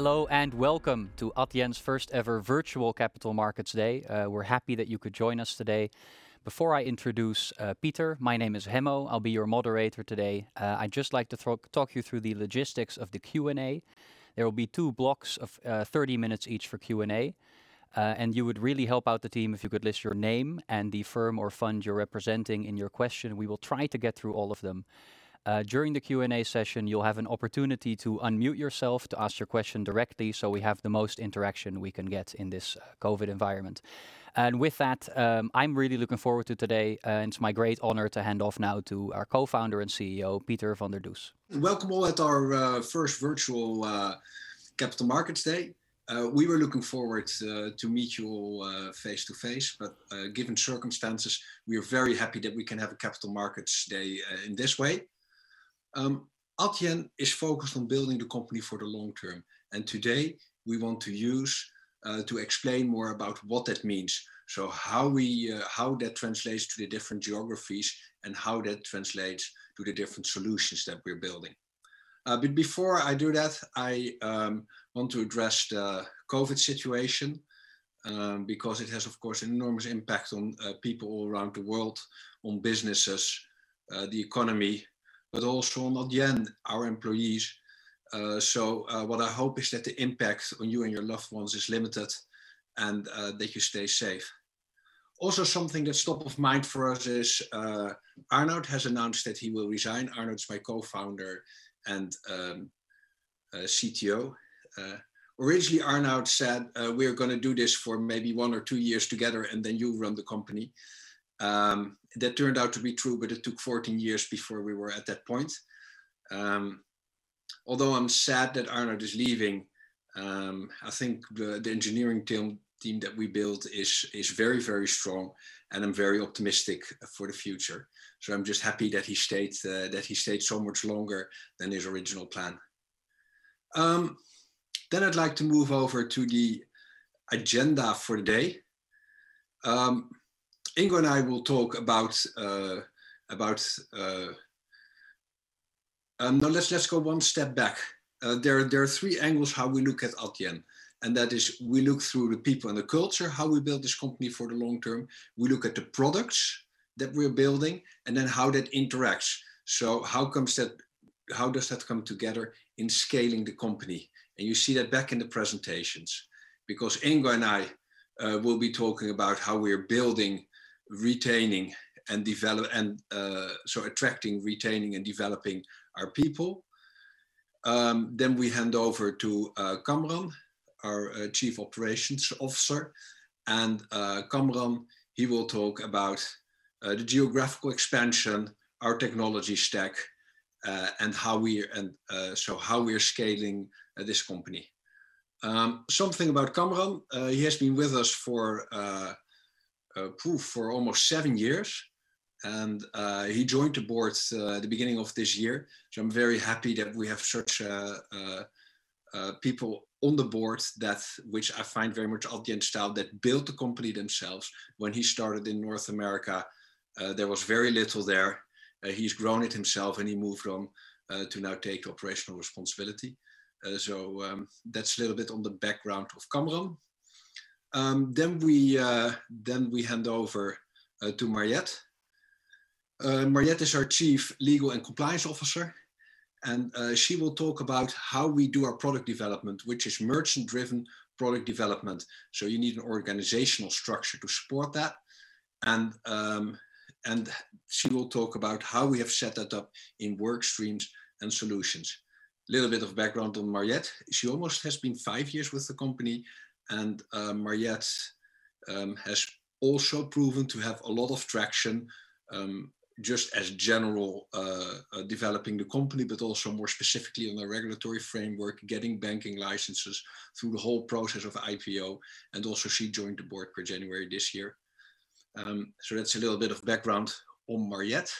Hello, welcome to Adyen's first ever virtual Capital Markets Day. We're happy that you could join us today. Before I introduce Pieter, my name is Hemmo. I'll be your moderator today. I'd just like to talk you through the logistics of the Q&A. There will be two blocks of 30 minutes each for Q&A. You would really help out the team if you could list your name and the firm or fund you're representing in your question. We will try to get through all of them. During the Q&A session, you'll have an opportunity to unmute yourself to ask your question directly so we have the most interaction we can get in this COVID environment. With that, I'm really looking forward to today. It's my great honor to hand off now to our Co-founder and CEO, Pieter van der Does. Welcome all at our first virtual Capital Markets Day. We were looking forward to meet you all face-to-face, given circumstances, we are very happy that we can have a Capital Markets Day in this way. Adyen is focused on building the company for the long term, today we want to explain more about what that means. How that translates to the different geographies and how that translates to the different solutions that we're building. Before I do that, I want to address the COVID situation, because it has, of course, enormous impact on people all around the world, on businesses, the economy, but also on Adyen, our employees. What I hope is that the impact on you and your loved ones is limited and that you stay safe. Also, something that's top of mind for us is Arnout has announced that he will resign. Arnout's my co-founder and CTO. Originally, Arnout said, "We're going to do this for maybe one or two years together, and then you run the company." That turned out to be true, it took 14 years before we were at that point. Although I'm sad that Arnout is leaving, I think the engineering team that we built is very strong, I'm very optimistic for the future. I'm just happy that he stayed so much longer than his original plan. I'd like to move over to the agenda for the day. Let's go one step back. There are three angles how we look at Adyen, we look through the people and the culture, how we build this company for the long term. We look at the products that we're building, how that interacts. How does that come together in scaling the company? You see that back in the presentations, because Ingo and I will be talking about attracting, retaining, and developing our people. We hand over to Kamran, our Chief Operations Officer. Kamran, he will talk about the geographical expansion, our technology stack, how we're scaling this company. Something about Kamran, he has been with us for almost seven years, and he joined the board at the beginning of this year. I'm very happy that we have such people on the board, which I find very much Adyen style, that built the company themselves. When he started in North America, there was very little there. He's grown it himself, and he moved on to now take operational responsibility. That's a little bit on the background of Kamran. We hand over to Mariëtte. Mariëtte is our Chief Legal and Compliance Officer. She will talk about how we do our product development, which is merchant-driven product development. You need an organizational structure to support that, and she will talk about how we have set that up in work streams and solutions. Little bit of background on Mariëtte. She almost has been five years with the company, and Mariëtte has also proven to have a lot of traction, just as general developing the company, but also more specifically on the regulatory framework, getting banking licenses through the whole process of IPO. Also, she joined the board per January this year. That's a little bit of background on Mariëtte.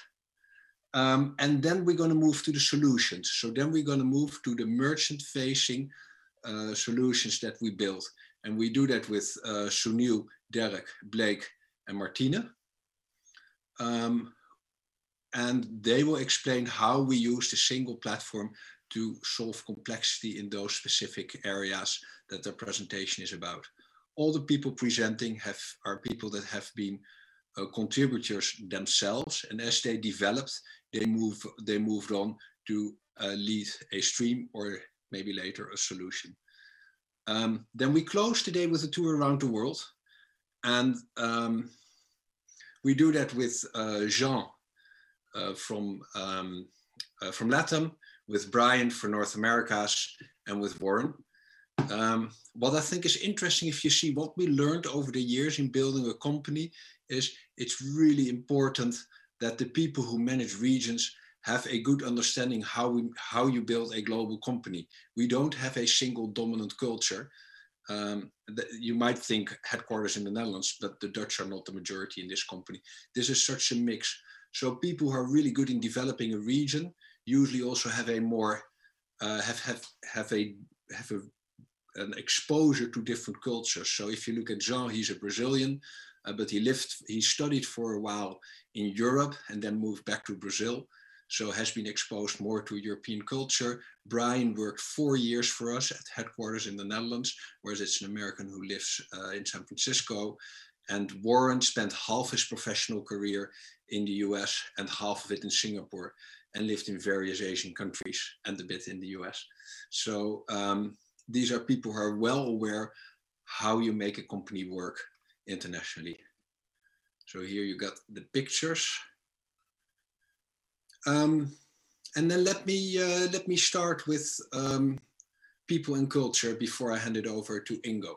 Then we're going to move to the solutions. We're going to move to the merchant-facing solutions that we built, and we do that with Sunil, Derk, Blake, and Martine. They will explain how we use the single platform to solve complexity in those specific areas that their presentation is about. All the people presenting are people that have been contributors themselves, and as they developed, they moved on to lead a stream or maybe later a solution. We close today with a tour around the world, and we do that with Jean from LATAM, with Brian for North Americas, and with Warren. What I think is interesting, if you see what we learned over the years in building a company, is it's really important that the people who manage regions have a good understanding how you build a global company. We don't have a single dominant culture. You might think headquarters in the Netherlands, but the Dutch are not the majority in this company. This is such a mix. People who are really good in developing a region usually also have an exposure to different cultures. If you look at João, he's a Brazilian, but he studied for a while in Europe and then moved back to Brazil, so has been exposed more to European culture. Brian worked four years for us at headquarters in the Netherlands, whereas it's an American who lives in San Francisco. Warren spent half his professional career in the U.S. and half of it in Singapore, and lived in various Asian countries and a bit in the U.S. These are people who are well aware how you make a company work internationally. Here you got the pictures. Let me start with people and culture before I hand it over to Ingo.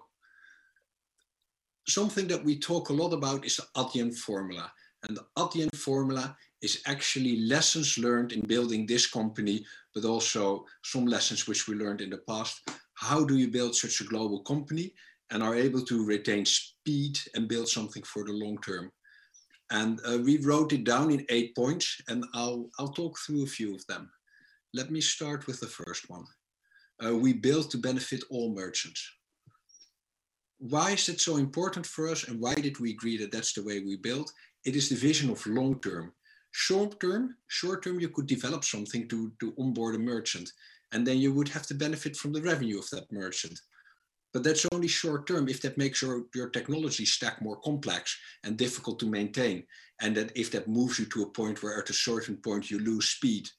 Something that we talk a lot about is the Adyen Formula. The Adyen Formula is actually lessons learned in building this company, but also some lessons which we learned in the past. How do you build such a global company and are able to retain speed and build something for the long term? We wrote it down in eight points, and I'll talk through a few of them. Let me start with the first one. We build to benefit all merchants. Why is it so important for us and why did we agree that that's the way we build? It is the vision of long term. Short term, you could develop something to onboard a merchant, and then you would have the benefit from the revenue of that merchant. That's only short term if that makes your technology stack more complex and difficult to maintain, and if that moves you to a point where at a certain point you lose speed.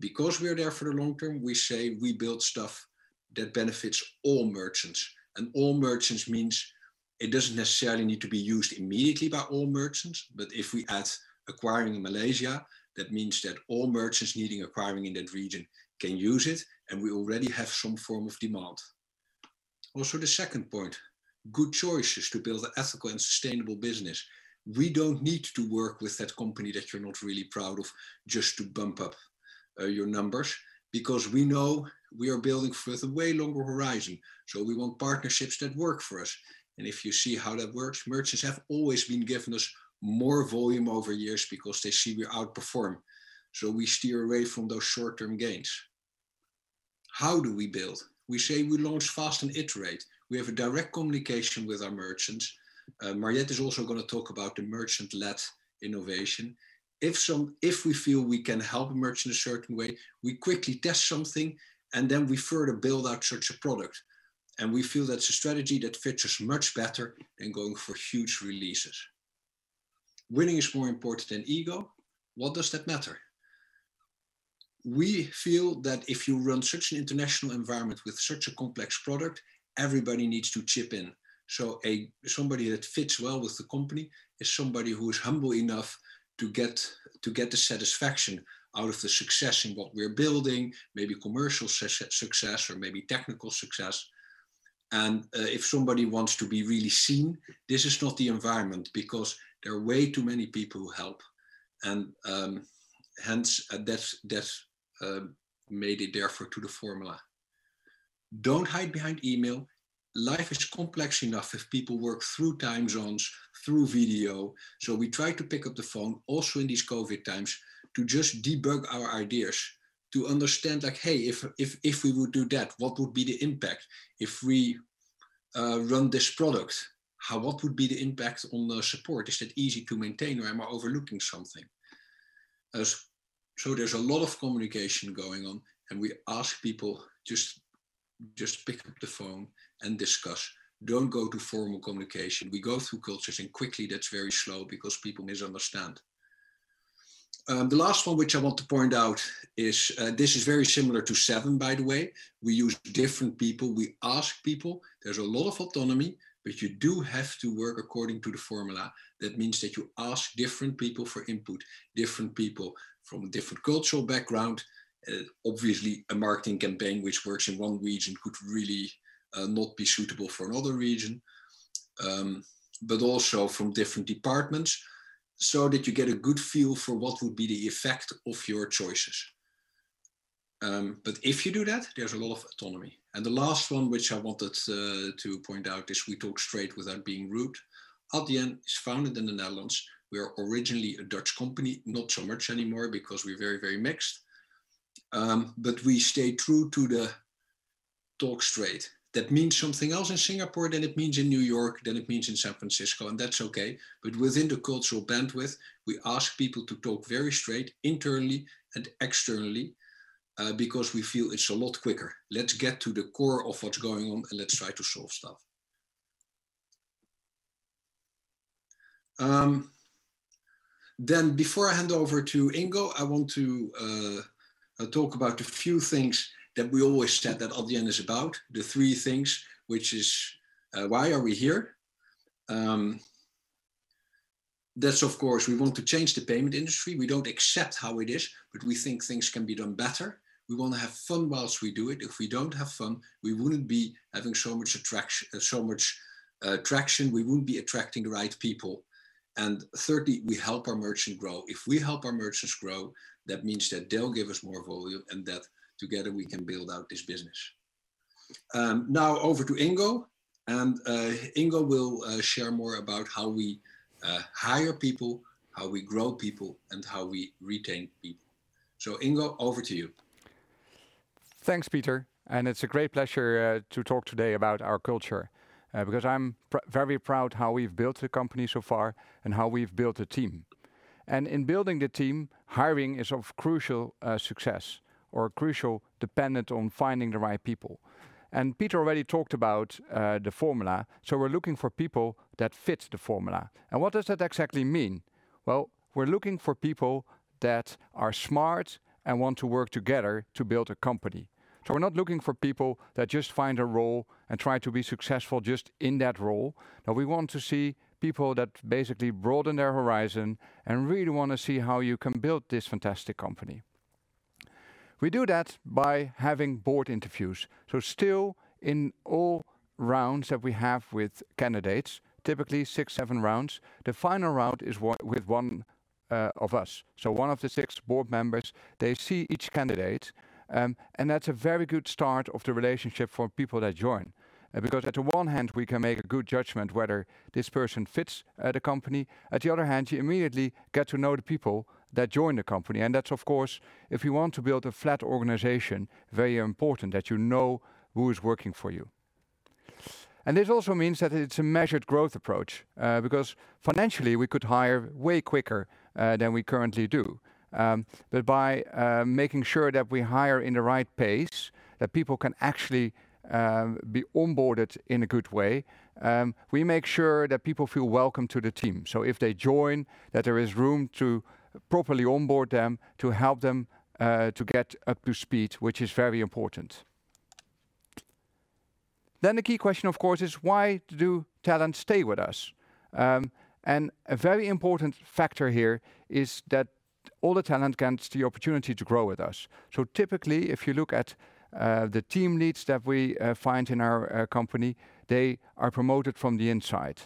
Because we're there for the long term, we say we build stuff that benefits all merchants. All merchants means it doesn't necessarily need to be used immediately by all merchants, but if we add acquiring in Malaysia, that means that all merchants needing acquiring in that region can use it, and we already have some form of demand. Also, the second point, good choices to build an ethical and sustainable business. We don't need to work with that company that you're not really proud of just to bump up your numbers, because we know we are building for the way longer horizon. We want partnerships that work for us. If you see how that works, merchants have always been giving us more volume over years because they see we outperform. We steer away from those short-term gains. How do we build? We say we launch fast and iterate. We have a direct communication with our merchants. Mariëtte is also going to talk about the merchant-led innovation. If we feel we can help a merchant a certain way, we quickly test something and then we further build out such a product. We feel that's a strategy that fits us much better than going for huge releases. Winning is more important than ego. What does that matter? We feel that if you run such an international environment with such a complex product, everybody needs to chip in. Somebody that fits well with the company is somebody who's humble enough to get the satisfaction out of the success in what we're building, maybe commercial success or maybe technical success. If somebody wants to be really seen, this is not the environment, because there are way too many people who help, and hence, that's made it therefore to the Adyen Formula. Don't hide behind email. Life is complex enough if people work through time zones, through video. We try to pick up the phone, also in these COVID times, to just debug our ideas, to understand like, "Hey, if we would do that, what would be the impact? If we run this product, what would be the impact on the support? Is that easy to maintain or am I overlooking something? There's a lot of communication going on, and we ask people just pick up the phone and discuss. Don't go to formal communication. We go through cultures and quickly that's very slow because people misunderstand. The last one which I want to point out is, this is very similar to seven by the way, we use different people. We ask people. There's a lot of autonomy, but you do have to work according to the Adyen Formula. That means that you ask different people for input, different people from different cultural background. Obviously, a marketing campaign which works in one region could really not be suitable for another region. Also from different departments, so that you get a good feel for what would be the effect of your choices. If you do that, there's a lot of autonomy. The last one which I wanted to point out is we talk straight without being rude. Adyen is founded in the Netherlands. We are originally a Dutch company. Not so much anymore because we're very mixed. We stay true to the talk straight. That means something else in Singapore than it means in New York, than it means in San Francisco, and that's okay. Within the cultural bandwidth, we ask people to talk very straight internally and externally, because we feel it's a lot quicker. Let's get to the core of what's going on and let's try to solve stuff. Before I hand over to Ingo, I want to talk about a few things that we always said that Adyen is about. The three things, which is why are we here? That's of course, we want to change the payment industry. We don't accept how it is, but we think things can be done better. We want to have fun while we do it. If we don't have fun, we wouldn't be having so much traction. We wouldn't be attracting the right people. Thirdly, we help our merchant grow. If we help our merchants grow, that means that they'll give us more volume and that together we can build out this business. Now over to Ingo, and Ingo will share more about how we hire people, how we grow people, and how we retain people. Ingo, over to you. Thanks, Pieter, and it's a great pleasure to talk today about our culture, because I'm very proud how we've built the company so far and how we've built the team. In building the team, hiring is of crucial success or crucial dependent on finding the right people. Pieter already talked about the formula, so we're looking for people that fit the formula. What does that exactly mean? Well, we're looking for people that are smart and want to work together to build a company. We're not looking for people that just find a role and try to be successful just in that role, but we want to see people that basically broaden their horizon and really want to see how you can build this fantastic company. We do that by having board interviews. Still in all rounds that we have with candidates, typically six, seven rounds, the final round is with one of us. One of the six board members, they see each candidate, and that's a very good start of the relationship for people that join. At one hand, we can make a good judgment whether this person fits the company. At the other hand, you immediately get to know the people that join the company. That's, of course, if you want to build a flat organization, very important that you know who is working for you. This also means that it's a measured growth approach, because financially, we could hire way quicker than we currently do. By making sure that we hire in the right pace, that people can actually be onboarded in a good way, we make sure that people feel welcome to the team. If they join, that there is room to properly onboard them, to help them, to get up to speed, which is very important. The key question, of course, is why do talent stay with us? A very important factor here is that all the talent gets the opportunity to grow with us. Typically, if you look at the team leads that we find in our company, they are promoted from the inside.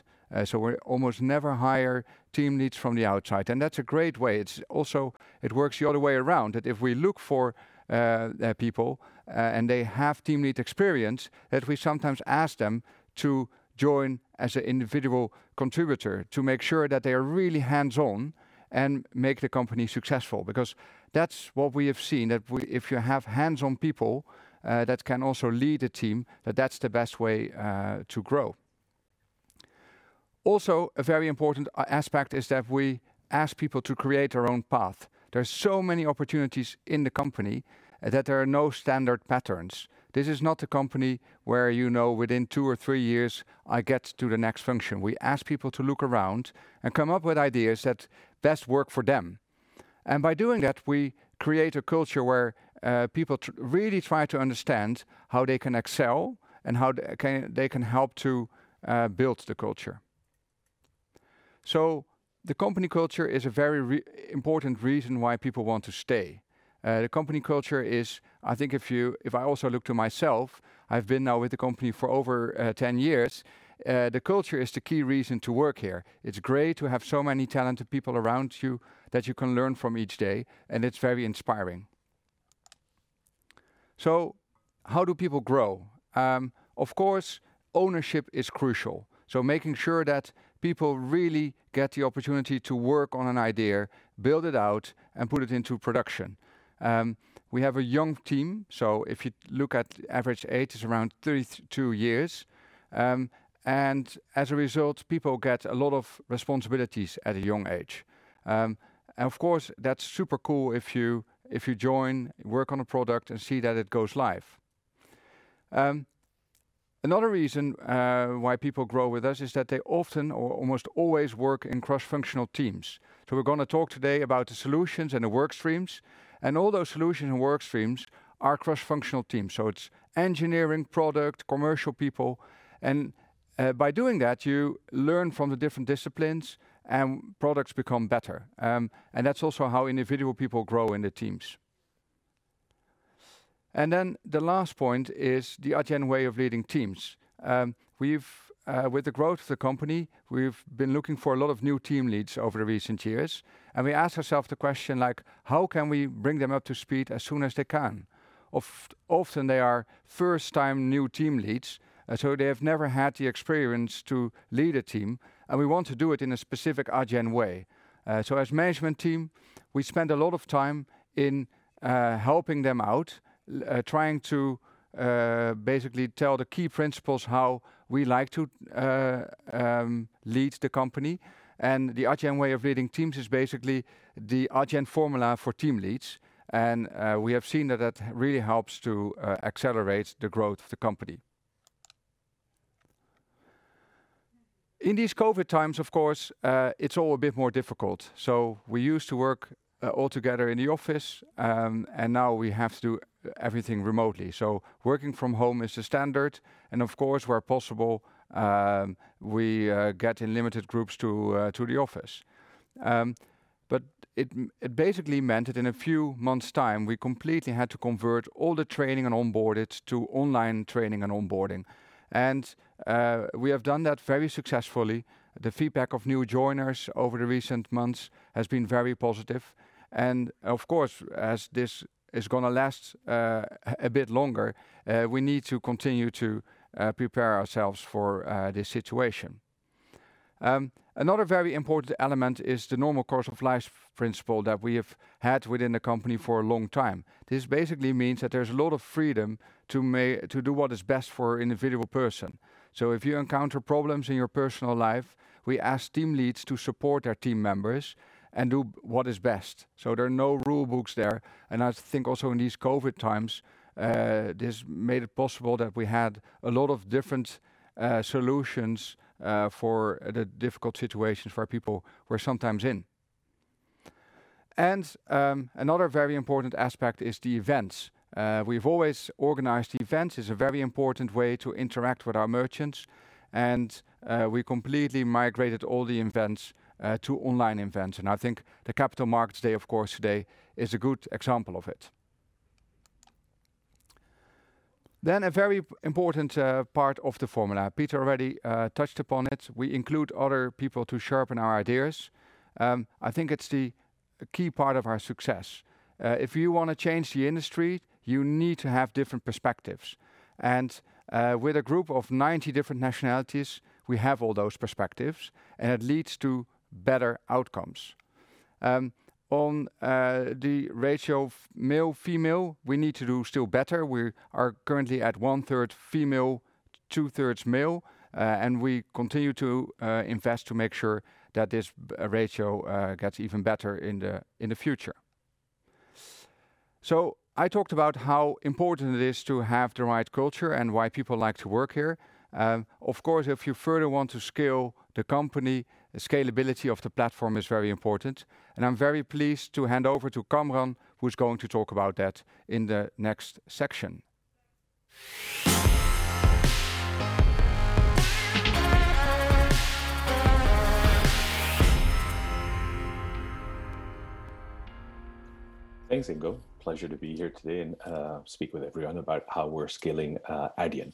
We almost never hire team leads from the outside. That's a great way. It works the other way around, that if we look for people, and they have team lead experience, that we sometimes ask them to join as an individual contributor to make sure that they are really hands-on and make the company successful. Because that's what we have seen, that if you have hands-on people that can also lead a team, that that's the best way to grow. Also, a very important aspect is that we ask people to create their own path. There are so many opportunities in the company that there are no standard patterns. This is not a company where within two or three years I get to the next function. We ask people to look around and come up with ideas that best work for them. By doing that, we create a culture where people really try to understand how they can excel and how they can help to build the culture. The company culture is a very important reason why people want to stay. The company culture is, I think if I also look to myself, I've been now with the company for over 10 years, the culture is the key reason to work here. It's great to have so many talented people around you that you can learn from each day, and it's very inspiring. How do people grow? Of course, ownership is crucial, so making sure that people really get the opportunity to work on an idea, build it out, and put it into production. We have a young team, if you look at average age is around 32 years. As a result, people get a lot of responsibilities at a young age. Of course, that's super cool if you join, work on a product, and see that it goes live. Another reason why people grow with us is that they often, or almost always, work in cross-functional teams. We're going to talk today about the solutions and the work streams, and all those solutions and work streams are cross-functional teams. It's engineering, product, commercial people. By doing that, you learn from the different disciplines and products become better. That's also how individual people grow in the teams. The last point is the Adyen Way of leading teams. With the growth of the company, we've been looking for a lot of new team leads over the recent years, we ask ourselves the question, how can we bring them up to speed as soon as they can? Often they are first-time new team leads, they have never had the experience to lead a team, and we want to do it in a specific Adyen Way. As management team, we spend a lot of time in helping them out, trying to basically tell the key principles how we like to lead the company. The Adyen Way of leading teams is basically the Adyen Formula for team leads. We have seen that really helps to accelerate the growth of the company. In these COVID times, of course, it's all a bit more difficult. We used to work all together in the office, and now we have to do everything remotely. Working from home is the standard. Of course, where possible, we get in limited groups to the office. It basically meant that in a few months' time, we completely had to convert all the training and onboarded to online training and onboarding. We have done that very successfully. The feedback of new joiners over the recent months has been very positive. Of course, as this is going to last a bit longer, we need to continue to prepare ourselves for this situation. Another very important element is the normal course of life principle that we have had within the company for a long time. This basically means that there's a lot of freedom to do what is best for individual person. If you encounter problems in your personal life, we ask team leads to support their team members and do what is best. There are no rule books there. I think also in these COVID times, this made it possible that we had a lot of different solutions for the difficult situations for our people we're sometimes in. Another very important aspect is the events. We've always organized events, is a very important way to interact with our merchants. We completely migrated all the events to online events, and I think the Capital Markets Day, of course, today is a good example of it. A very important part of the formula, Pieter already touched upon it. We include other people to sharpen our ideas. I think it's the key part of our success. If you want to change the industry, you need to have different perspectives. With a group of 90 different nationalities, we have all those perspectives, and it leads to better outcomes. On the ratio of male, female, we need to do still better. We are currently at one-third female, two-thirds male. We continue to invest to make sure that this ratio gets even better in the future. I talked about how important it is to have the right culture and why people like to work here. Of course, if you further want to scale the company, scalability of the platform is very important, and I'm very pleased to hand over to Kamran, who's going to talk about that in the next section. Thanks, Ingo. Pleasure to be here today and speak with everyone about how we're scaling Adyen.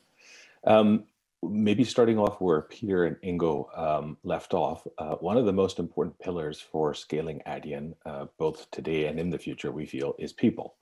Maybe starting off where Pieter and Ingo left off. One of the most important pillars for scaling Adyen, both today and in the future, we feel is people.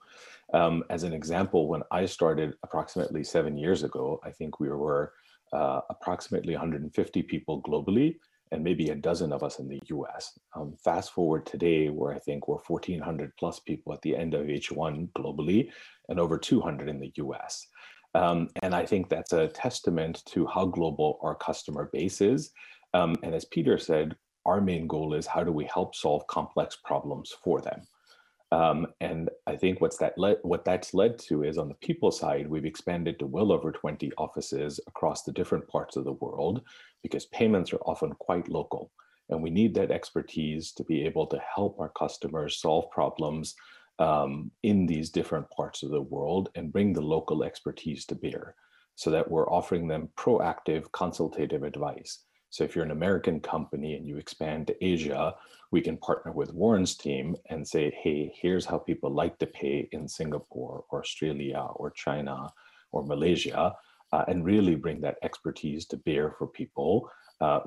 As an example, when I started approximately seven years ago, I think we were approximately 150 people globally, and maybe a dozen of us in the U.S. Fast-forward today, where I think we're 1,400+ people at the end of H1 globally, and over 200 in the U.S. I think that's a testament to how global our customer base is. As Pieter said, our main goal is how do we help solve complex problems for them? I think what that's led to is on the people side, we've expanded to well over 20 offices across the different parts of the world because payments are often quite local. We need that expertise to be able to help our customers solve problems in these different parts of the world and bring the local expertise to bear so that we're offering them proactive, consultative advice. If you're an American company and you expand to Asia, we can partner with Warren's team and say, "Hey, here's how people like to pay in Singapore or Australia or China or Malaysia," and really bring that expertise to bear for people,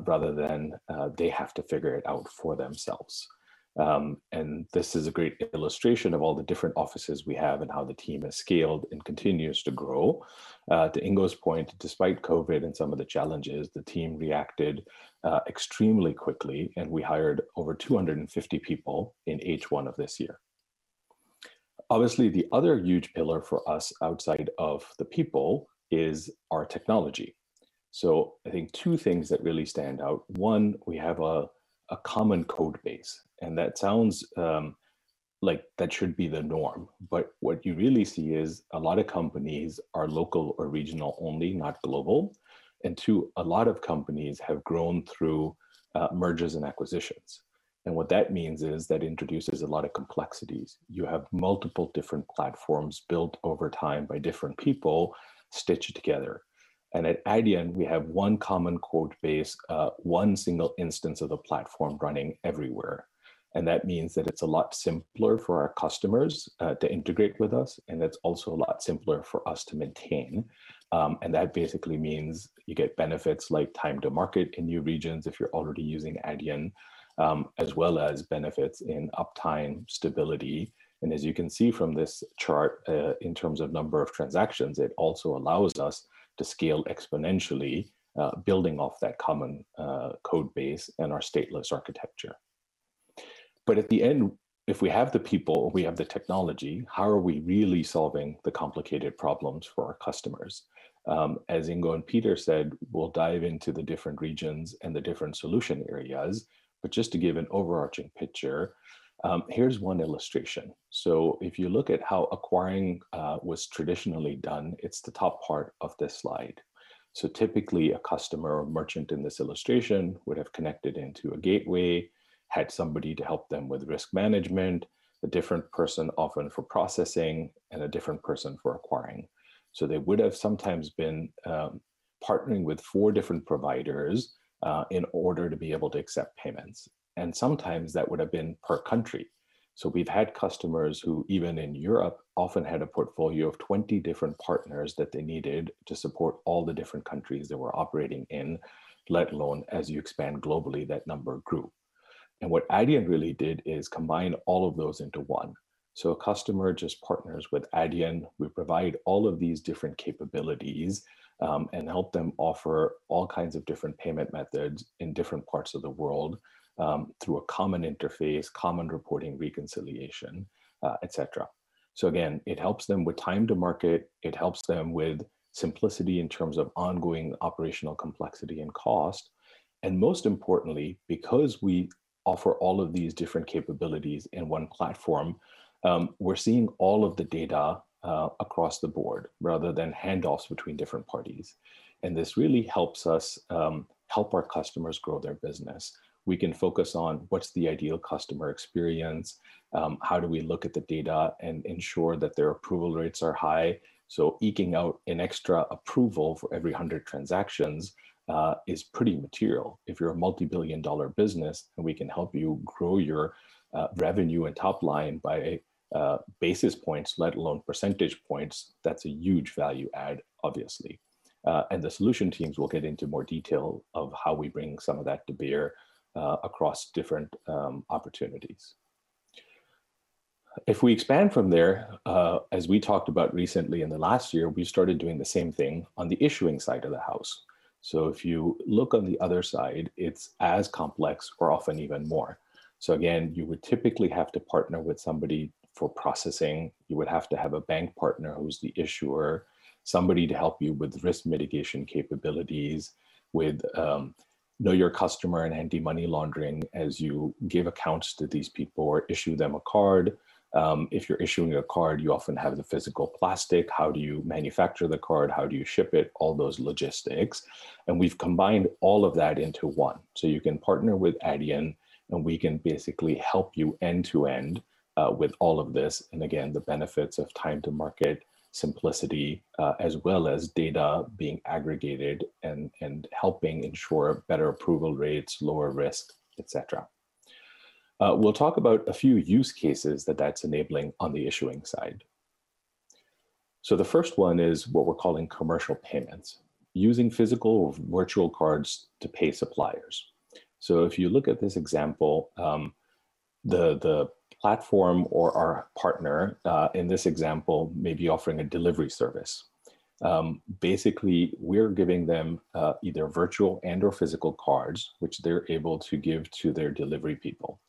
rather than they have to figure it out for themselves. This is a great illustration of all the different offices we have and how the team has scaled and continues to grow. To Ingo's point, despite COVID and some of the challenges, the team reacted extremely quickly. We hired over 250 people in H1 of this year. Obviously, the other huge pillar for us outside of the people is our technology. I think two things that really stand out. One, we have a common code base. That sounds like that should be the norm. What you really see is a lot of companies are local or regional only, not global. Two, a lot of companies have grown through mergers and acquisitions. What that means is that introduces a lot of complexities. You have multiple different platforms built over time by different people stitched together. At Adyen, we have one common code base, one single instance of the platform running everywhere. That means that it's a lot simpler for our customers to integrate with us, and it's also a lot simpler for us to maintain. That basically means you get benefits like time to market in new regions if you're already using Adyen, as well as benefits in uptime stability. As you can see from this chart, in terms of number of transactions, it also allows us to scale exponentially, building off that common code base and our stateless architecture. At the end, if we have the people, we have the technology, how are we really solving the complicated problems for our customers? As Ingo and Pieter said, we'll dive into the different regions and the different solution areas. Just to give an overarching picture, here's one illustration. If you look at how acquiring was traditionally done, it's the top part of this slide. Typically, a customer or merchant in this illustration would've connected into a gateway, had somebody to help them with risk management, a different person often for processing, and a different person for acquiring. They would've sometimes been partnering with four different providers in order to be able to accept payments. Sometimes that would've been per country. We've had customers who, even in Europe, often had a portfolio of 20 different partners that they needed to support all the different countries they were operating in, let alone as you expand globally, that number grew. What Adyen really did is combine all of those into one. A customer just partners with Adyen, we provide all of these different capabilities, and help them offer all kinds of different payment methods in different parts of the world through a common interface, common reporting, reconciliation, et cetera. Again, it helps them with time to market. It helps them with simplicity in terms of ongoing operational complexity and cost, and most importantly, because we offer all of these different capabilities in one platform, we're seeing all of the data across the board rather than handoffs between different parties. This really helps us help our customers grow their business. We can focus on what's the ideal customer experience, how do we look at the data and ensure that their approval rates are high. Eking out an extra approval for every 100 transactions is pretty material. If you're a multi-billion dollar business and we can help you grow your revenue and top line by basis points, let alone percentage points, that's a huge value add, obviously. The solution teams will get into more detail of how we bring some of that to bear across different opportunities. If we expand from there, as we talked about recently in the last year, we started doing the same thing on the issuing side of the house. If you look on the other side, it's as complex or often even more. Again, you would typically have to partner with somebody for processing. You would have to have a bank partner who's the issuer, somebody to help you with risk mitigation capabilities, with know your customer and anti-money laundering as you give accounts to these people or issue them a card. If you're issuing a card, you often have the physical plastic. How do you manufacture the card? How do you ship it? All those logistics. We've combined all of that into one. You can partner with Adyen and we can basically help you end to end with all of this. Again, the benefits of time to market, simplicity, as well as data being aggregated and helping ensure better approval rates, lower risk, et cetera. We'll talk about a few use cases that that's enabling on the issuing side. The first one is what we're calling commercial payments, using physical or virtual cards to pay suppliers. If you look at this example, the platform or our partner, in this example, may be offering a delivery service. Basically, we're giving them either virtual and/or physical cards, which they're able to give to their delivery people.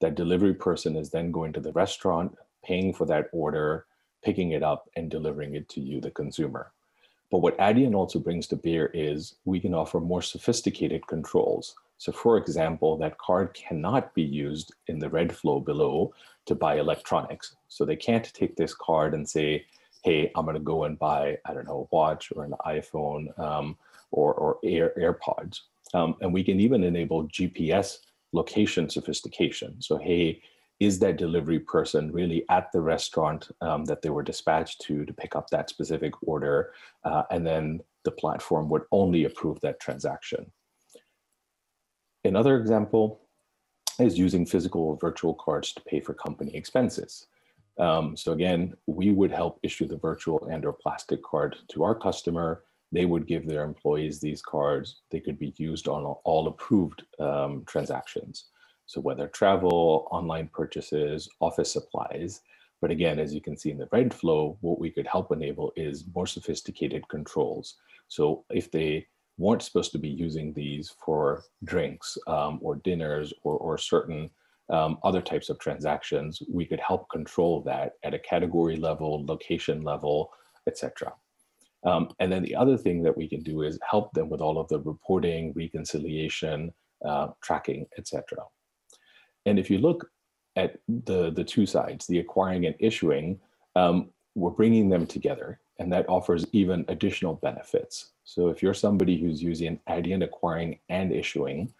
That delivery person is then going to the restaurant, paying for that order, picking it up, and delivering it to you, the consumer. What Adyen also brings to bear is we can offer more sophisticated controls. For example, that card cannot be used in the red flow below to buy electronics. They can't take this card and say, "Hey, I'm going to go and buy," I don't know, "a watch or an iPhone or AirPods." We can even enable GPS location sophistication. Hey, is that delivery person really at the restaurant that they were dispatched to pick up that specific order? Then the platform would only approve that transaction. Another example is using physical or virtual cards to pay for company expenses. Again, we would help issue the virtual and/or plastic card to our customer. They would give their employees these cards. They could be used on all approved transactions. Whether travel, online purchases, office supplies. Again, as you can see in the red flow, what we could help enable is more sophisticated controls. If they weren't supposed to be using these for drinks or dinners or certain other types of transactions, we could help control that at a category level, location level, et cetera. The other thing that we can do is help them with all of the reporting, reconciliation, tracking, et cetera. If you look at the two sides, the acquiring and issuing, we're bringing them together, and that offers even additional benefits. If you're somebody who's using Adyen acquiring and issuing,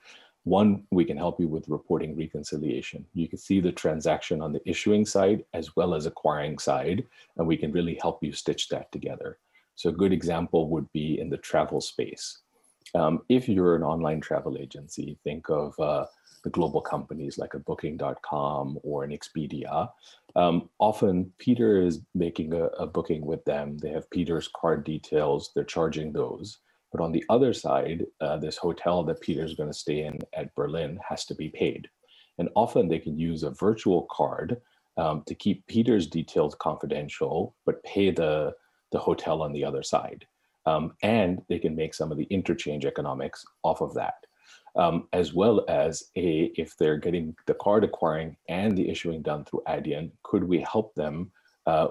one, we can help you with reporting reconciliation. You can see the transaction on the issuing side as well as acquiring side, and we can really help you stitch that together. A good example would be in the travel space. If you're an online travel agency, think of the global companies like a Booking.com or an Expedia. Often Pieter is making a booking with them. They have Pieter's card details, they're charging those. On the other side, this hotel that Pieter's going to stay in at Berlin has to be paid. Often they can use a virtual card to keep Pieter's details confidential, but pay the hotel on the other side. They can make some of the interchange economics off of that. As well as if they're getting the card acquiring and the issuing done through Adyen, could we help them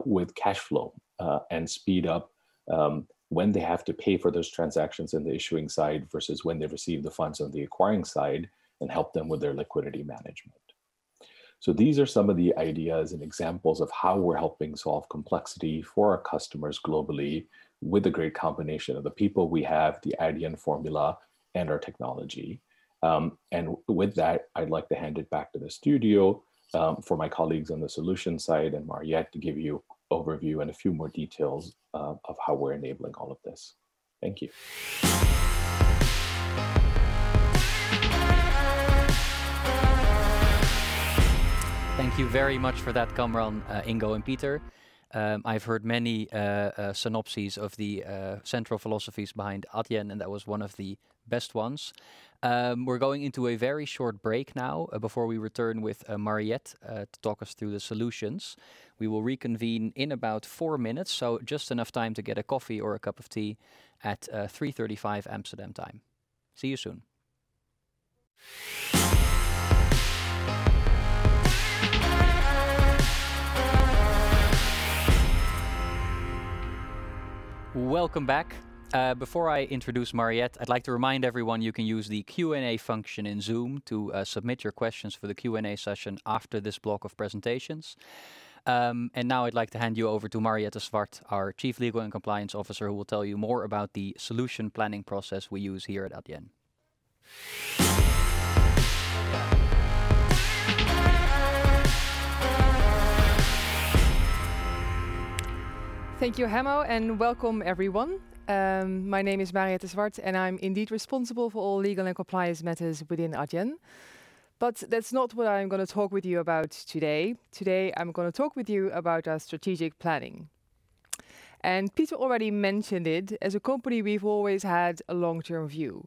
with cash flow and speed up when they have to pay for those transactions in the issuing side versus when they receive the funds on the acquiring side and help them with their liquidity management. These are some of the ideas and examples of how we're helping solve complexity for our customers globally with a great combination of the people we have, the Adyen Formula, and our technology. With that, I'd like to hand it back to the studio for my colleagues on the solutions side and Mariëtte to give you overview and a few more details of how we're enabling all of this. Thank you. Thank you very much for that, Kamran, Ingo, and Pieter. I've heard many synopses of the central philosophies behind Adyen. That was one of the best ones. We're going into a very short break now before we return with Mariëtte to talk us through the solutions. We will reconvene in about four minutes, just enough time to get a coffee or a cup of tea at 3:35 P.M. Amsterdam time. See you soon. Welcome back. Before I introduce Mariëtte, I'd like to remind everyone you can use the Q&A function in Zoom to submit your questions for the Q&A session after this block of presentations. Now I'd like to hand you over to Mariëtte Swart, our Chief Legal and Compliance Officer, who will tell you more about the solution planning process we use here at Adyen. Thank you, Hemmo, and welcome everyone. My name is Mariëtte Swart, and I'm indeed responsible for all legal and compliance matters within Adyen. That's not what I'm going to talk with you about today. Today, I'm going to talk with you about our strategic planning. Pieter already mentioned it. As a company, we've always had a long-term view,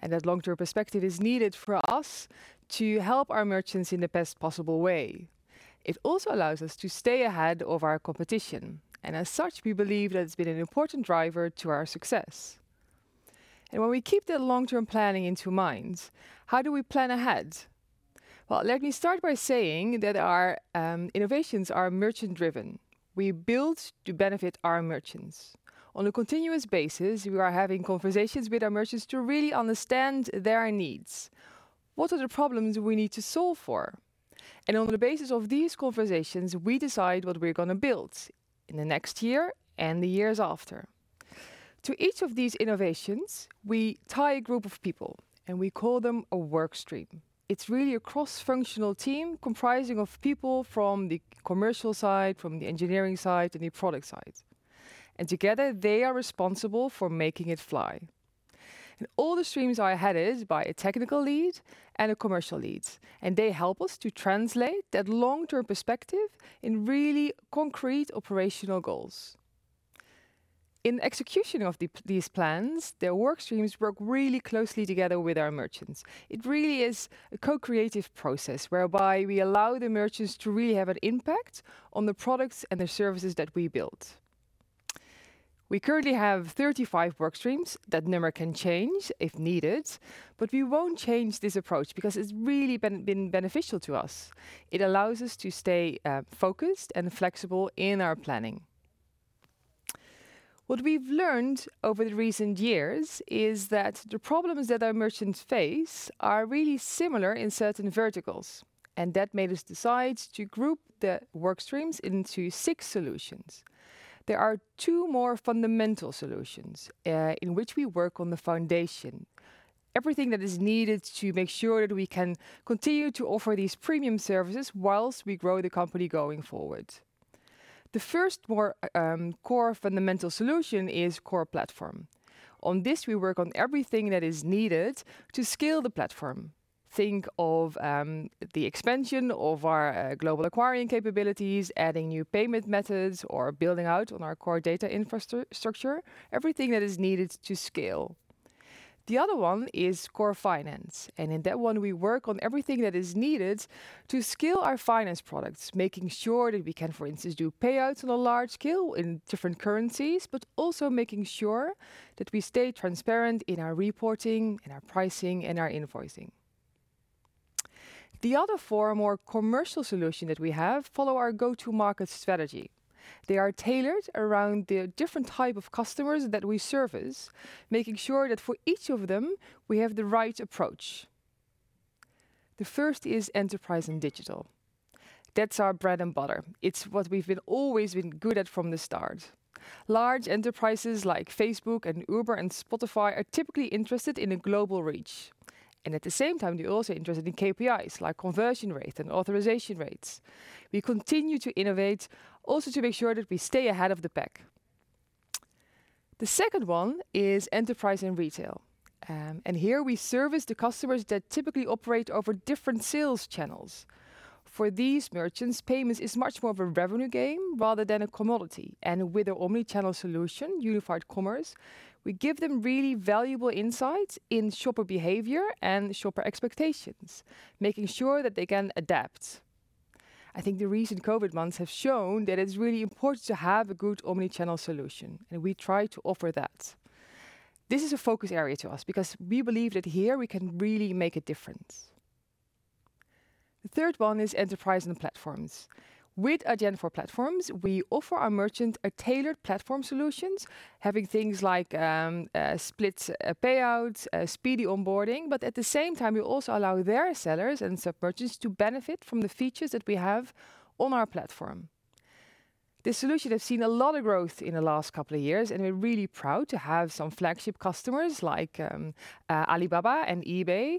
and that long-term perspective is needed for us to help our merchants in the best possible way. It also allows us to stay ahead of our competition, and as such, we believe that it's been an important driver to our success. When we keep the long-term planning into mind, how do we plan ahead? Well, let me start by saying that our innovations are merchant driven. We build to benefit our merchants. On a continuous basis, we are having conversations with our merchants to really understand their needs. What are the problems we need to solve for? On the basis of these conversations, we decide what we're going to build in the next year and the years after. To each of these innovations, we tie a group of people and we call them a work stream. It's really a cross-functional team comprising of people from the commercial side, from the engineering side, and the product side. Together, they are responsible for making it fly. All the streams are headed by a technical lead and a commercial lead, and they help us to translate that long-term perspective in really concrete operational goals. In execution of these plans, the work streams work really closely together with our merchants. It really is a co-creative process whereby we allow the merchants to really have an impact on the products and the services that we build. We currently have 35 work streams. That number can change if needed, but we won't change this approach because it's really been beneficial to us. It allows us to stay focused and flexible in our planning. What we've learned over the recent years is that the problems that our merchants face are really similar in certain verticals, and that made us decide to group the work streams into six solutions. There are two more fundamental solutions, in which we work on the foundation. Everything that is needed to make sure that we can continue to offer these premium services whilst we grow the company going forward. The first more core fundamental solution is Core Platform. On this, we work on everything that is needed to scale the platform. Think of the expansion of our global acquiring capabilities, adding new payment methods, or building out on our core data infrastructure, everything that is needed to scale. The other one is Core Finance, and in that one, we work on everything that is needed to scale our finance products, making sure that we can, for instance, do payouts on a large scale in different currencies, but also making sure that we stay transparent in our reporting, in our pricing, and our invoicing. The other four more commercial solution that we have follow our go-to-market strategy. They are tailored around the different type of customers that we service, making sure that for each of them, we have the right approach. The first is Enterprise and Digital. That's our bread and butter. It's what we've always been good at from the start. Large enterprises like Facebook and Uber and Spotify are typically interested in a global reach. At the same time, they're also interested in KPIs like conversion rate and authorization rates. We continue to innovate also to make sure that we stay ahead of the pack. The second one is Enterprise and Retail. Here we service the customers that typically operate over different sales channels. For these merchants, payments is much more of a revenue game rather than a commodity. With a omni-channel solution, unified commerce, we give them really valuable insights in shopper behavior and shopper expectations, making sure that they can adapt. I think the recent COVID months have shown that it's really important to have a good omni-channel solution, and we try to offer that. This is a focus area to us because we believe that here we can really make a difference. The third one is Enterprise and Platforms. With Adyen for Platforms, we offer our merchants a tailored platform solutions, having things like split payouts, speedy onboarding. At the same time, we also allow their sellers and sub-merchants to benefit from the features that we have on our platform. This solution has seen a lot of growth in the last couple of years, and we're really proud to have some flagship customers like Alibaba and eBay.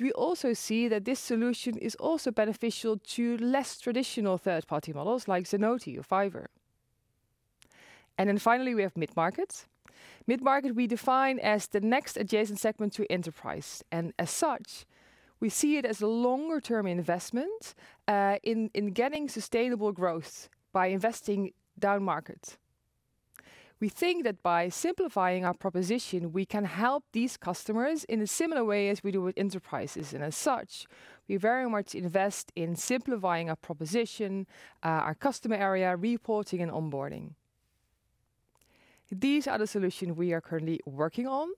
We also see that this solution is also beneficial to less traditional third-party models like Zenoti or Fiverr. Finally, we have mid-market. Mid-market we define as the next adjacent segment to enterprise. As such, we see it as a longer-term investment in getting sustainable growth by investing down-market. We think that by simplifying our proposition, we can help these customers in a similar way as we do with enterprises. As such, we very much invest in simplifying our proposition, our Customer Area, reporting, and onboarding. These are the solutions we are currently working on.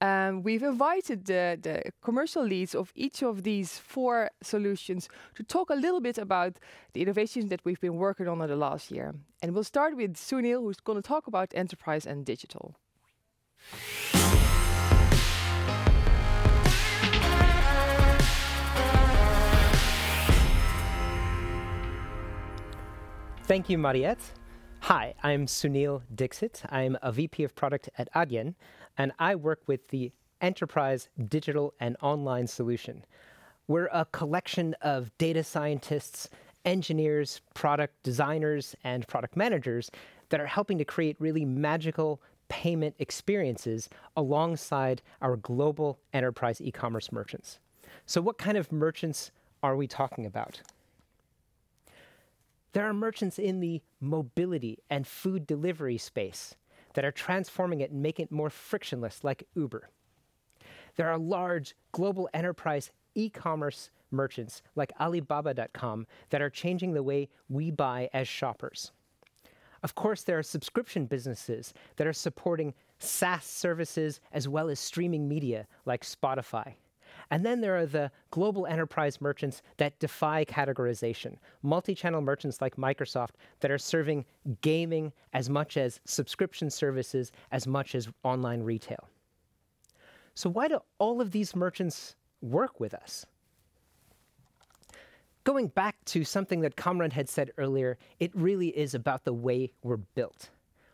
We have invited the commercial leads of each of these four solutions to talk a little bit about the innovations that we have been working on over the last year. We will start with Sunil, who is going to talk about Enterprise and Digital. Thank you, Mariëtte. Hi, I'm Sunil Dixit. I'm a VP of product at Adyen, and I work with the enterprise digital and online solution. We're a collection of data scientists, engineers, product designers, and product managers that are helping to create really magical payment experiences alongside our global enterprise e-commerce merchants. What kind of merchants are we talking about? There are merchants in the mobility and food delivery space that are transforming it and make it more frictionless, like Uber. There are large global enterprise e-commerce merchants, like Alibaba.com, that are changing the way we buy as shoppers. Of course, there are subscription businesses that are supporting SaaS services, as well as streaming media like Spotify. There are the global enterprise merchants that defy categorization. Multi-channel merchants like Microsoft that are serving gaming as much as subscription services, as much as online retail. Why do all of these merchants work with us? Going back to something that Kamran had said earlier, it really is about the way we're built.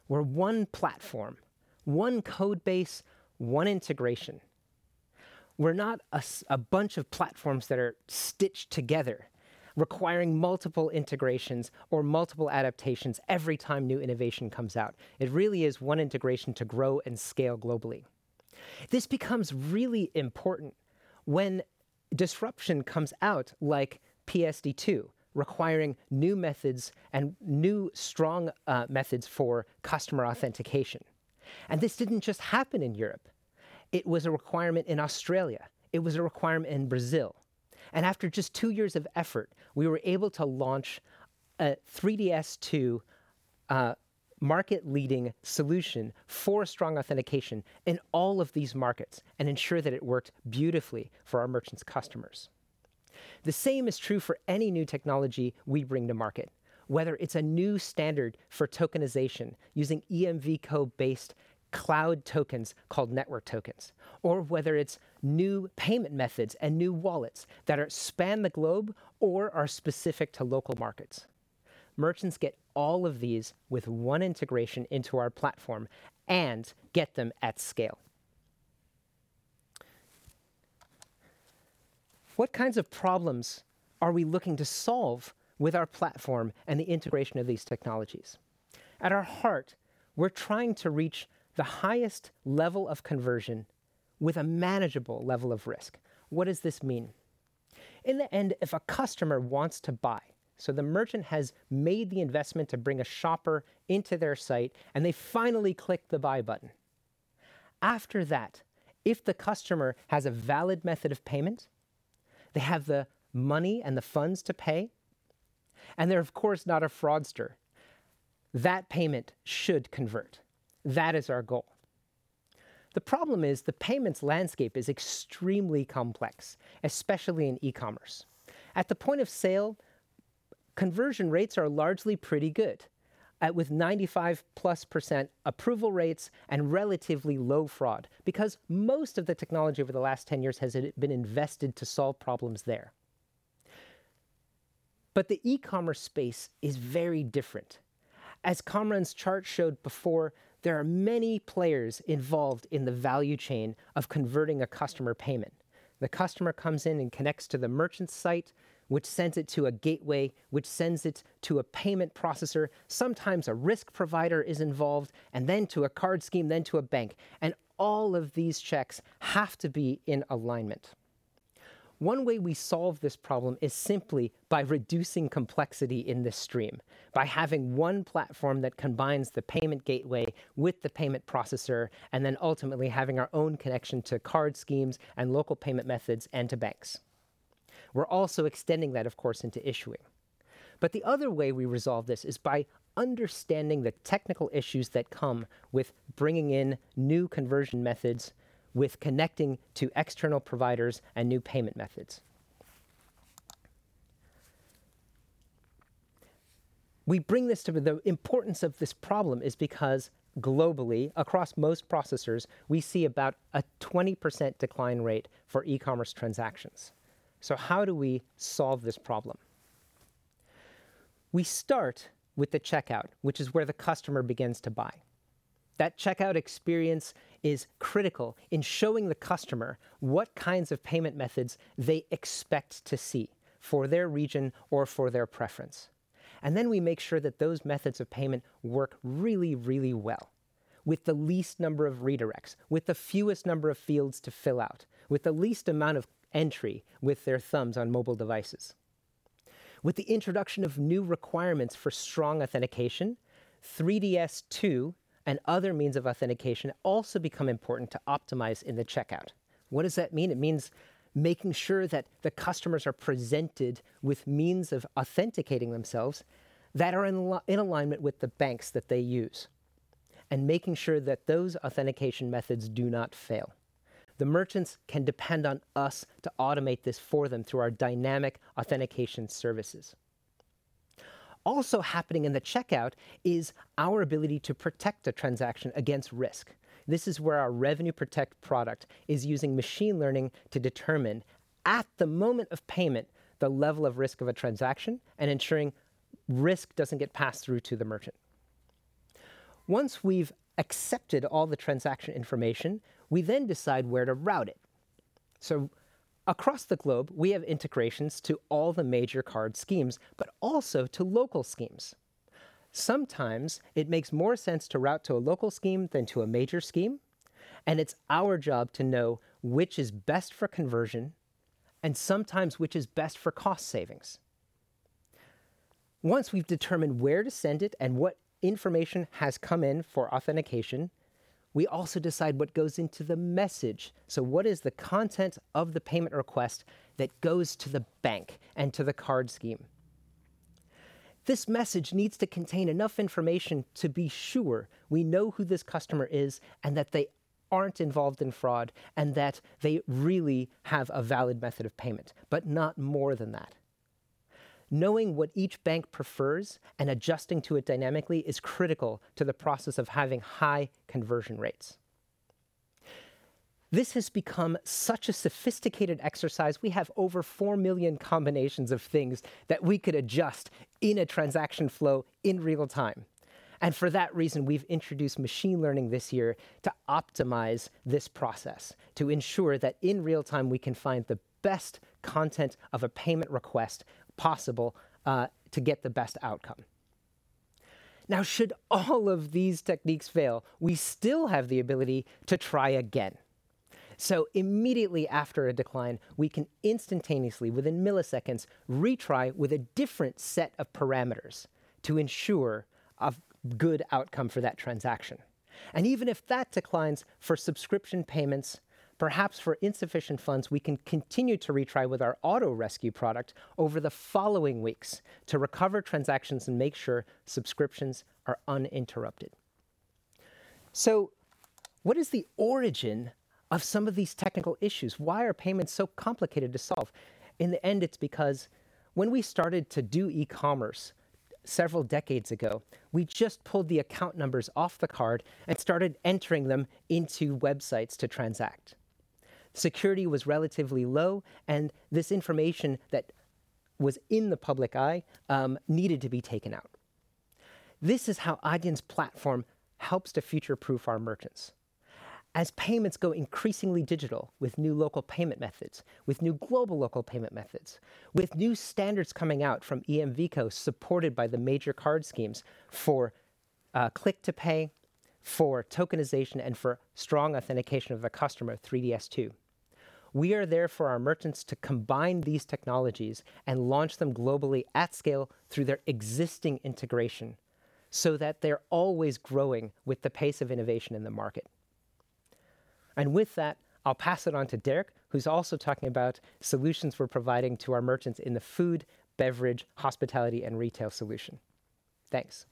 We're one platform, one code base, one integration. We're not a bunch of platforms that are stitched together requiring multiple integrations or multiple adaptations every time new innovation comes out. It really is one integration to grow and scale globally. This becomes really important when disruption comes out, like PSD2 requiring new methods and new strong methods for customer authentication. This didn't just happen in Europe. It was a requirement in Australia. It was a requirement in Brazil. After just two years of effort, we were able to launch a 3DS2 market-leading solution for strong authentication in all of these markets and ensure that it worked beautifully for our merchants' customers. The same is true for any new technology we bring to market, whether it's a new standard for tokenization using EMVCo-based cloud tokens called network tokens, or whether it's new payment methods and new wallets that span the globe or are specific to local markets. Merchants get all of these with one integration into our platform and get them at scale. What kinds of problems are we looking to solve with our platform and the integration of these technologies? At our heart, we're trying to reach the highest level of conversion with a manageable level of risk. What does this mean? In the end, if a customer wants to buy, the merchant has made the investment to bring a shopper into their site, they finally click the buy button. After that, if the customer has a valid method of payment, they have the money and the funds to pay, and they're of course not a fraudster, that payment should convert. That is our goal. The problem is the payments landscape is extremely complex, especially in e-commerce. At the point of sale, conversion rates are largely pretty good, with 95%+ approval rates and relatively low fraud because most of the technology over the last 10 years has been invested to solve problems there. The e-commerce space is very different. As Kamran's chart showed before, there are many players involved in the value chain of converting a customer payment. The customer comes in and connects to the merchant site, which sends it to a gateway, which sends it to a payment processor. Sometimes a risk provider is involved, and then to a card scheme, then to a bank, and all of these checks have to be in alignment. One way we solve this problem is simply by reducing complexity in this stream, by having one platform that combines the payment gateway with the payment processor, and then ultimately having our own connection to card schemes and local payment methods and to banks. We are also extending that, of course, into issuing. The other way we resolve this is by understanding the technical issues that come with bringing in new conversion methods, with connecting to external providers and new payment methods. The importance of this problem is because globally, across most processors, we see about a 20% decline rate for e-commerce transactions. How do we solve this problem? We start with the checkout, which is where the customer begins to buy. That checkout experience is critical in showing the customer what kinds of payment methods they expect to see for their region or for their preference. We make sure that those methods of payment work really, really well with the least number of redirects, with the fewest number of fields to fill out, with the least amount of entry with their thumbs on mobile devices. With the introduction of new requirements for strong authentication, 3DS 2 and other means of authentication also become important to optimize in the checkout. What does that mean? It means making sure that the customers are presented with means of authenticating themselves that are in alignment with the banks that they use, and making sure that those authentication methods do not fail. The merchants can depend on us to automate this for them through our dynamic authentication services. Also happening in the checkout is our ability to protect a transaction against risk. This is where our RevenueProtect product is using machine learning to determine, at the moment of payment, the level of risk of a transaction and ensuring risk doesn't get passed through to the merchant. Once we've accepted all the transaction information, we then decide where to route it. Across the globe, we have integrations to all the major card schemes, but also to local schemes. Sometimes it makes more sense to route to a local scheme than to a major scheme, and it's our job to know which is best for conversion and sometimes which is best for cost savings. Once we've determined where to send it and what information has come in for authentication, we also decide what goes into the message. What is the content of the payment request that goes to the bank and to the card scheme? This message needs to contain enough information to be sure we know who this customer is and that they aren't involved in fraud and that they really have a valid method of payment, but not more than that. Knowing what each bank prefers and adjusting to it dynamically is critical to the process of having high conversion rates. This has become such a sophisticated exercise. We have over 4 million combinations of things that we could adjust in a transaction flow in real time. For that reason, we've introduced machine learning this year to optimize this process to ensure that in real time we can find the best content of a payment request possible to get the best outcome. Now, should all of these techniques fail, we still have the ability to try again. Immediately after a decline, we can instantaneously, within milliseconds, retry with a different set of parameters to ensure a good outcome for that transaction. Even if that declines for subscription payments, perhaps for insufficient funds, we can continue to retry with our Auto Rescue product over the following weeks to recover transactions and make sure subscriptions are uninterrupted. What is the origin of some of these technical issues? Why are payments so complicated to solve? In the end, it's because when we started to do e-commerce several decades ago, we just pulled the account numbers off the card and started entering them into websites to transact. Security was relatively low, and this information that was in the public eye needed to be taken out. This is how Adyen's platform helps to future-proof our merchants. As payments go increasingly digital with new local payment methods, with new global local payment methods, with new standards coming out from EMVCo supported by the major card schemes for Click to Pay, for tokenization, and for strong authentication of a customer, 3DS 2. We are there for our merchants to combine these technologies and launch them globally at scale through their existing integration so that they're always growing with the pace of innovation in the market. With that, I'll pass it on to Derk, who's also talking about solutions we're providing to our merchants in the food, beverage, hospitality, and retail solution. Thanks.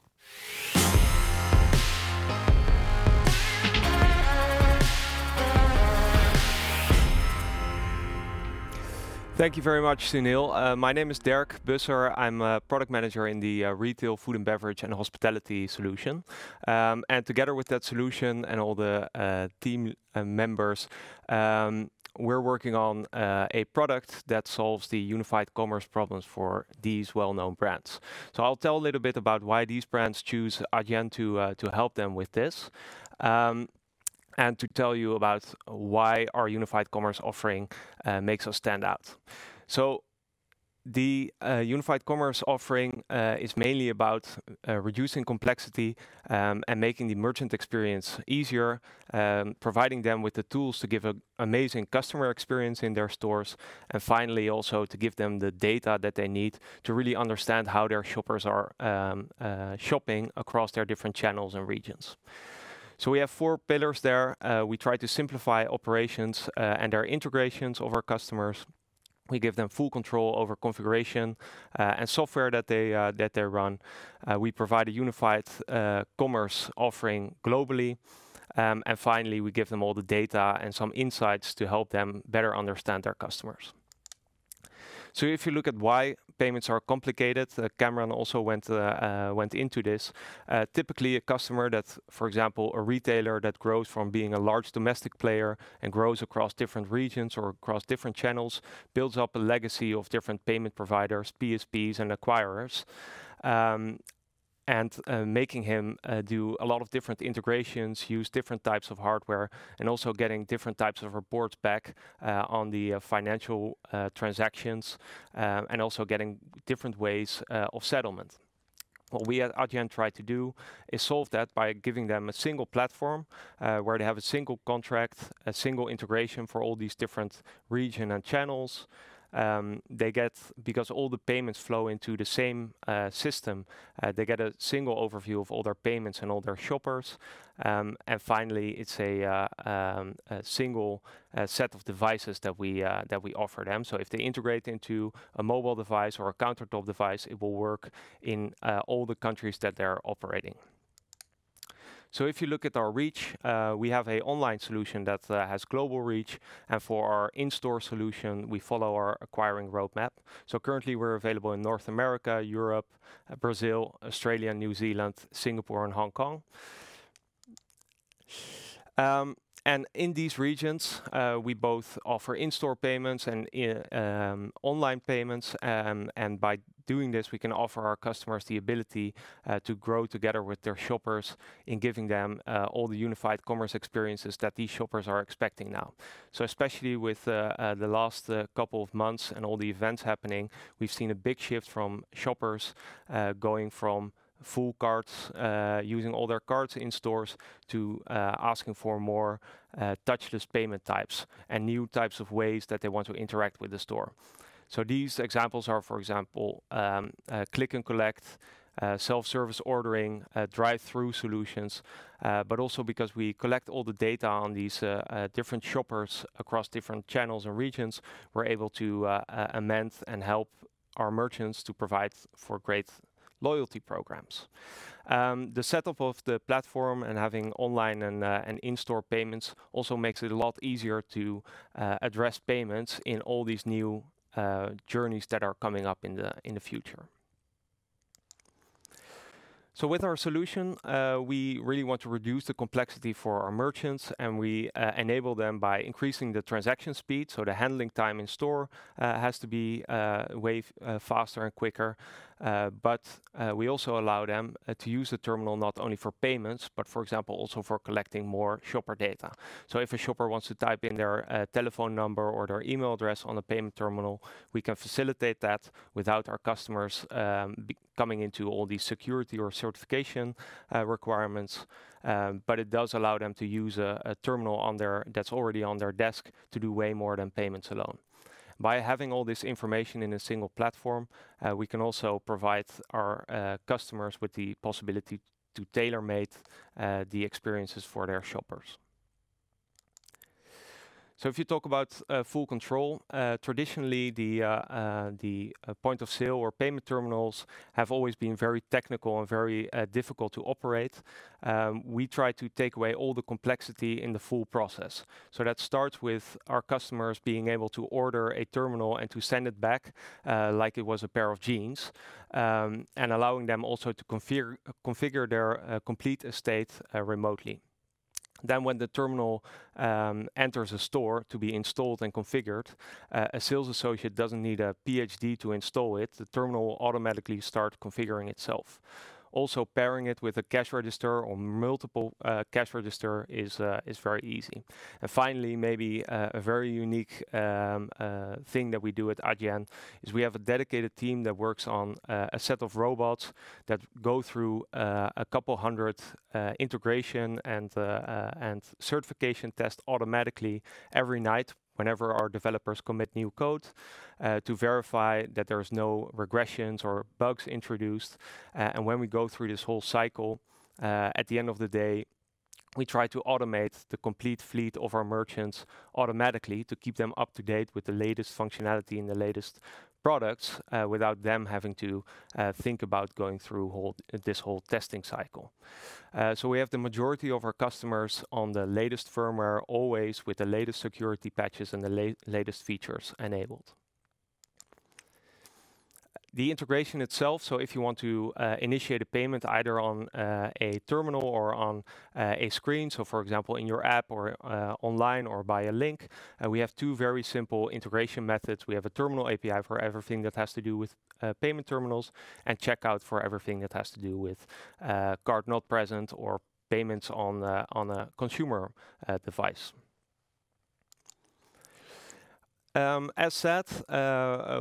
Thank you very much, Sunil. My name is Derk Busser. I'm a product manager in the retail food and beverage and hospitality solution. Together with that solution and all the team members, we're working on a product that solves the unified commerce problems for these well-known brands. I'll tell a little bit about why these brands choose Adyen to help them with this, and to tell you about why our unified commerce offering makes us stand out. The unified commerce offering is mainly about reducing complexity and making the merchant experience easier, providing them with the tools to give an amazing customer experience in their stores. Finally, also to give them the data that they need to really understand how their shoppers are shopping across their different channels and regions. We have four pillars there. We try to simplify operations and our integrations of our customers. We give them full control over configuration and software that they run. We provide a unified commerce offering globally. Finally, we give them all the data and some insights to help them better understand their customers. If you look at why payments are complicated, Kamran also went into this. Typically, a customer that's, for example, a retailer that grows from being a large domestic player and grows across different regions or across different channels, builds up a legacy of different payment providers, PSPs, and acquirers. Making him do a lot of different integrations, use different types of hardware, and also getting different types of reports back on the financial transactions, and also getting different ways of settlement. What we at Adyen try to do is solve that by giving them a single platform where they have a single contract, a single integration for all these different regions and channels. All the payments flow into the same system, they get a single overview of all their payments and all their shoppers. Finally, it's a single set of devices that we offer them. If they integrate into a mobile device or a countertop device, it will work in all the countries that they're operating. If you look at our reach, we have an online solution that has global reach, and for our in-store solution, we follow our acquiring roadmap. Currently, we're available in North America, Europe, Brazil, Australia, New Zealand, Singapore, and Hong Kong. In these regions, we both offer in-store payments and online payments. By doing this, we can offer our customers the ability to grow together with their shoppers in giving them all the unified commerce experiences that these shoppers are expecting now. Especially with the last couple of months and all the events happening, we've seen a big shift from shoppers going from full carts, using all their carts in stores, to asking for more touchless payment types and new types of ways that they want to interact with the store. These examples are, for example, click and collect, self-service ordering, drive-through solutions. Also because we collect all the data on these different shoppers across different channels and regions, we're able to amend and help our merchants to provide for great loyalty programs. The setup of the platform and having online and in-store payments also makes it a lot easier to address payments in all these new journeys that are coming up in the future. With our solution, we really want to reduce the complexity for our merchants, and we enable them by increasing the transaction speed. The handling time in store has to be way faster and quicker. We also allow them to use the terminal not only for payments, but for example, also for collecting more shopper data. If a shopper wants to type in their telephone number or their email address on the payment terminal, we can facilitate that without our customers coming into all the security or certification requirements. It does allow them to use a terminal that's already on their desk to do way more than payments alone. By having all this information in a single platform, we can also provide our customers with the possibility to tailor-make the experiences for their shoppers. If you talk about full control, traditionally the point-of-sale or payment terminals have always been very technical and very difficult to operate. We try to take away all the complexity in the full process. That starts with our customers being able to order a terminal and to send it back like it was a pair of jeans, and allowing them also to configure their complete estate remotely. When the terminal enters a store to be installed and configured, a sales associate doesn't need a PhD to install it. Pairing it with a cash register or multiple cash register is very easy. Finally, maybe a very unique thing that we do at Adyen is we have a dedicated team that works on a set of robots that go through a couple hundred integration and certification test automatically every night whenever our developers commit new code, to verify that there's no regressions or bugs introduced. When we go through this whole cycle, at the end of the day, we try to automate the complete fleet of our merchants automatically to keep them up to date with the latest functionality and the latest products, without them having to think about going through this whole testing cycle. We have the majority of our customers on the latest firmware, always with the latest security patches and the latest features enabled. The integration itself, so if you want to initiate a payment either on a terminal or on a screen, so for example, in your app or online or by a link, we have two very simple integration methods. We have a Terminal API for everything that has to do with payment terminals, and checkout for everything that has to do with card not present or payments on a consumer device. As said,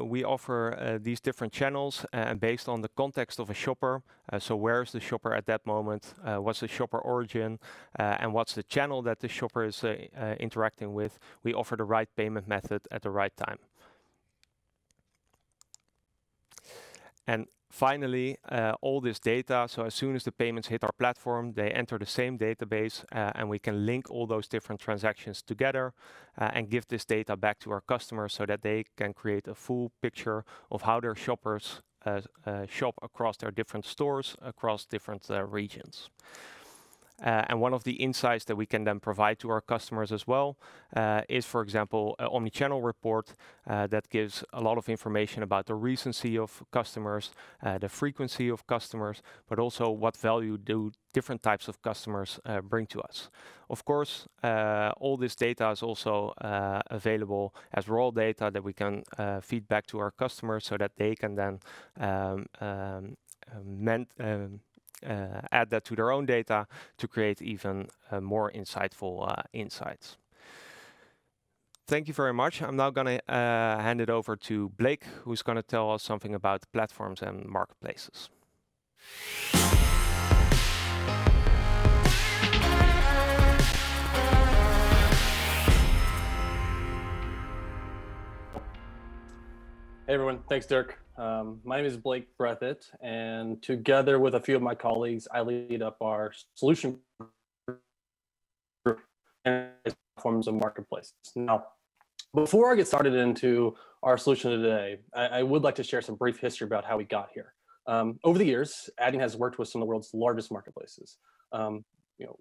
we offer these different channels based on the context of a shopper. Where is the shopper at that moment? What's the shopper origin, and what's the channel that the shopper is interacting with? We offer the right payment method at the right time. Finally, all this data. As soon as the payments hit our platform, they enter the same database, and we can link all those different transactions together and give this data back to our customers so that they can create a full picture of how their shoppers shop across their different stores, across different regions. One of the insights that we can then provide to our customers as well is, for example, an omnichannel report that gives a lot of information about the recency of customers, the frequency of customers, but also what value do different types of customers bring to us. Of course, all this data is also available as raw data that we can feed back to our customers so that they can then add that to their own data to create even more insightful insights. Thank you very much. I'm now going to hand it over to Blake, who's going to tell us something about platforms and marketplaces. Hey, everyone. Thanks, Derk. My name is Blake Breathitt, and together with a few of my colleagues, I lead up our solution platforms and marketplaces. Before I get started into our solution today, I would like to share some brief history about how we got here. Over the years, Adyen has worked with some of the world's largest marketplaces.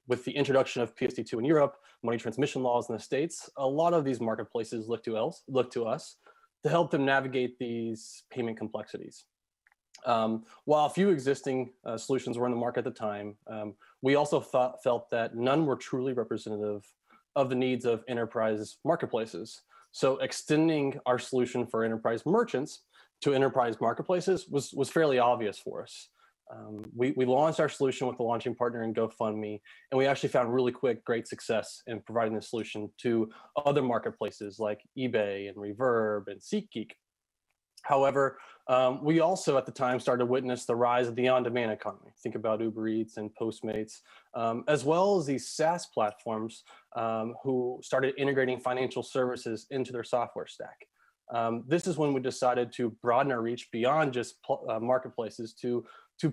With the introduction of PSD2 in Europe, money transmission laws in the U.S., a lot of these marketplaces look to us to help them navigate these payment complexities. While a few existing solutions were on the market at the time, we also felt that none were truly representative of the needs of enterprise marketplaces. Extending our solution for enterprise merchants to enterprise marketplaces was fairly obvious for us. We launched our solution with a launching partner in GoFundMe, we actually found really quick great success in providing the solution to other marketplaces like eBay and Reverb and SeatGeek. We also at the time started to witness the rise of the on-demand economy, think about Uber Eats and Postmates, as well as these SaaS platforms who started integrating financial services into their software stack. This is when we decided to broaden our reach beyond just marketplaces to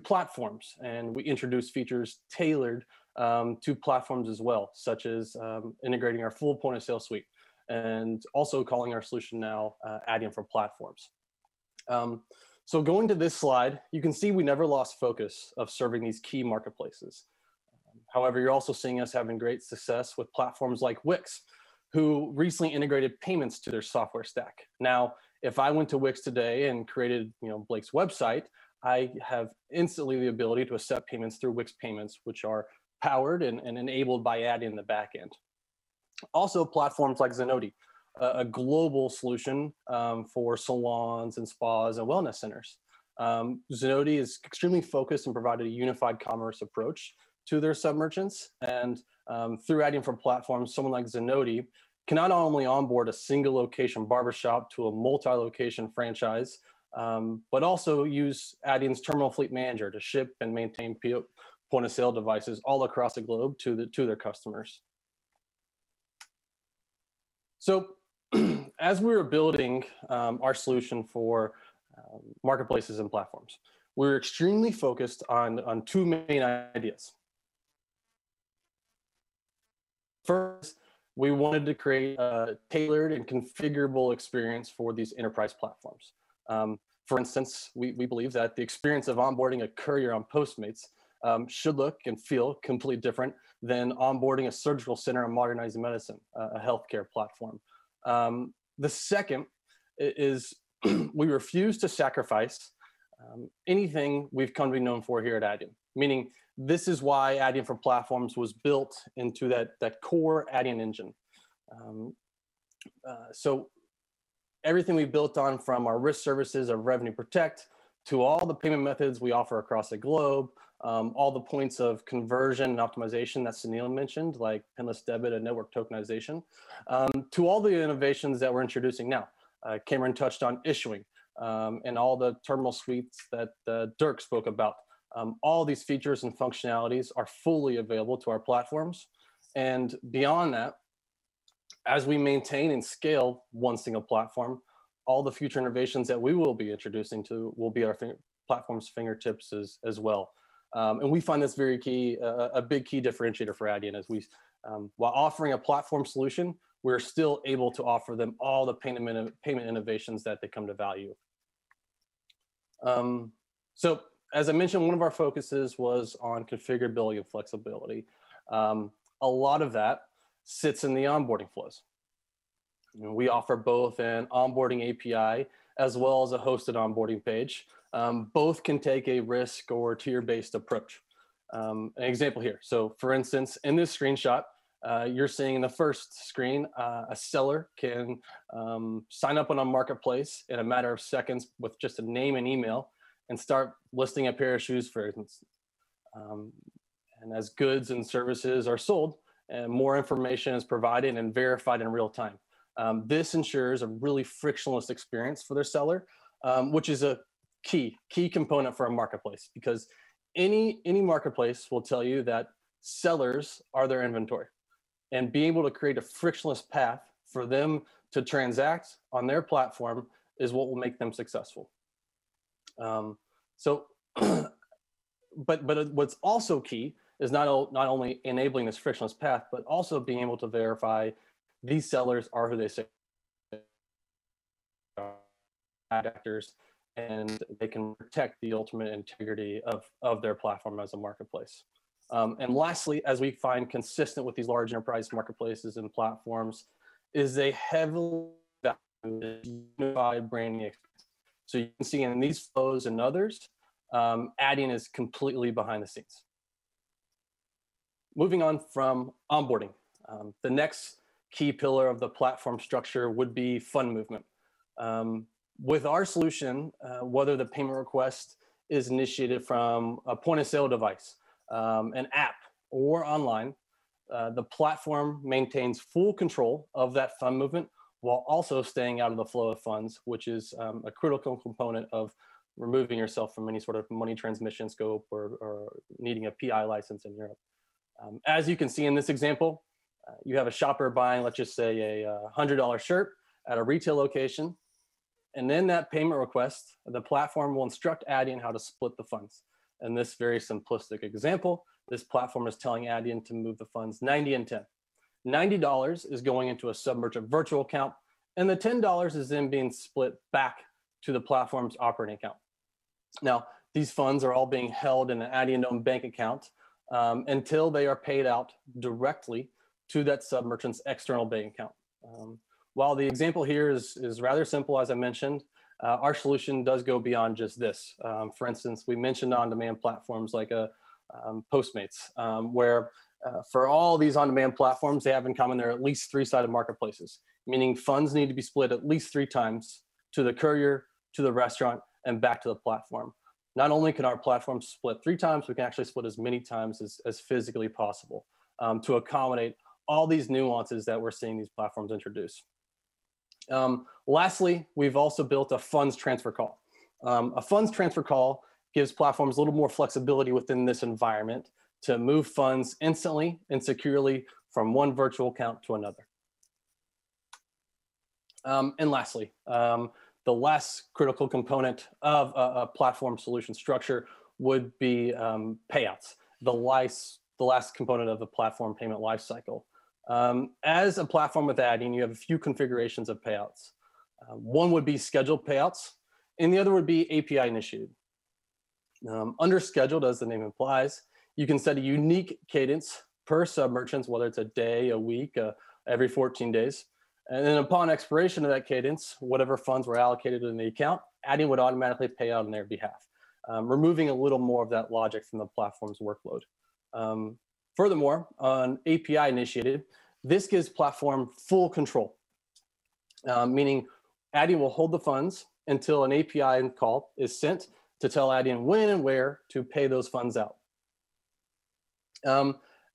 platforms, we introduced features tailored to platforms as well, such as integrating our full point-of-sale suite and also calling our solution now Adyen for Platforms. Going to this slide, you can see we never lost focus of serving these key marketplaces. You're also seeing us having great success with platforms like Wix, who recently integrated payments to their software stack. If I went to Wix today and created Blake's website, I have instantly the ability to accept payments through Wix Payments, which are powered and enabled by Adyen in the back end. Platforms like Zenoti, a global solution for salons and spas and wellness centers. Zenoti is extremely focused on providing a unified commerce approach to their sub-merchants. Through Adyen for Platforms, someone like Zenoti can not only onboard a single location barbershop to a multi-location franchise but also use Adyen's Terminal Fleet Manager to ship and maintain point-of-sale devices all across the globe to their customers. As we were building our solution for marketplaces and platforms, we were extremely focused on two main ideas. First, we wanted to create a tailored and configurable experience for these enterprise platforms. For instance, we believe that the experience of onboarding a courier on Postmates should look and feel completely different than onboarding a surgical center on Modernizing Medicine, a healthcare platform. The second is we refuse to sacrifice anything we've come to be known for here at Adyen. Meaning this is why Adyen for Platforms was built into that core Adyen engine. Everything we built on from our risk services, our RevenueProtect, to all the payment methods we offer across the globe, all the points of conversion and optimization that Sunil mentioned, like endless aisle and network tokenization, to all the innovations that we're introducing now. Kamran touched on issuing and all the terminal suites that Derk spoke about. All these features and functionalities are fully available to our platforms. Beyond that, as we maintain and scale one single platform, all the future innovations that we will be introducing too will be at our platform's fingertips as well. We find this a big key differentiator for Adyen as while offering a platform solution, we're still able to offer them all the payment innovations that they come to value. As I mentioned, one of our focuses was on configurability and flexibility. A lot of that sits in the onboarding flows. We offer both an onboarding API as well as a hosted onboarding page. Both can take a risk or tier-based approach. An example here. For instance, in this screenshot, you're seeing in the first screen a seller can sign up on a marketplace in a matter of seconds with just a name and email and start listing a pair of shoes, for instance. As goods and services are sold and more information is provided and verified in real time, this ensures a really frictionless experience for their seller, which is a key component for a marketplace because any marketplace will tell you that sellers are their inventory. Being able to create a frictionless path for them to transact on their platform is what will make them successful. What's also key is not only enabling this frictionless path but also being able to verify these sellers are who they say they are, and they can protect the ultimate integrity of their platform as a marketplace. Lastly, as we find consistent with these large enterprise marketplaces and platforms is a heavily branding experience. You can see in these flows and others, Adyen is completely behind the scenes. Moving on from onboarding. The next key pillar of the platform structure would be fund movement. With our solution, whether the payment request is initiated from a point-of-sale device, an app, or online, the platform maintains full control of that fund movement while also staying out of the flow of funds, which is a critical component of removing yourself from any sort of money transmission scope or needing a PI license in Europe. As you can see in this example, you have a shopper buying, let's just say, a EUR 100 shirt at a retail location, and then that payment request, the platform will instruct Adyen how to split the funds. In this very simplistic example, this platform is telling Adyen to move the funds 90 and 10. EUR 90 is going into a sub-merchant virtual account, and the EUR 10 is then being split back to the platform's operating account. Now, these funds are all being held in an Adyen-owned bank account until they are paid out directly to that sub-merchant's external bank account. While the example here is rather simple, as I mentioned, our solution does go beyond just this. For instance, we mentioned on-demand platforms like Postmates, where for all these on-demand platforms, they have in common they're at least three-sided marketplaces, meaning funds need to be split at least three times to the courier, to the restaurant, and back to the platform. Not only can our platform split three times, we can actually split as many times as physically possible to accommodate all these nuances that we're seeing these platforms introduce. Lastly, we've also built a funds transfer call. A funds transfer call gives platforms a little more flexibility within this environment to move funds instantly and securely from one virtual account to another. Lastly, the last critical component of a platform solution structure would be payouts, the last component of a platform payment life cycle. As a platform with Adyen, you have a few configurations of payouts. One would be scheduled payouts, the other would be API-initiated. Under scheduled, as the name implies, you can set a unique cadence per sub-merchant, whether it's a day, a week, every 14 days. Then upon expiration of that cadence, whatever funds were allocated in the account, Adyen would automatically pay out on their behalf, removing a little more of that logic from the platform's workload. Furthermore, on API-initiated, this gives platform full control, meaning Adyen will hold the funds until an API call is sent to tell Adyen when and where to pay those funds out.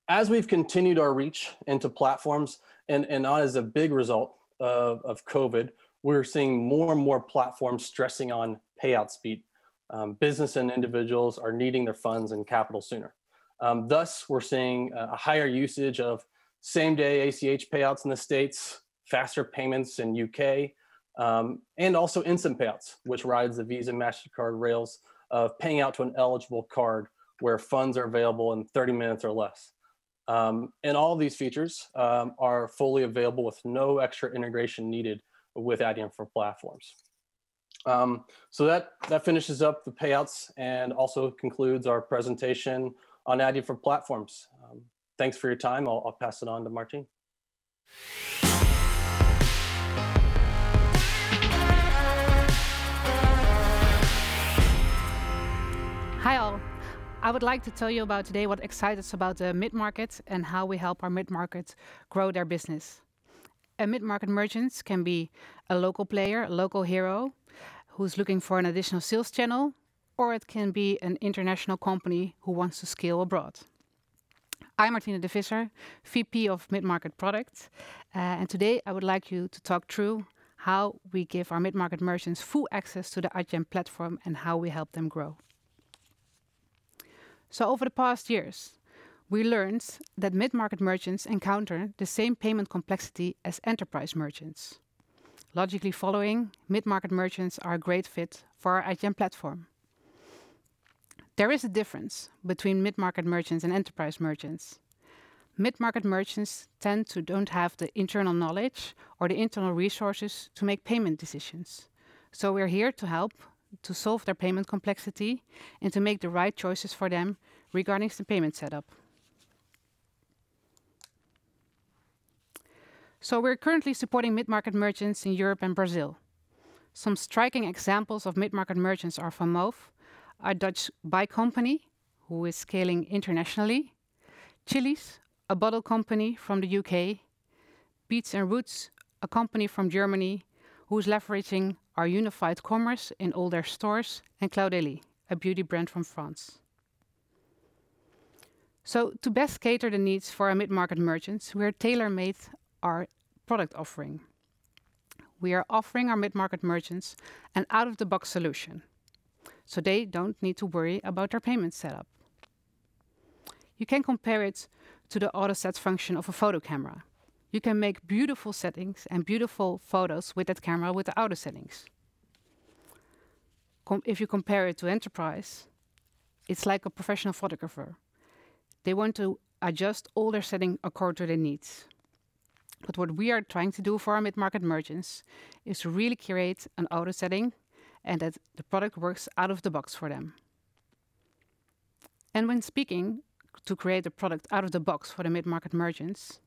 As we've continued our reach into platforms and not as a big result of COVID, we're seeing more and more platforms stressing on payout speed. Business and individuals are needing their funds and capital sooner. Thus, we're seeing a higher usage of same-day ACH payouts in the U.S., Faster Payments in U.K., and also instant payouts, which rides the Visa and Mastercard rails of paying out to an eligible card where funds are available in 30 minutes or less. All these features are fully available with no extra integration needed with Adyen for Platforms. That finishes up the payouts and also concludes our presentation on Adyen for Platforms. Thanks for your time. I'll pass it on to Martine. Hi, all. I would like to tell you about today what excites us about the mid-market and how we help our mid-market grow their business. A mid-market merchant can be a local player, a local hero, who's looking for an additional sales channel, or it can be an international company who wants to scale abroad. I'm Martine de Visscher, VP of Mid-Market Product. Today, I would like you to talk through how we give our mid-market merchants full access to the Adyen platform and how we help them grow. Over the past years, we learned that mid-market merchants encounter the same payment complexity as enterprise merchants. Logically following, mid-market merchants are a great fit for our Adyen platform. There is a difference between mid-market merchants and enterprise merchants. Mid-market merchants tend to don't have the internal knowledge or the internal resources to make payment decisions. We're here to help to solve their payment complexity and to make the right choices for them regarding the payment setup. We're currently supporting mid-market merchants in Europe and Brazil. Some striking examples of mid-market merchants are VanMoof, a Dutch bike company who is scaling internationally; Chilly's, a bottle company from the U.K.; beets&roots, a company from Germany who's leveraging our unified commerce in all their stores; and Cloud10 Beauty, a beauty brand from France. To best cater the needs for our mid-market merchants, we tailor-made our product offering. We are offering our mid-market merchants an out-of-the-box solution, so they don't need to worry about their payment setup. You can compare it to the auto-sets function of a photo camera. You can make beautiful settings and beautiful photos with that camera with the auto settings. If you compare it to enterprise, it's like a professional photographer. They want to adjust all their setting according to their needs. What we are trying to do for our mid-market merchants is really create an auto setting and that the product works out of the box for them. When speaking to create a product out of the box for the mid-market merchants,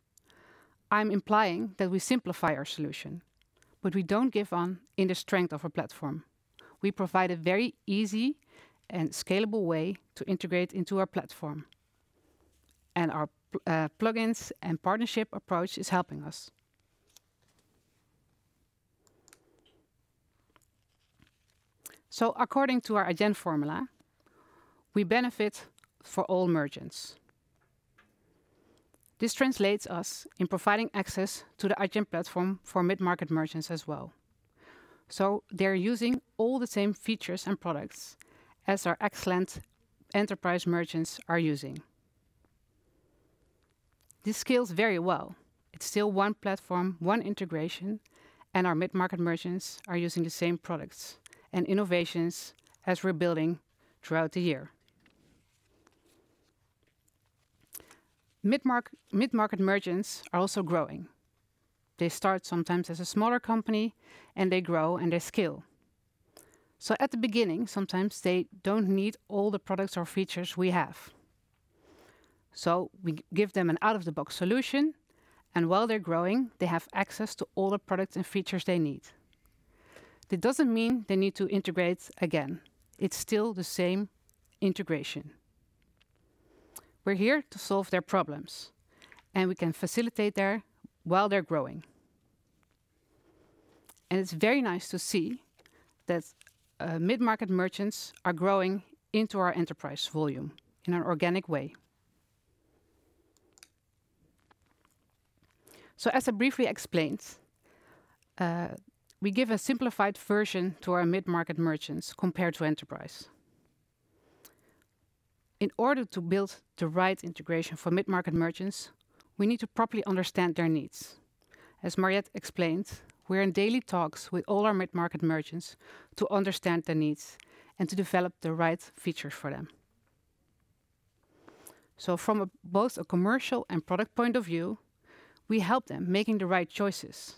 I'm implying that we simplify our solution, but we don't give on in the strength of our platform. We provide a very easy and scalable way to integrate into our platform. Our plugins and partnership approach is helping us. According to our Adyen Formula, we benefit for all merchants. This translates us in providing access to the Adyen platform for mid-market merchants as well. They're using all the same features and products as our excellent enterprise merchants are using. This scales very well. It's still one platform, one integration, and our mid-market merchants are using the same products and innovations as we're building throughout the year. Mid-market merchants are also growing. They start sometimes as a smaller company, and they grow and they scale. At the beginning, sometimes they don't need all the products or features we have. We give them an out-of-the-box solution, and while they're growing, they have access to all the products and features they need. That doesn't mean they need to integrate again. It's still the same integration. We're here to solve their problems, and we can facilitate that while they're growing. It's very nice to see that mid-market merchants are growing into our enterprise volume in an organic way. As I briefly explained, we give a simplified version to our mid-market merchants compared to enterprise. In order to build the right integration for mid-market merchants, we need to properly understand their needs. As Mariëtte explained, we're in daily talks with all our mid-market merchants to understand their needs and to develop the right features for them. From both a commercial and product point of view, we help them making the right choices,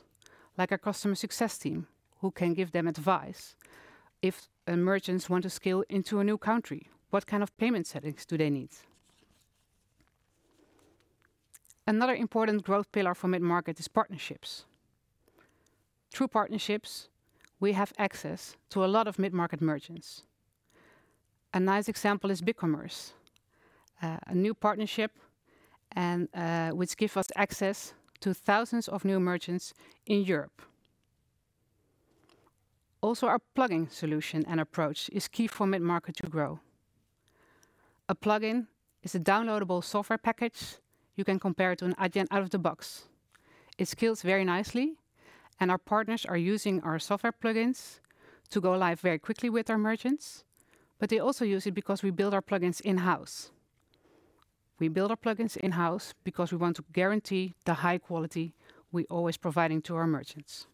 like our customer success team who can give them advice. If merchants want to scale into a new country, what kind of payment settings do they need? Another important growth pillar for mid-market is partnerships. Through partnerships, we have access to a lot of mid-market merchants. A nice example is BigCommerce, a new partnership which give us access to thousands of new merchants in Europe. Our plugin solution and approach is key for mid-market to grow. A plugin is a downloadable software package you can compare to an Adyen out of the box. It scales very nicely, and our partners are using our software plugins to go live very quickly with our merchants. They also use it because we build our plugins in-house. We build our plugins in-house because we want to guarantee the high quality we're always providing to our merchants.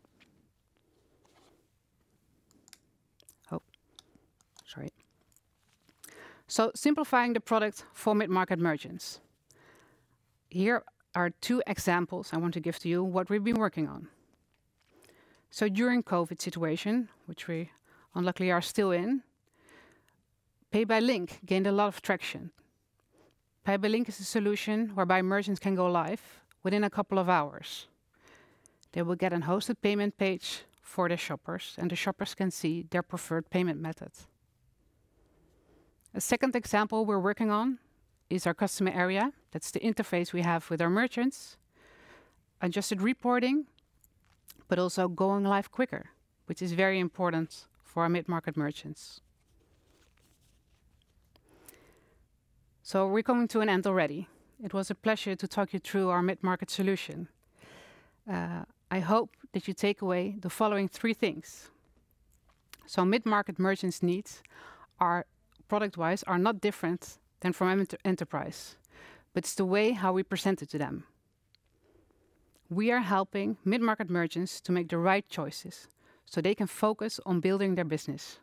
Oh, sorry. Simplifying the product for mid-market merchants. Here are two examples I want to give to you what we've been working on. During COVID situation, which we unluckily are still in, Pay by Link gained a lot of traction. Pay by Link is a solution whereby merchants can go live within a couple of hours. They will get a hosted payment page for their shoppers, and the shoppers can see their preferred payment method. A second example we're working on is our Customer Area. That's the interface we have with our merchants, adjusted reporting, but also going live quicker, which is very important for our mid-market merchants. We're coming to an end already. It was a pleasure to talk you through our mid-market solution. I hope that you take away the following three things. Mid-market merchants' needs, product wise, are not different than from enterprise, but it's the way how we present it to them. We are helping mid-market merchants to make the right choices so they can focus on building their business.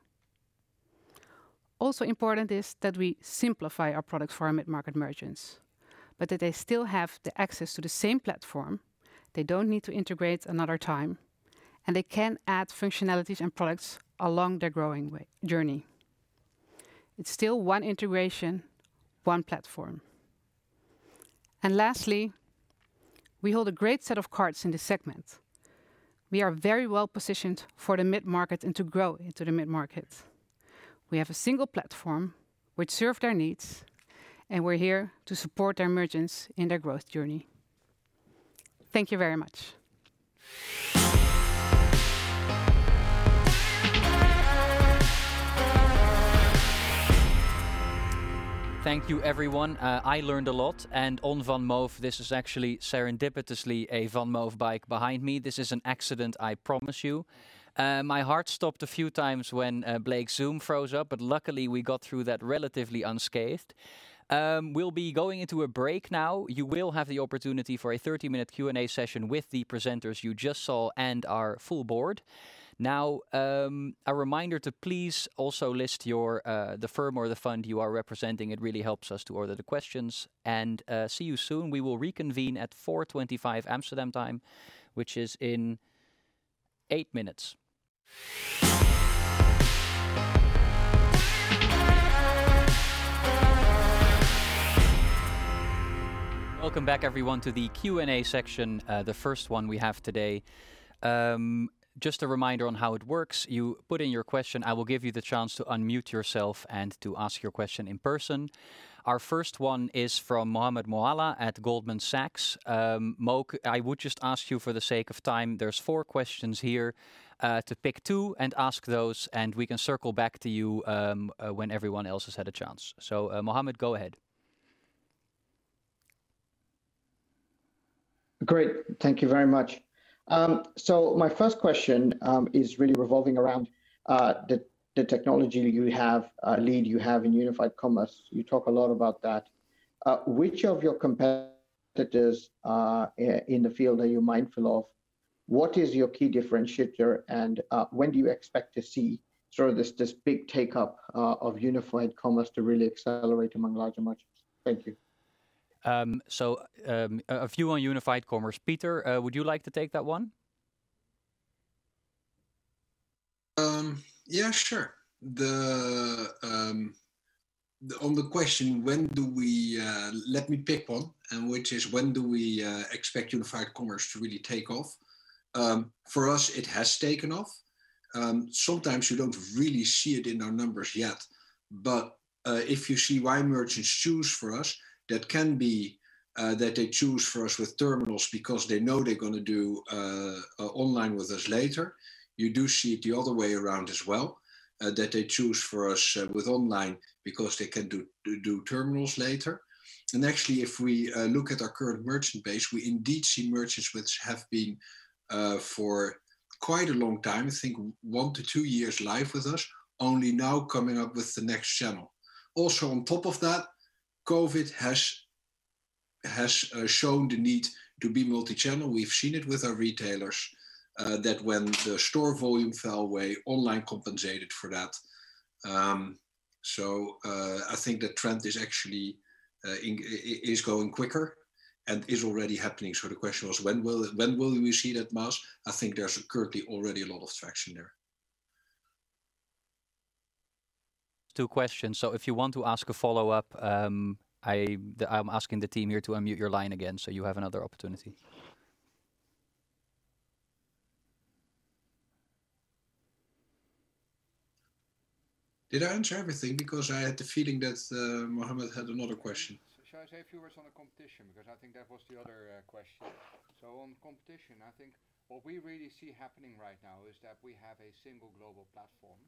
Also important is that we simplify our product for our mid-market merchants, but that they still have the access to the same platform. They don't need to integrate another time, and they can add functionalities and products along their growing journey. It's still one integration, one platform. Lastly, we hold a great set of cards in this segment. We are very well positioned for the mid-market and to grow into the mid-market. We have a single platform which serve their needs, and we are here to support our merchants in their growth journey. Thank you very much. Thank you everyone. I learned a lot. On VanMoof, this is actually serendipitously a VanMoof bike behind me. This is an accident, I promise you. My heart stopped a few times when Blake's Zoom froze up, luckily we got through that relatively unscathed. We'll be going into a break now. You will have the opportunity for a 30-minute Q&A session with the presenters you just saw and our full board. A reminder to please also list the firm or the fund you are representing. It really helps us to order the questions. See you soon. We will reconvene at 4:25 P.M. Amsterdam time, which is in eight minutes. Welcome back everyone to the Q&A section, the first one we have today. Just a reminder on how it works. You put in your question, I will give you the chance to unmute yourself and to ask your question in person. Our first one is from Mohammed Moawalla at Goldman Sachs. Mo, I would just ask you for the sake of time, there's four questions here, to pick two and ask those, and we can circle back to you when everyone else has had a chance. Mohammed, go ahead. Great. Thank you very much. My first question is really revolving around the technology lead you have in unified commerce. You talk a lot about that. Which of your competitors in the field are you mindful of? What is your key differentiator? When do you expect to see this big take-up of unified commerce to really accelerate among larger merchants? Thank you. A few on unified commerce. Pieter, would you like to take that one? Yeah, sure. On the question, let me pick one, which is when do we expect unified commerce to really take off? For us, it has taken off. Sometimes you don't really see it in our numbers yet, but if you see why merchants choose us, that can be that they choose us with terminals because they know they're going to do online with us later. You do see it the other way around as well, that they choose us with online because they can do terminals later. Actually, if we look at our current merchant base, we indeed see merchants which have been for quite a long time, think one to two years live with us, only now coming up with the next channel. Also, on top of that, COVID has shown the need to be multi-channel. We've seen it with our retailers, that when the store volume fell away, online compensated for that. I think the trend is actually going quicker and is already happening. The question was, when will we see that mass? I think there's currently already a lot of traction there. Two questions. If you want to ask a follow-up, I'm asking the team here to unmute your line again so you have another opportunity. Did I answer everything? I had the feeling that Mohammed had another question. Shall I say a few words on the competition? I think that was the other question. On competition, I think what we really see happening right now is that we have a single global platform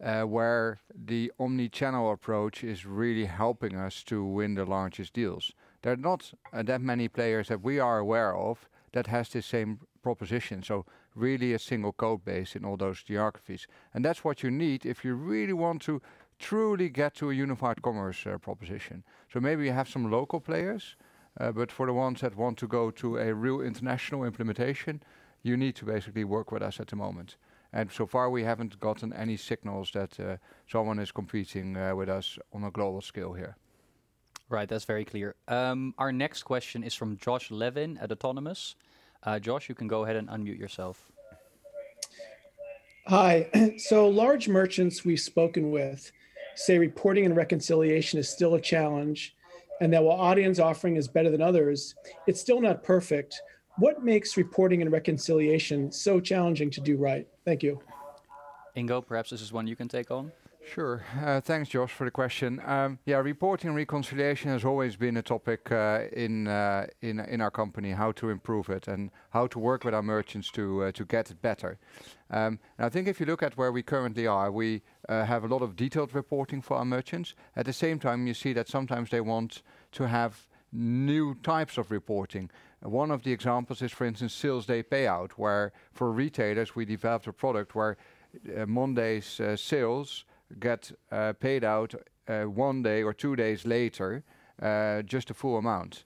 where the omni-channel approach is really helping us to win the largest deals. There are not that many players that we are aware of that have the same proposition. Really a single code base in all those geographies. That's what you need if you really want to truly get to a unified commerce proposition. Maybe you have some local players, for the ones that want to go to a real international implementation, you need to basically work with us at the moment. So far, we haven't gotten any signals that someone is competing with us on a global scale here. Right. That's very clear. Our next question is from Josh Levin at Autonomous. Josh, you can go ahead and unmute yourself. Hi. Large merchants we've spoken with say reporting and reconciliation is still a challenge, and that while Adyen's offering is better than others, it's still not perfect. What makes reporting and reconciliation so challenging to do right? Thank you. Ingo, perhaps this is one you can take on. Sure. Thanks, Josh, for the question. Yeah, reporting reconciliation has always been a topic in our company, how to improve it and how to work with our merchants to get it better. I think if you look at where we currently are, we have a lot of detailed reporting for our merchants. At the same time, you see that sometimes they want to have new types of reporting. One of the examples is, for instance, Sales Day Payout, where for retailers, we developed a product where Monday's sales get paid out one day or two days later, just a full amount,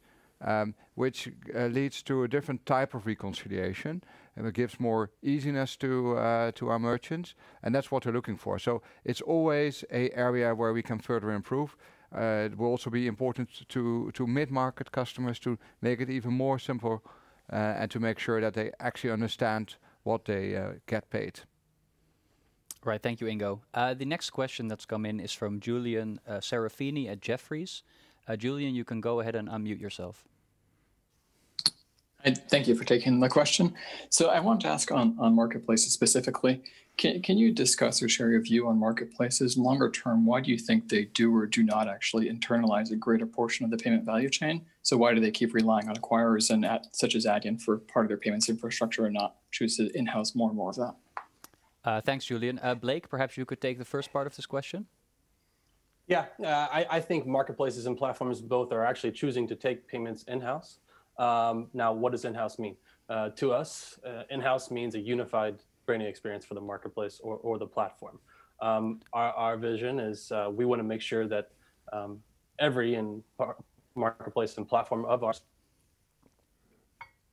which leads to a different type of reconciliation, and it gives more easiness to our merchants, and that's what we're looking for. It's always an area where we can further improve. It will also be important to mid-market customers to make it even simpler and to make sure that they actually understand what they get paid. Right. Thank you, Ingo. The next question that's come in is from Julian Serafini at Jefferies. Julian, you can go ahead and unmute yourself. Thank you for taking my question. I want to ask on marketplaces specifically, can you discuss or share your view on marketplaces longer term? Why do you think they do or do not actually internalize a greater portion of the payment value chain? Why do they keep relying on acquirers such as Adyen for part of their payments infrastructure and not choose to in-house more and more of that? Thanks, Julian. Blake, perhaps you could take the first part of this question. Yeah. I think marketplaces and platforms both are actually choosing to take payments in-house. Now, what does in-house mean? To us, in-house means a unified branding experience for the marketplace or the platform. Our vision is we want to make sure that every marketplace and platform of ours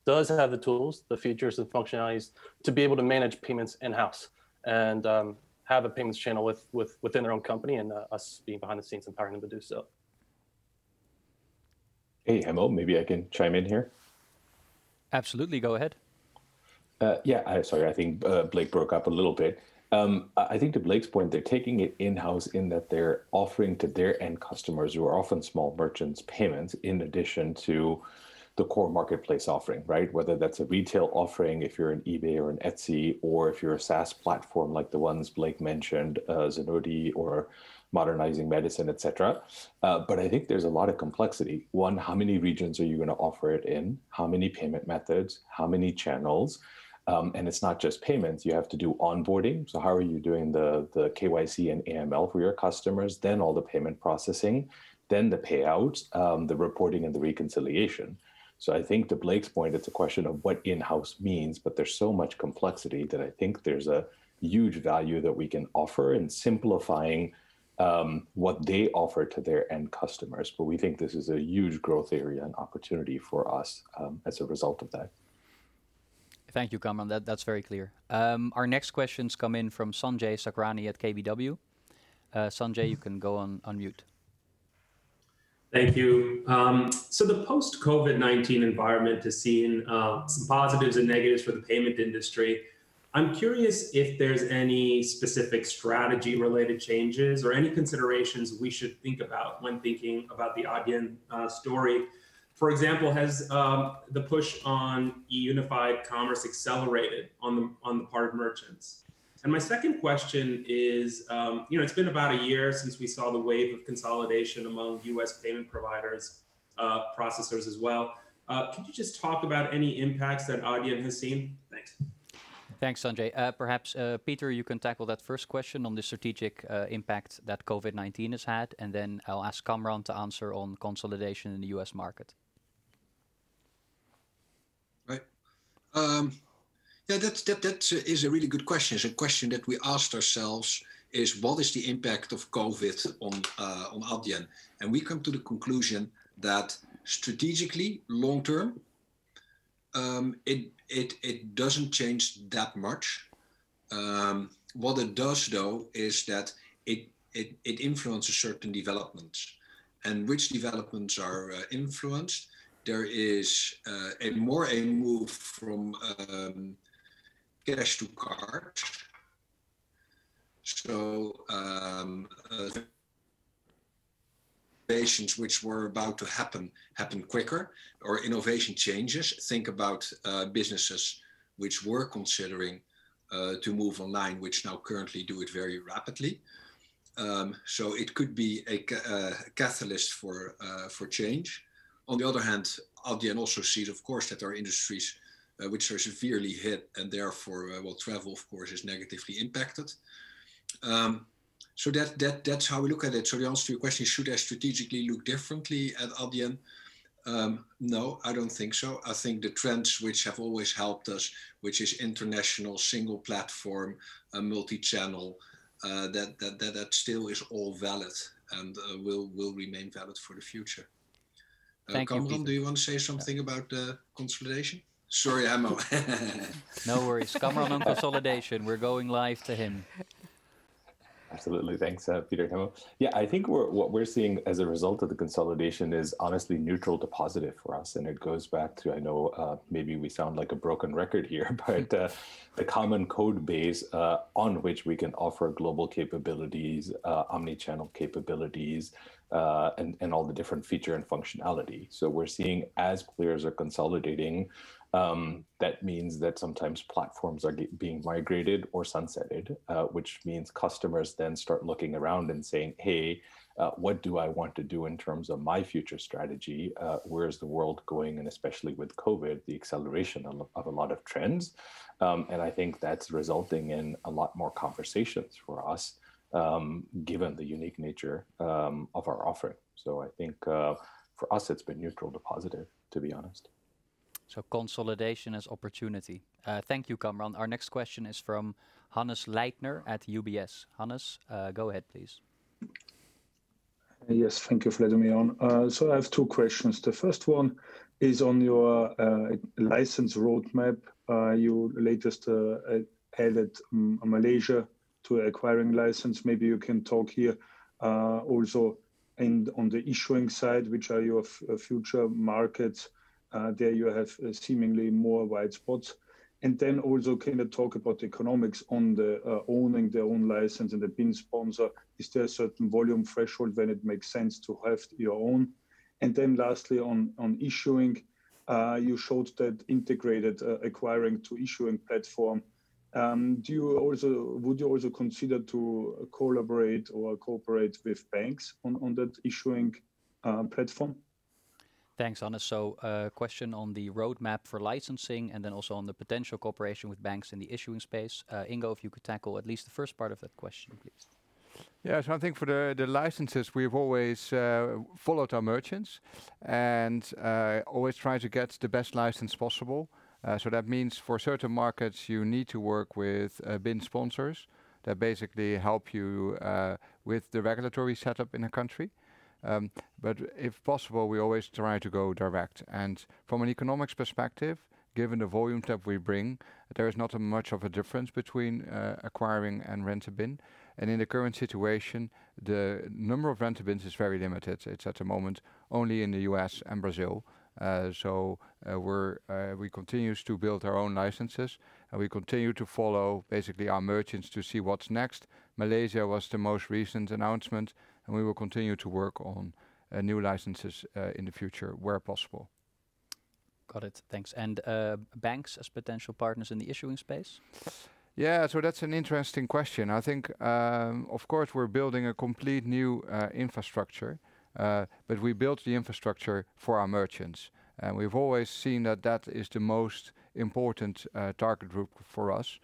does have the tools, the features, and functionalities to be able to manage payments in-house and have a payments channel within their own company, and us being behind the scenes empowering them to do so. Hey, Hemmo, maybe I can chime in here. Absolutely. Go ahead. Sorry, I think Blake broke up a little bit. I think to Blake's point, they're taking it in-house in that they're offering to their end customers, who are often small merchants, payments in addition to the core marketplace offering, right? Whether that's a retail offering, if you're an eBay or an Etsy, or if you're a SaaS platform like the ones Blake mentioned, Zenoti or Modernizing Medicine, et cetera. I think there's a lot of complexity. One, how many regions are you going to offer it in? How many payment methods? How many channels? It's not just payments. You have to do onboarding, so how are you doing the KYC and AML for your customers? All the payment processing, then the payouts, the reporting and the reconciliation. I think to Blake's point, it's a question of what in-house means, but there's so much complexity that I think there's a huge value that we can offer in simplifying what they offer to their end customers. We think this is a huge growth area and opportunity for us as a result of that. Thank you, Kamran. That's very clear. Our next questions come in from Sanjay Sakhrani at KBW. Sanjay, you can go on unmute. Thank you. The post-COVID-19 environment has seen some positives and negatives for the payment industry. I'm curious if there's any specific strategy-related changes or any considerations we should think about when thinking about the Adyen story. For example, has the push on unified commerce accelerated on the part of merchants? My second question is, it's been about a year since we saw the wave of consolidation among U.S. payment providers, processors as well. Could you just talk about any impacts that Adyen has seen? Thanks. Thanks, Sanjay. Perhaps, Pieter, you can tackle that first question on the strategic impact that COVID-19 has had, and then I'll ask Kamran to answer on consolidation in the U.S. market. Right. Yeah, that is a really good question. It's a question that we asked ourselves is, "What is the impact of COVID on Adyen?" We come to the conclusion that strategically, long term, it doesn't change that much. What it does, though, is that it influences certain developments. Which developments are influenced? There is more a move from cash to card. Innovations which were about to happen quicker, or innovation changes. Think about businesses which were considering to move online, which now currently do it very rapidly. It could be a catalyst for change. On the other hand, Adyen also sees, of course, that there are industries which are severely hit and therefore, well, travel, of course, is negatively impacted. That's how we look at it. The answer to your question, should I strategically look differently at Adyen? No, I don't think so. I think the trends which have always helped us, which is international, single platform, multi-channel, that still is all valid and will remain valid for the future. Thank you, Pieter. Kamran, do you want to say something about the consolidation? Sorry, Hemmo. No worries. Kamran on consolidation. We're going live to him. Absolutely. Thanks, Pieter, Hemmo. I think what we're seeing as a result of the consolidation is honestly neutral to positive for us. It goes back to, I know maybe we sound like a broken record here, but the common code base on which we can offer global capabilities, omni-channel capabilities, and all the different feature and functionality. We're seeing as players are consolidating, that means that sometimes platforms are being migrated or sunsetted, which means customers then start looking around and saying, "Hey, what do I want to do in terms of my future strategy? Where's the world going?" Especially with COVID-19, the acceleration of a lot of trends. I think that's resulting in a lot more conversations for us, given the unique nature of our offering. I think for us, it's been neutral to positive, to be honest. Consolidation is opportunity. Thank you, Kamran. Our next question is from Hannes Leitner at UBS. Hannes, go ahead, please. Yes, thank you for letting me on. I have two questions. The first one is on your license roadmap. You latest added Malaysia to acquiring license. Maybe you can talk here. Also on the issuing side, which are your future markets? There you have seemingly more wide spots. Also, can you talk about economics on the owning their own license and the BIN sponsor? Is there a certain volume threshold when it makes sense to have your own? Lastly, on issuing, you showed that integrated acquiring to issuing platform. Would you also consider to collaborate or cooperate with banks on that issuing platform? Thanks, Hannes. A question on the roadmap for licensing and then also on the potential cooperation with banks in the issuing space. Ingo, if you could tackle at least the first part of that question, please. Yeah. I think for the licenses, we've always followed our merchants and always try to get the best license possible. That means for certain markets, you need to work with BIN sponsors that basically help you with the regulatory setup in a country. If possible, we always try to go direct. From an economics perspective, given the volume type we bring, there is not much of a difference between acquiring and rent-a-BIN. In the current situation, the number of rent-a-BINs is very limited. It's at the moment only in the U.S. and Brazil. We continue to build our own licenses, and we continue to follow basically our merchants to see what's next. Malaysia was the most recent announcement, and we will continue to work on new licenses in the future where possible. Got it. Thanks. Banks as potential partners in the issuing space? Yeah. That's an interesting question. I think, of course, we're building a complete new infrastructure, but we built the infrastructure for our merchants, and we've always seen that that is the most important target group for us.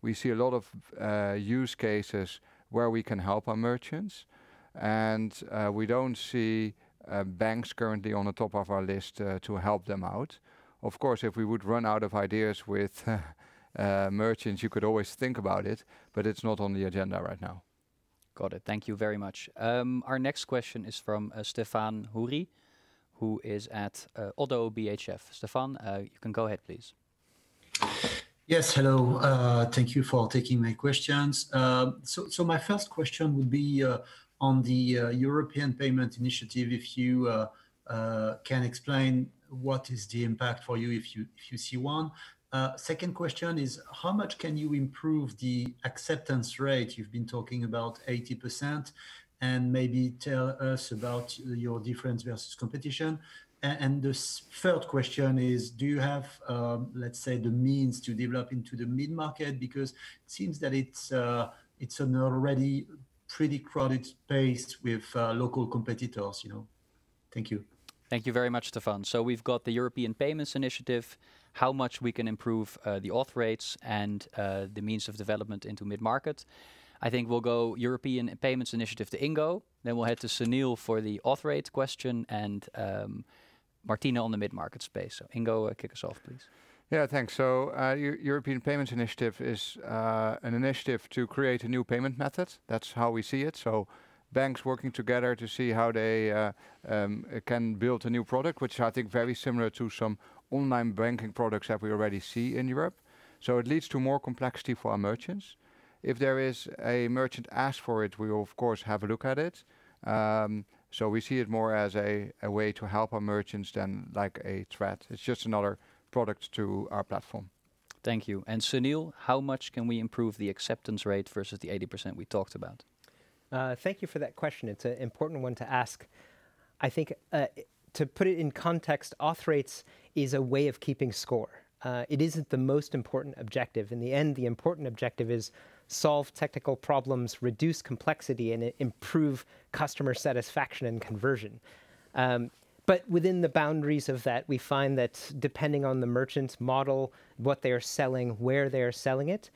We see a lot of use cases where we can help our merchants, and we don't see banks currently on the top of our list to help them out. Of course, if we would run out of ideas with merchants, you could always think about it, but it's not on the agenda right now. Got it. Thank you very much. Our next question is from Stéphane Houri, who is at ODDO BHF. Stéphane, you can go ahead, please. Yes. Hello. Thank you for taking my questions. My first question would be on the European Payments Initiative, if you can explain what is the impact for you, if you see one. Second question is, how much can you improve the acceptance rate? You've been talking about 80%. Maybe tell us about your difference versus competition. The third question is, do you have, let’s say, the means to develop into the mid-market? Because it seems that it’s an already pretty crowded space with local competitors. Thank you. Thank you very much, Stéphane. We've got the European Payments Initiative, how much we can improve the auth rates, and the means of development into mid-market. I think we'll go European Payments Initiative to Ingo, then we'll head to Sunil for the auth rate question, and Martine on the mid-market space. Ingo, kick us off, please. Yeah. Thanks. European Payments Initiative is an initiative to create a new payment method. That's how we see it. Banks working together to see how they can build a new product, which I think very similar to some online banking products that we already see in Europe. It leads to more complexity for our merchants. If there is a merchant ask for it, we of course have a look at it. We see it more as a way to help our merchants than a threat. It's just another product to our platform. Thank you. Sunil, how much can we improve the acceptance rate versus the 80% we talked about? Thank you for that question. It's an important one to ask. I think, to put it in context, auth rates is a way of keeping score. It isn't the most important objective. In the end, the important objective is solve technical problems, reduce complexity, and improve customer satisfaction and conversion. Within the boundaries of that, we find that depending on the merchant's model, what they are selling, where they are selling it,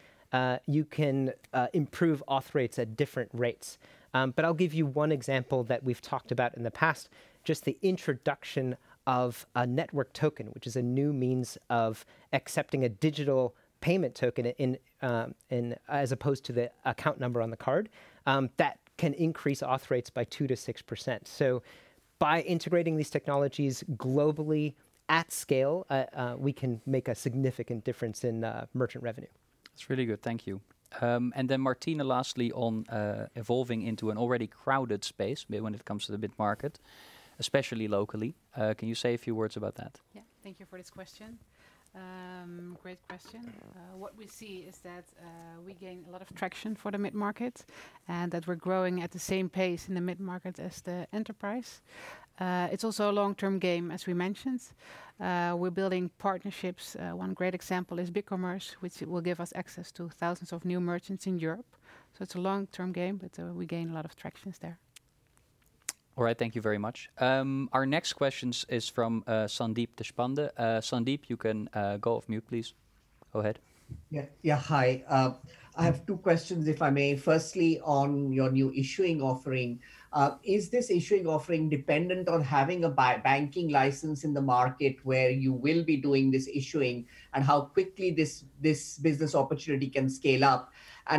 you can improve auth rates at different rates. I'll give you one example that we've talked about in the past, just the introduction of a network token, which is a new means of accepting a digital payment token as opposed to the account number on the card. That can increase auth rates by 2%-6%. By integrating these technologies globally at scale, we can make a significant difference in merchant revenue. That's really good. Thank you. Martine, lastly, on evolving into an already crowded space when it comes to the mid-market, especially locally. Can you say a few words about that? Yeah. Thank you for this question. Great question. What we see is that we gain a lot of tractions for the mid-market and that we're growing at the same pace in the mid-market as the enterprise. It's also a long-term game, as we mentioned. We're building partnerships. One great example is BigCommerce, which will give us access to thousands of new merchants in Europe. It's a long-term game, but we gain a lot of tractions there. All right. Thank you very much. Our next questions is from Sandeep Deshpande. Sandeep, you can go off mute, please. Go ahead. Yeah. Hi. I have two questions, if I may. Firstly, on your new issuing offering. Is this issuing offering dependent on having a banking license in the market where you will be doing this issuing, and how quickly this business opportunity can scale up?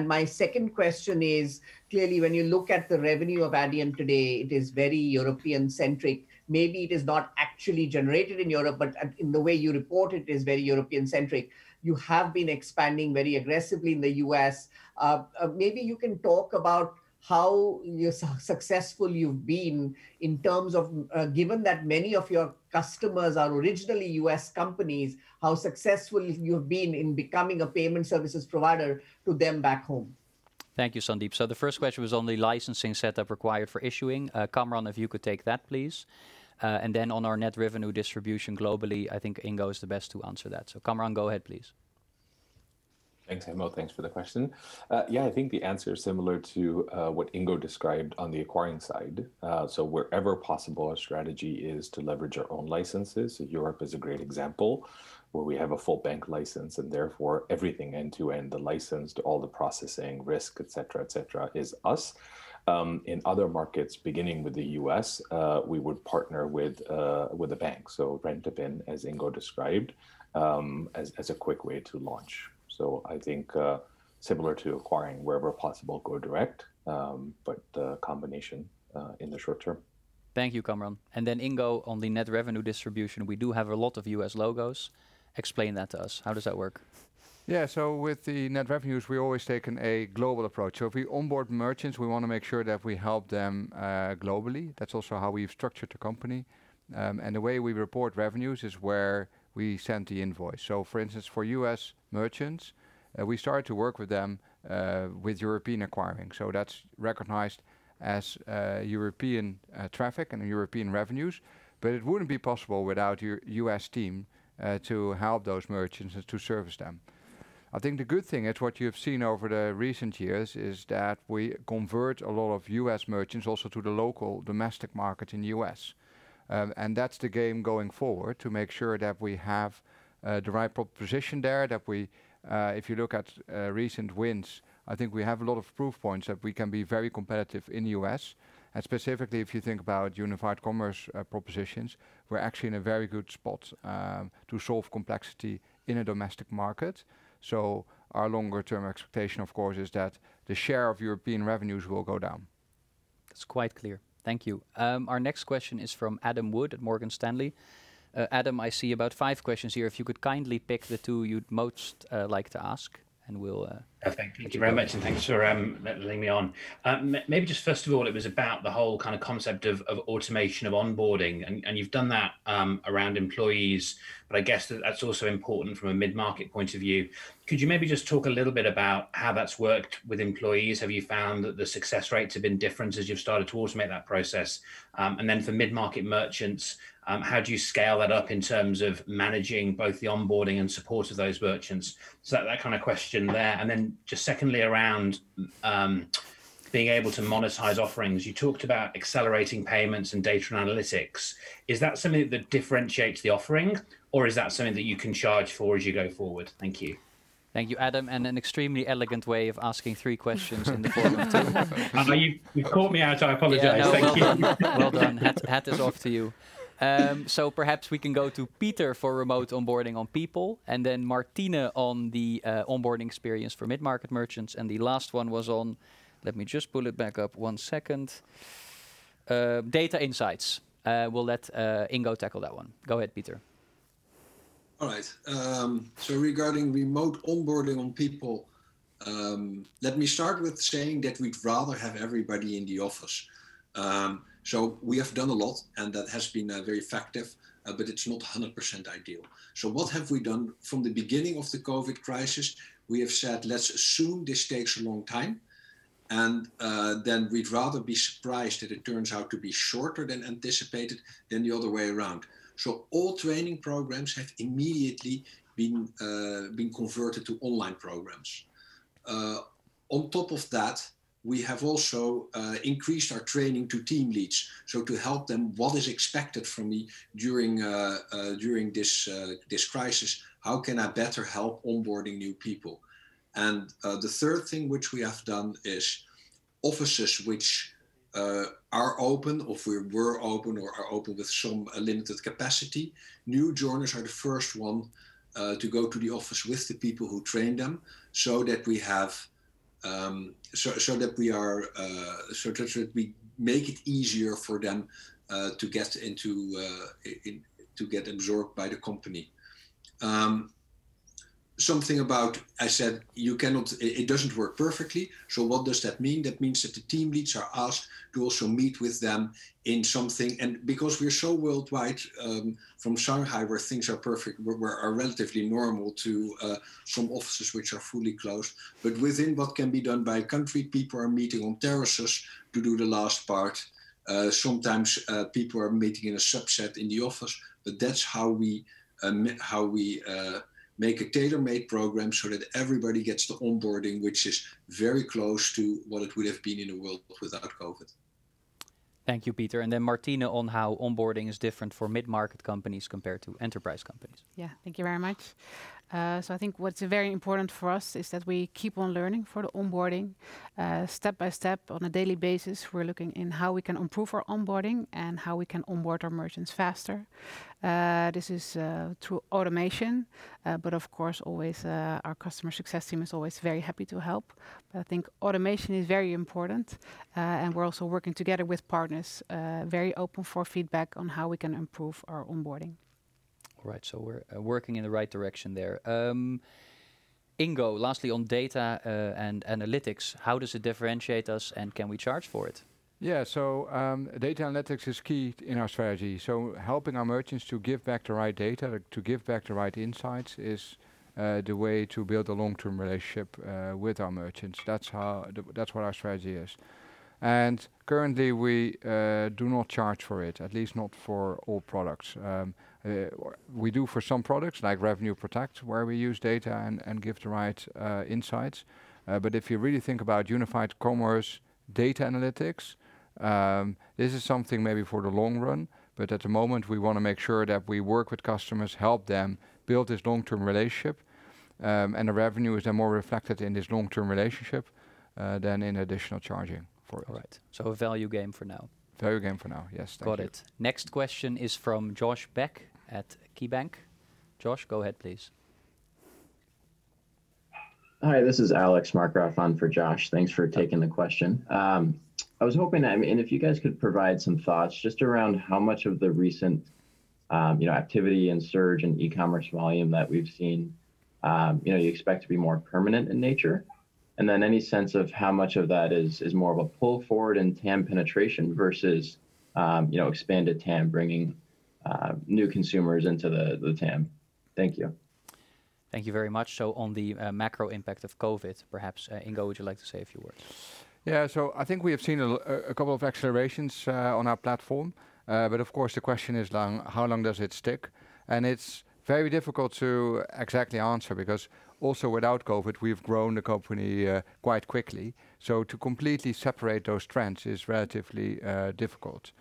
My second question is, clearly, when you look at the revenue of Adyen today, it is very European-centric. Maybe it is not actually generated in Europe, but in the way you report it, is very European-centric. You have been expanding very aggressively in the U.S. Maybe you can talk about how successful you've been in terms of, given that many of your customers are originally U.S. companies, how successful you've been in becoming a payment services provider to them back home. Thank you, Sandeep. The first question was on the licensing setup required for issuing. Kamran, if you could take that, please. On our net revenue distribution globally, I think Ingo is the best to answer that. Kamran, go ahead, please. Thanks, Hemmo. Thanks for the question. Yeah. I think the answer is similar to what Ingo described on the acquiring side. Wherever possible, our strategy is to leverage our own licenses. Europe is a great example where we have a full bank license and therefore everything end to end, the license to all the processing risk, et cetera, is us. In other markets, beginning with the U.S., we would partner with a bank, so rent a BIN, as Ingo described, as a quick way to launch. I think, similar to acquiring wherever possible, go direct, but a combination in the short term. Thank you, Kamran. Then Ingo, on the net revenue distribution, we do have a lot of U.S. logos. Explain that to us. How does that work? Yeah. With the net revenues, we've always taken a global approach. If we onboard merchants, we want to make sure that we help them globally. That's also how we've structured the company. The way we report revenues is where we send the invoice. For instance, for U.S. merchants, we started to work with them with European acquiring. That's recognized as European traffic and European revenues, but it wouldn't be possible without U.S. team to help those merchants and to service them. I think the good thing is what you've seen over the recent years is that we convert a lot of U.S. merchants also to the local domestic market in the U.S. That's the game going forward to make sure that we have the right proposition there. If you look at recent wins, I think we have a lot of proof points that we can be very competitive in the U.S., and specifically if you think about unified commerce propositions, we're actually in a very good spot to solve complexity in a domestic market. Our longer-term expectation, of course, is that the share of European revenues will go down. It's quite clear. Thank you. Our next question is from Adam Wood at Morgan Stanley. Adam, I see about five questions here. If you could kindly pick the two you'd most like to ask and we'll. Thank you very much, and thanks for letting me on. Just first of all, it was about the whole kind of concept of automation of onboarding and you've done that around employees, but I guess that's also important from a mid-market point of view. Could you just talk a little bit about how that's worked with employees? Have you found that the success rates have been different as you've started to automate that process? For mid-market merchants, how do you scale that up in terms of managing both the onboarding and support of those merchants? That kind of question there. Just secondly around being able to monetize offerings. You talked about accelerating payments and data and analytics. Is that something that differentiates the offering or is that something that you can charge for as you go forward? Thank you. Thank you, Adam. An extremely elegant way of asking three questions in the form of two. You caught me out. I apologize. Thank you. Well done. Hat is off to you. Perhaps we can go to Pieter for remote onboarding on people, and then Martine on the onboarding experience for mid-market merchants, and the last one was on, let me just pull it back up, one second. Data insights. We'll let Ingo tackle that one. Go ahead, Pieter. All right. Regarding remote onboarding on people, let me start with saying that we'd rather have everybody in the office. We have done a lot, and that has been very effective, but it's not 100% ideal. What have we done? From the beginning of the COVID crisis, we have said, let's assume this takes a long time, we'd rather be surprised that it turns out to be shorter than anticipated than the other way around. All training programs have immediately been converted to online programs. On top of that, we have also increased our training to team leads. To help them, what is expected from me during this crisis, how can I better help onboarding new people? The third thing which we have done is offices which are open, or were open, or are open with some limited capacity, new joiners are the first one to go to the office with the people who train them so that we make it easier for them to get absorbed by the company. Something about, I said it doesn't work perfectly. What does that mean? That means that the team leads are asked to also meet with them in something. Because we are so worldwide, from Shanghai, where things are relatively normal to some offices which are fully closed, within what can be done by a country, people are meeting on terraces to do the last part. Sometimes, people are meeting in a subset in the office. That's how we make a tailor-made program so that everybody gets the onboarding, which is very close to what it would have been in a world without COVID. Thank you, Pieter. Martine on how onboarding is different for mid-market companies compared to enterprise companies. Thank you very much. I think what's very important for us is that we keep on learning for the onboarding. Step by step on a daily basis, we're looking in how we can improve our onboarding and how we can onboard our merchants faster. This is through automation, but of course, our customer success team is always very happy to help. I think automation is very important, and we're also working together with partners, very open for feedback on how we can improve our onboarding. Right. We're working in the right direction there. Ingo, lastly on data and analytics, how does it differentiate us and can we charge for it? Yeah. Data analytics is key in our strategy. Helping our merchants to give back the right data, to give back the right insights is the way to build a long-term relationship with our merchants. That's what our strategy is. Currently, we do not charge for it, at least not for all products. We do for some products, like RevenueProtect, where we use data and give the right insights. If you really think about unified commerce data analytics, this is something maybe for the long run, but at the moment, we want to make sure that we work with customers, help them build this long-term relationship, and the revenues are more reflected in this long-term relationship, than in additional charging for it. All right. A value game for now. Value game for now. Yes. Thank you. Got it. Next question is from Josh Beck at KeyBanc. Josh, go ahead please. Hi, this is Alex Markgraff on for Josh. Thanks for taking the question. I was hoping, if you guys could provide some thoughts just around how much of the recent activity and surge in e-commerce volume that we've seen, you expect to be more permanent in nature? Any sense of how much of that is more of a pull forward in TAM penetration versus expanded TAM bringing new consumers into the TAM? Thank you. Thank you very much. On the macro impact of COVID, perhaps, Ingo, would you like to say a few words? Yeah. I think we have seen a couple of accelerations on our platform. Of course, the question is how long does it stick? It's very difficult to exactly answer because also without COVID, we've grown the company quite quickly. To completely separate those trends is relatively difficult.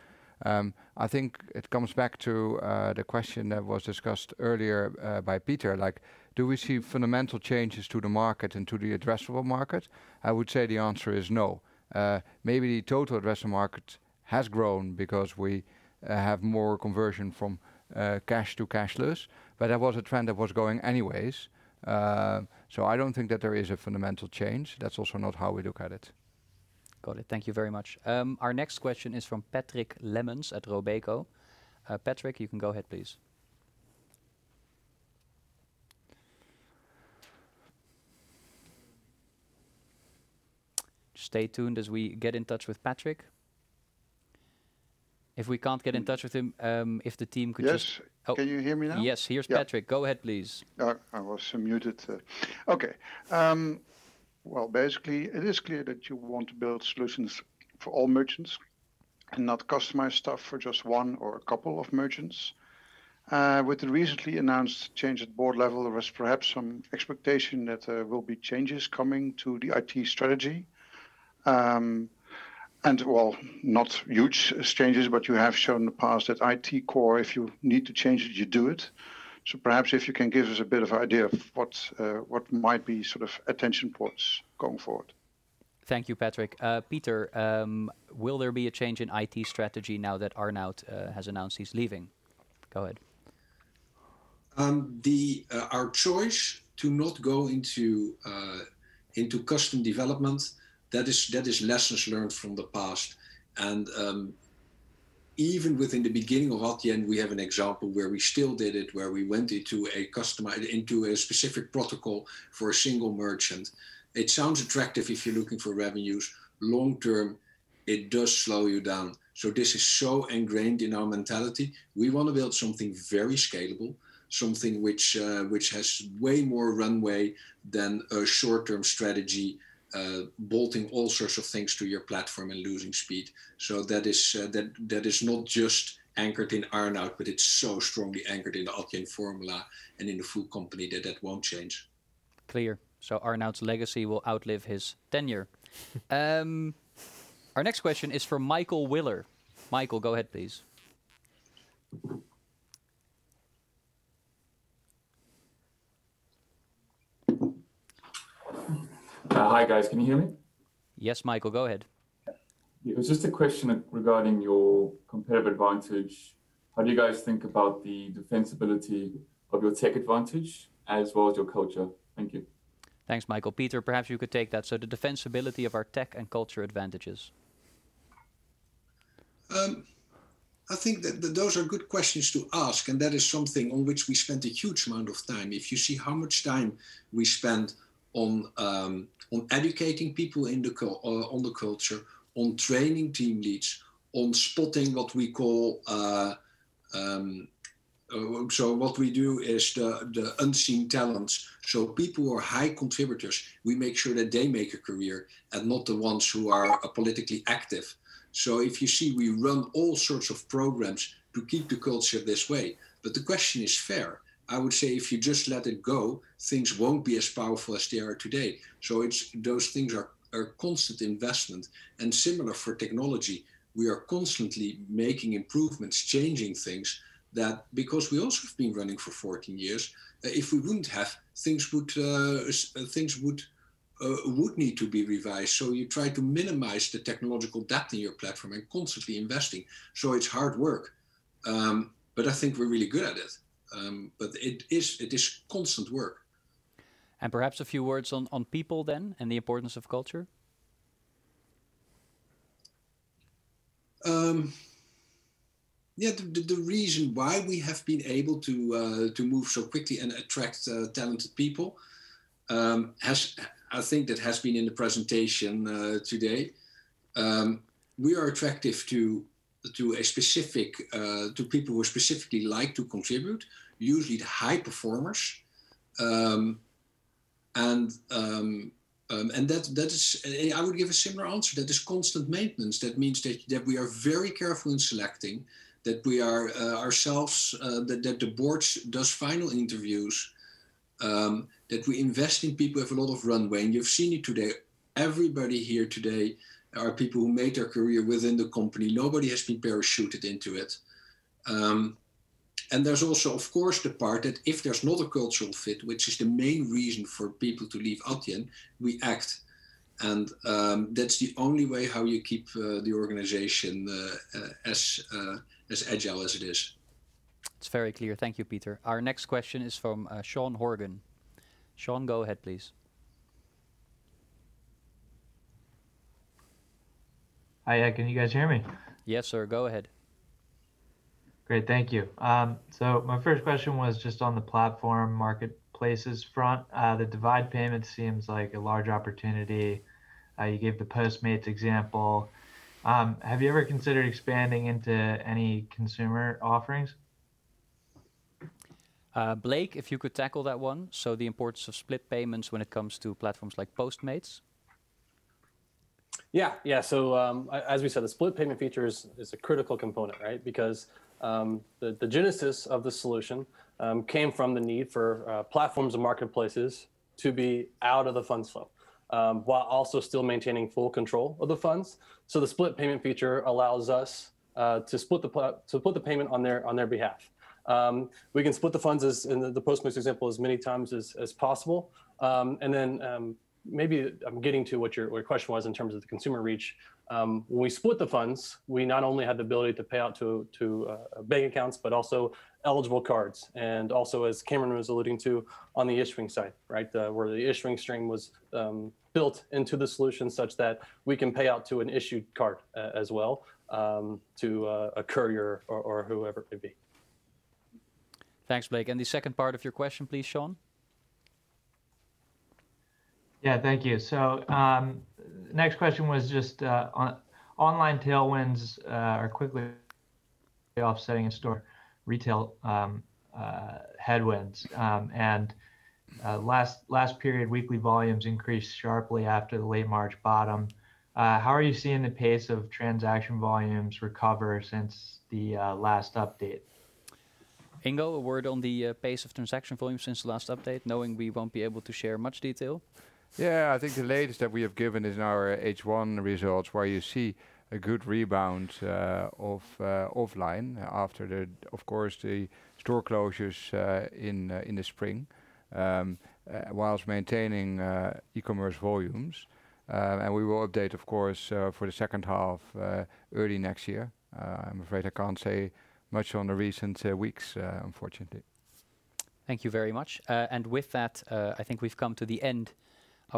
I think it comes back to the question that was discussed earlier by Pieter, like do we see fundamental changes to the market and to the addressable market? I would say the answer is no. Maybe the total addressable market has grown because we have more conversion from cash to cashless, but that was a trend that was going anyways. I don't think that there is a fundamental change. That's also not how we look at it. Got it. Thank you very much. Our next question is from Patrick Lemmens at Robeco. Patrick, you can go ahead please. Stay tuned as we get in touch with Patrick. If we can't get in touch with him, if the team could just. Yes. Can you hear me now? Yes. Here's Patrick. Go ahead please. I was muted. Okay. Well, basically it is clear that you want to build solutions for all merchants and not customize stuff for just one or a couple of merchants. With the recently announced change at board level, there was perhaps some expectation that there will be changes coming to the IT strategy. Well, not huge changes, but you have shown in the past that IT core, if you need to change it, you do it. Perhaps if you can give us a bit of idea of what might be sort of attention points going forward. Thank you, Patrick. Pieter, will there be a change in IT strategy now that Arnout has announced he's leaving? Go ahead. Our choice to not go into custom development, that is lessons learned from the past. Even within the beginning of Adyen, we have an example where we still did it, where we went into a specific protocol for a single merchant. It sounds attractive if you're looking for revenues. Long term, it does slow you down. This is so ingrained in our mentality. We want to build something very scalable, something which has way more runway than a short-term strategy, bolting all sorts of things to your platform and losing speed. That is not just anchored in Arnout, but it's so strongly anchored in the Adyen Formula and in the full company that that won't change. Clear. Arnout's legacy will outlive his tenure. Our next question is from Michael Willar. Michael, go ahead please. Hi guys. Can you hear me? Yes, Michael. Go ahead. Yeah. It was just a question regarding your competitive advantage. How do you guys think about the defensibility of your tech advantage as well as your culture? Thank you. Thanks, Michael. Pieter, perhaps you could take that. The defensibility of our tech and culture advantages. I think that those are good questions to ask, and that is something on which we spent a huge amount of time. If you see how much time we spent on educating people on the culture, on training team leads, on spotting what we call the unseen talents. People who are high contributors, we make sure that they make a career and not the ones who are politically active. If you see, we run all sorts of programs to keep the culture this way, but the question is fair. I would say if you just let it go, things won't be as powerful as they are today. Those things are a constant investment, and similar for technology. We are constantly making improvements, changing things that because we also have been running for 14 years, if we wouldn't have, things would need to be revised. You try to minimize the technological debt in your platform and constantly investing. It's hard work, but I think we're really good at it. It is constant work. Perhaps a few words on people then, and the importance of culture. Yeah. The reason why we have been able to move so quickly and attract talented people, I think that has been in the presentation today. We are attractive to people who specifically like to contribute, usually the high performers. I would give a similar answer. That is constant maintenance. That means that we are very careful in selecting, that the board does final interviews, that we invest in people who have a lot of runway, and you've seen it today. Everybody here today are people who made their career within the company. Nobody has been parachuted into it. There's also, of course, the part that if there's not a cultural fit, which is the main reason for people to leave Adyen, we act and that's the only way how you keep the organization as agile as it is. It's very clear. Thank you, Pieter. Our next question is from Sean Horgan. Sean, go ahead please. Hi. Can you guys hear me? Yes, sir. Go ahead. Great. Thank you. My first question was just on the platform marketplaces front. The divide payment seems like a large opportunity. You gave the Postmates example. Have you ever considered expanding into any consumer offerings? Blake, if you could tackle that one. The importance of split payments when it comes to platforms like Postmates. Yeah. As we said, the split payment feature is a critical component, right? Because the genesis of the solution came from the need for platforms and marketplaces to be out of the fund flow while also still maintaining full control of the funds. The split payment feature allows us to put the payment on their behalf. We can split the funds, in the Postmates example, as many times as possible. Maybe I'm getting to what your question was in terms of the consumer reach. When we split the funds, we not only have the ability to pay out to bank accounts, but also eligible cards, and also, as Kamran was alluding to, on the issuing side, right? Where the issuing stream was built into the solution such that we can pay out to an issued card as well to a courier or whoever it may be. Thanks, Blake, and the second part of your question please, Sean. Yeah, thank you. Next question was just online tailwinds are quickly offsetting in-store retail headwinds. Last period weekly volumes increased sharply after the late March bottom. How are you seeing the pace of transaction volumes recover since the last update? Ingo, a word on the pace of transaction volumes since the last update, knowing we won't be able to share much detail. Yeah, I think the latest that we have given is in our H1 results where you see a good rebound offline after, of course, the store closures in the spring whilst maintaining e-commerce volumes. We will update, of course, for the second half early next year. I'm afraid I can't say much on the recent weeks, unfortunately. Thank you very much. With that, I think we've come to the end of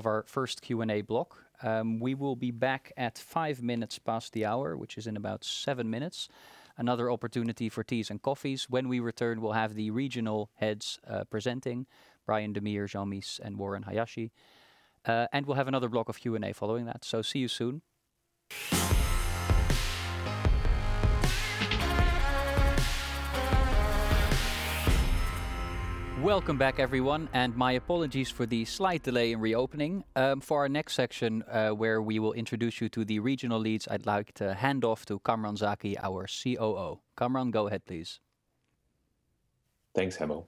our first Q&A block. We will be back at five minutes past the hour, which is in about seven minutes. Another opportunity for teas and coffees. When we return, we'll have the regional heads presenting, Brian Dammeir, Jean Mies, and Warren Hayashi. We'll have another block of Q&A following that. See you soon. Welcome back everyone, and my apologies for the slight delay in reopening. For our next section where we will introduce you to the regional leads, I'd like to hand off to Kamran Zaki, our COO. Kamran, go ahead please. Thanks, Hemmo.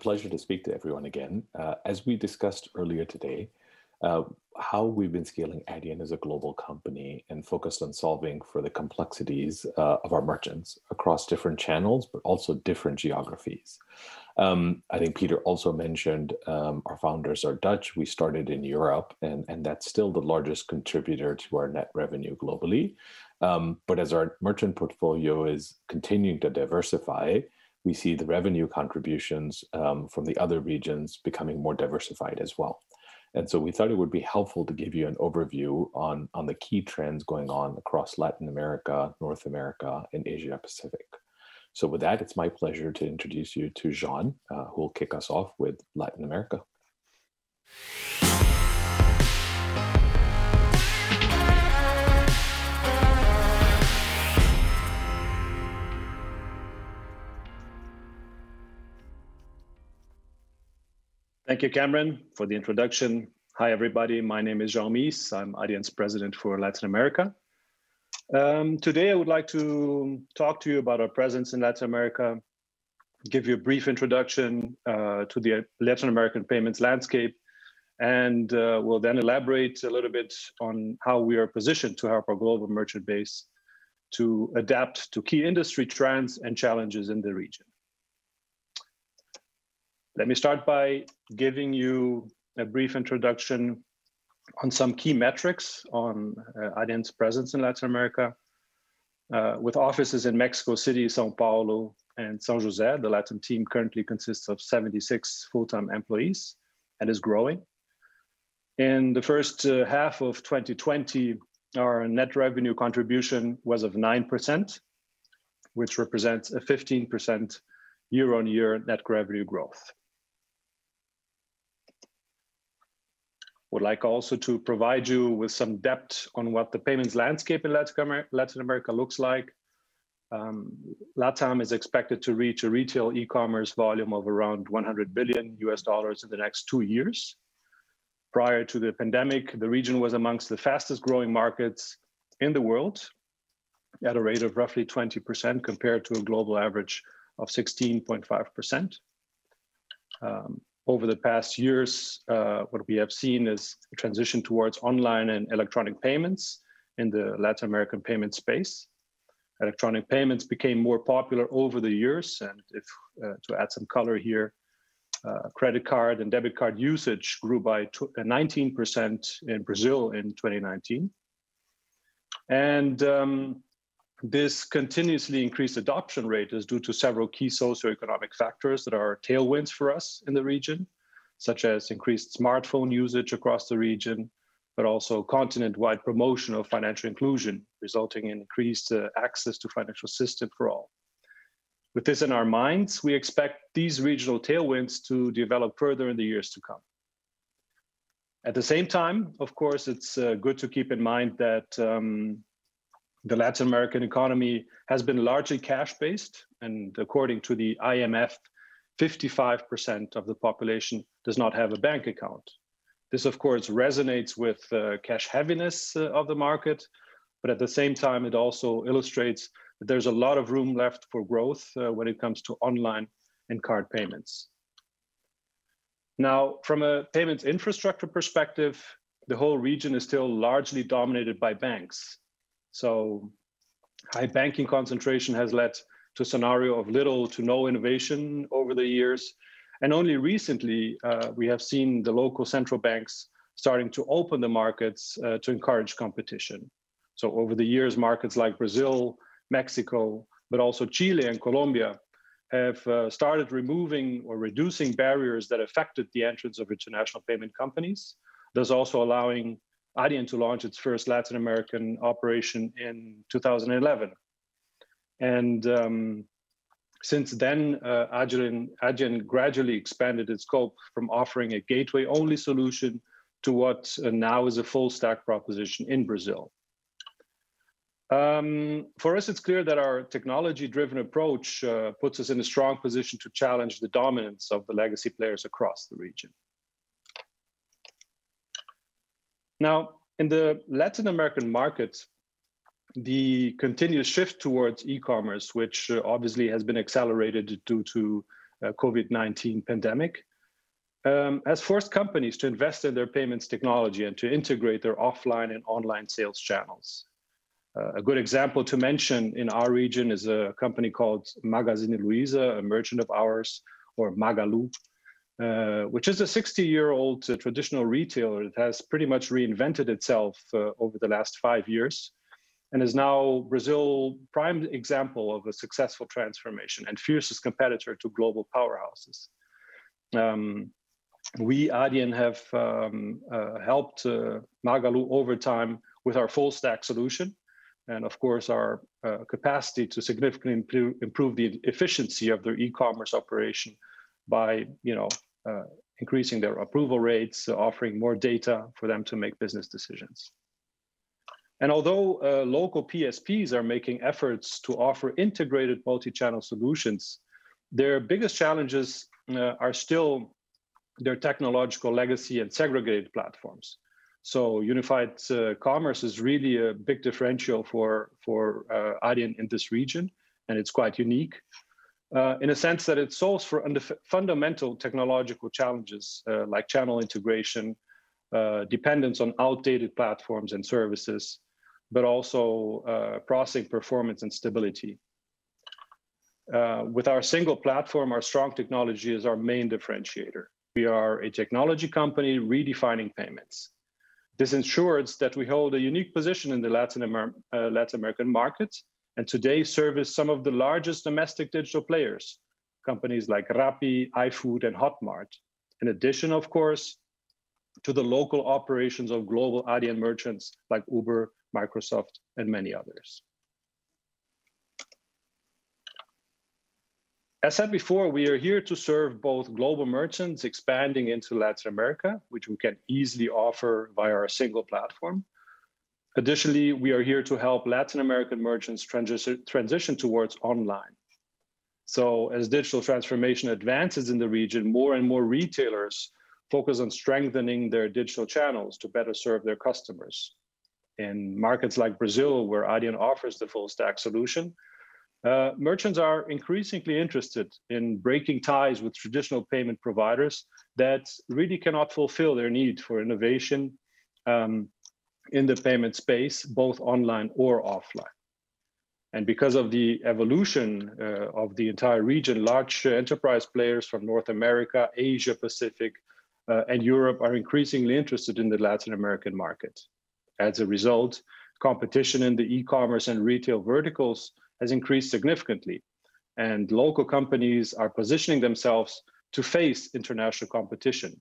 Pleasure to speak to everyone again. As we discussed earlier today, how we've been scaling Adyen as a global company and focused on solving for the complexities of our merchants across different channels, also different geographies. I think Pieter also mentioned our founders are Dutch. That's still the largest contributor to our net revenue globally. As our merchant portfolio is continuing to diversify, we see the revenue contributions from the other regions becoming more diversified as well. We thought it would be helpful to give you an overview on the key trends going on across Latin America, North America, and Asia Pacific. With that, it's my pleasure to introduce you to Jean, who will kick us off with Latin America. Thank you, Kamran, for the introduction. Hi everybody. My name is Jean Mies. I'm Adyen's President for Latin America. Today I would like to talk to you about our presence in Latin America, give you a brief introduction to the Latin American payments landscape, we'll then elaborate a little bit on how we are positioned to help our global merchant base to adapt to key industry trends and challenges in the region. Let me start by giving you a brief introduction on some key metrics on Adyen's presence in Latin America. With offices in Mexico City, São Paulo, and San José, the LatAm team currently consists of 76 full-time employees and is growing. In the first half of 2020, our net revenue contribution was of 9%, which represents a 15% year-on-year net revenue growth. Would like also to provide you with some depth on what the payments landscape in Latin America looks like. LatAm is expected to reach a retail e-commerce volume of around $100 billion in the next two years. Prior to the pandemic, the region was amongst the fastest-growing markets in the world at a rate of roughly 20% compared to a global average of 16.5%. Over the past years, what we have seen is a transition towards online and electronic payments in the Latin American payment space. Electronic payments became more popular over the years. To add some color here, credit card and debit card usage grew by 19% in Brazil in 2019. This continuously increased adoption rate is due to several key socioeconomic factors that are tailwinds for us in the region, such as increased smartphone usage across the region, but also continent-wide promotion of financial inclusion resulting in increased access to financial system for all. With this in our minds, we expect these regional tailwinds to develop further in the years to come. At the same time, of course, it's good to keep in mind that the Latin American economy has been largely cash-based, and according to the IMF, 55% of the population does not have a bank account. This, of course, resonates with the cash heaviness of the market, but at the same time, it also illustrates that there's a lot of room left for growth when it comes to online and card payments. From a payments infrastructure perspective, the whole region is still largely dominated by banks. High banking concentration has led to a scenario of little to no innovation over the years. Only recently, we have seen the local central banks starting to open the markets to encourage competition. Over the years, markets like Brazil, Mexico, but also Chile and Colombia, have started removing or reducing barriers that affected the entrance of international payment companies. Thus also allowing Adyen to launch its first Latin American operation in 2011. Since then, Adyen gradually expanded its scope from offering a gateway-only solution to what now is a full-stack proposition in Brazil. For us, it's clear that our technology-driven approach puts us in a strong position to challenge the dominance of the legacy players across the region. Now, in the Latin American market, the continuous shift towards e-commerce, which obviously has been accelerated due to COVID-19 pandemic, has forced companies to invest in their payments technology and to integrate their offline and online sales channels. A good example to mention in our region is a company called Magazine Luiza, a merchant of ours, or Magalu, which is a 60-year-old traditional retailer that has pretty much reinvented itself over the last five years and is now Brazil's prime example of a successful transformation and fiercest competitor to global powerhouses. We, Adyen, have helped Magalu over time with our full-stack solution and, of course, our capacity to significantly improve the efficiency of their e-commerce operation by increasing their approval rates, offering more data for them to make business decisions. Although local PSPs are making efforts to offer integrated multi-channel solutions, their biggest challenges are still their technological legacy and segregated platforms. Unified commerce is really a big differential for Adyen in this region, and it's quite unique in a sense that it solves for fundamental technological challenges like channel integration, dependence on outdated platforms and services, but also processing performance and stability. With our single platform, our strong technology is our main differentiator. We are a technology company redefining payments. This ensures that we hold a unique position in the Latin American market and today service some of the largest domestic digital players, companies like Rappi, iFood, and Hotmart. In addition, of course, to the local operations of global Adyen merchants like Uber, Microsoft, and many others. As said before, we are here to serve both global merchants expanding into Latin America, which we can easily offer via our single platform. Additionally, we are here to help Latin American merchants transition towards online. As digital transformation advances in the region, more and more retailers focus on strengthening their digital channels to better serve their customers. In markets like Brazil, where Adyen offers the full-stack solution, merchants are increasingly interested in breaking ties with traditional payment providers that really cannot fulfill their need for innovation in the payment space, both online or offline. Because of the evolution of the entire region, large enterprise players from North America, Asia-Pacific, and Europe are increasingly interested in the Latin American market. As a result, competition in the e-commerce and retail verticals has increased significantly, and local companies are positioning themselves to face international competition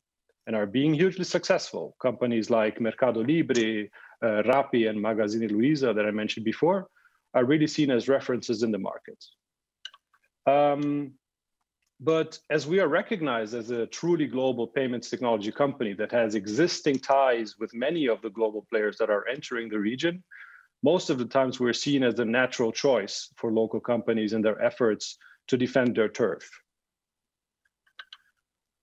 and are being hugely successful. Companies like Mercado Libre, Rappi, and Magazine Luiza, that I mentioned before, are really seen as references in the market. As we are recognized as a truly global payments technology company that has existing ties with many of the global players that are entering the region, most of the times we're seen as the natural choice for local companies in their efforts to defend their turf.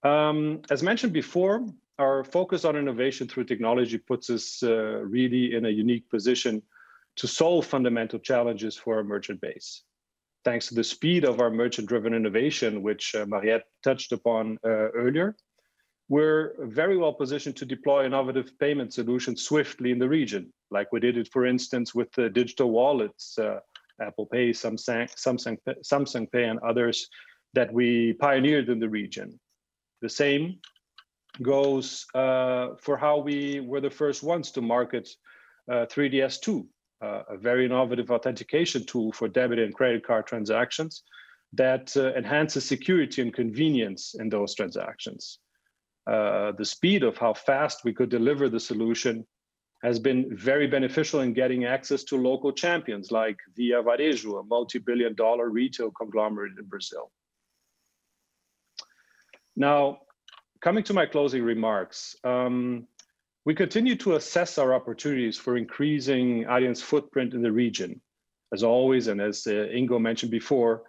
As mentioned before, our focus on innovation through technology puts us really in a unique position to solve fundamental challenges for our merchant base. Thanks to the speed of our merchant-driven innovation, which Mariëtte touched upon earlier, we're very well positioned to deploy innovative payment solutions swiftly in the region. Like we did it, for instance, with the digital wallets, Apple Pay, Samsung Pay, and others that we pioneered in the region. The same goes for how we were the first ones to market 3DS2, a very innovative authentication tool for debit and credit card transactions that enhances security and convenience in those transactions. The speed of how fast we could deliver the solution has been very beneficial in getting access to local champions like Via Varejo, a multibillion-dollar retail conglomerate in Brazil. Coming to my closing remarks. We continue to assess our opportunities for increasing Adyen's footprint in the region. Always, and as Ingo mentioned before,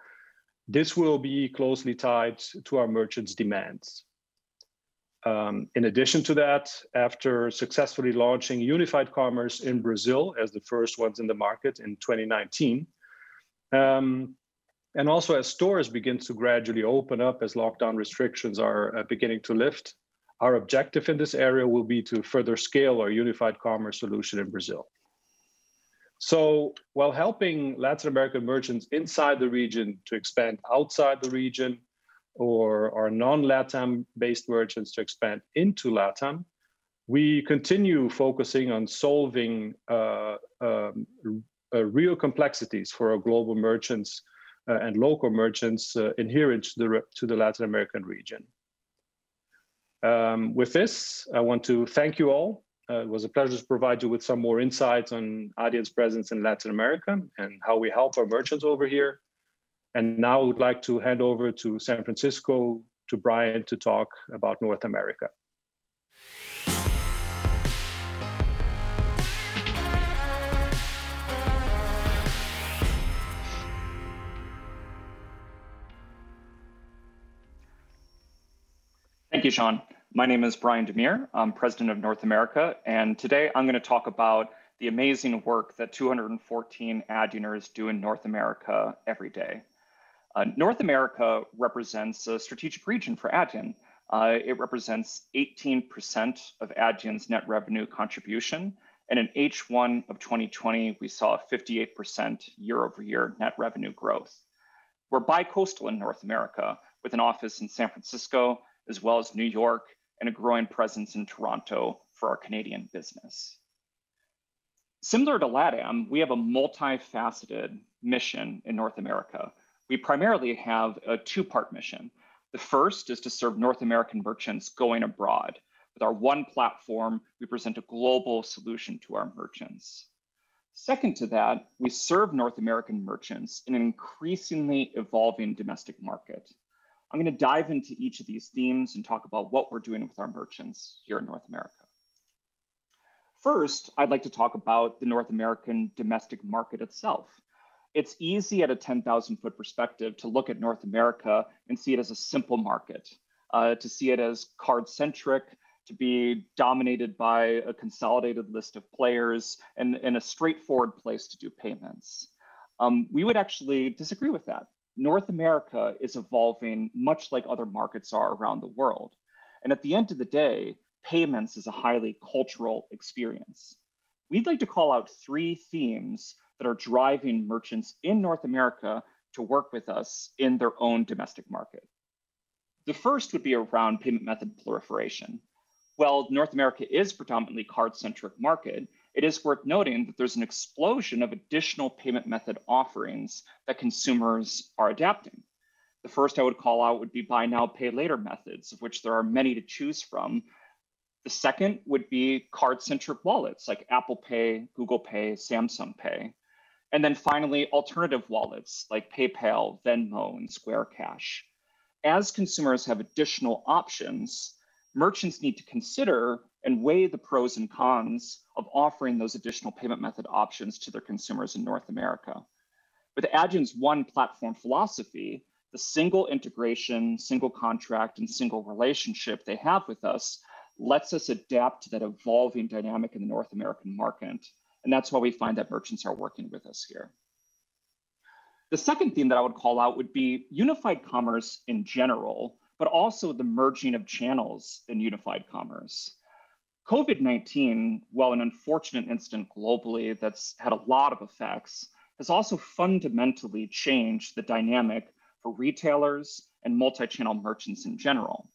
this will be closely tied to our merchants' demands. In addition to that, after successfully launching unified commerce in Brazil as the first ones in the market in 2019, and also as stores begin to gradually open up as lockdown restrictions are beginning to lift, our objective in this area will be to further scale our unified commerce solution in Brazil. While helping Latin American merchants inside the region to expand outside the region, or our non-LATAM-based merchants to expand into LATAM, we continue focusing on solving real complexities for our global merchants and local merchants inherent to the Latin American region. With this, I want to thank you all. It was a pleasure to provide you with some more insights on Adyen's presence in Latin America and how we help our merchants over here. Now I would like to hand over to San Francisco to Brian to talk about North America. Thank you, Sean. My name is Brian Dammeir. I'm President of North America. Today I'm going to talk about the amazing work that 214 Adyeners do in North America every day. North America represents a strategic region for Adyen. It represents 18% of Adyen's net revenue contribution. In H1 of 2020, we saw a 58% year-over-year net revenue growth. We're bicoastal in North America with an office in San Francisco as well as New York. A growing presence in Toronto for our Canadian business. Similar to LatAm, we have a multifaceted mission in North America. We primarily have a two-part mission. The first is to serve North American merchants going abroad. With our one platform, we present a global solution to our merchants. Second to that, we serve North American merchants in an increasingly evolving domestic market. I'm going to dive into each of these themes and talk about what we're doing with our merchants here in North America. First, I'd like to talk about the North American domestic market itself. It's easy at a 10,000-ft perspective to look at North America and see it as a simple market, to see it as card-centric, to be dominated by a consolidated list of players, and a straightforward place to do payments. We would actually disagree with that. North America is evolving much like other markets are around the world, and at the end of the day, payments is a highly cultural experience. We'd like to call out three themes that are driving merchants in North America to work with us in their own domestic market. The first would be around payment method proliferation. While North America is predominantly card-centric market, it is worth noting that there's an explosion of additional payment method offerings that consumers are adapting. The first I would call out would be buy now, pay later methods, of which there are many to choose from. The second would be card-centric wallets like Apple Pay, Google Pay, Samsung Pay. Finally, alternative wallets like PayPal, Venmo, and Cash App. As consumers have additional options, merchants need to consider and weigh the pros and cons of offering those additional payment method options to their consumers in North America. With Adyen's one platform philosophy, the single integration, single contract, and single relationship they have with us lets us adapt to that evolving dynamic in the North American market, and that's why we find that merchants are working with us here. The second theme that I would call out would be unified commerce in general, but also the merging of channels in unified commerce. COVID-19, while an unfortunate incident globally that's had a lot of effects, has also fundamentally changed the dynamic for retailers and multi-channel merchants in general.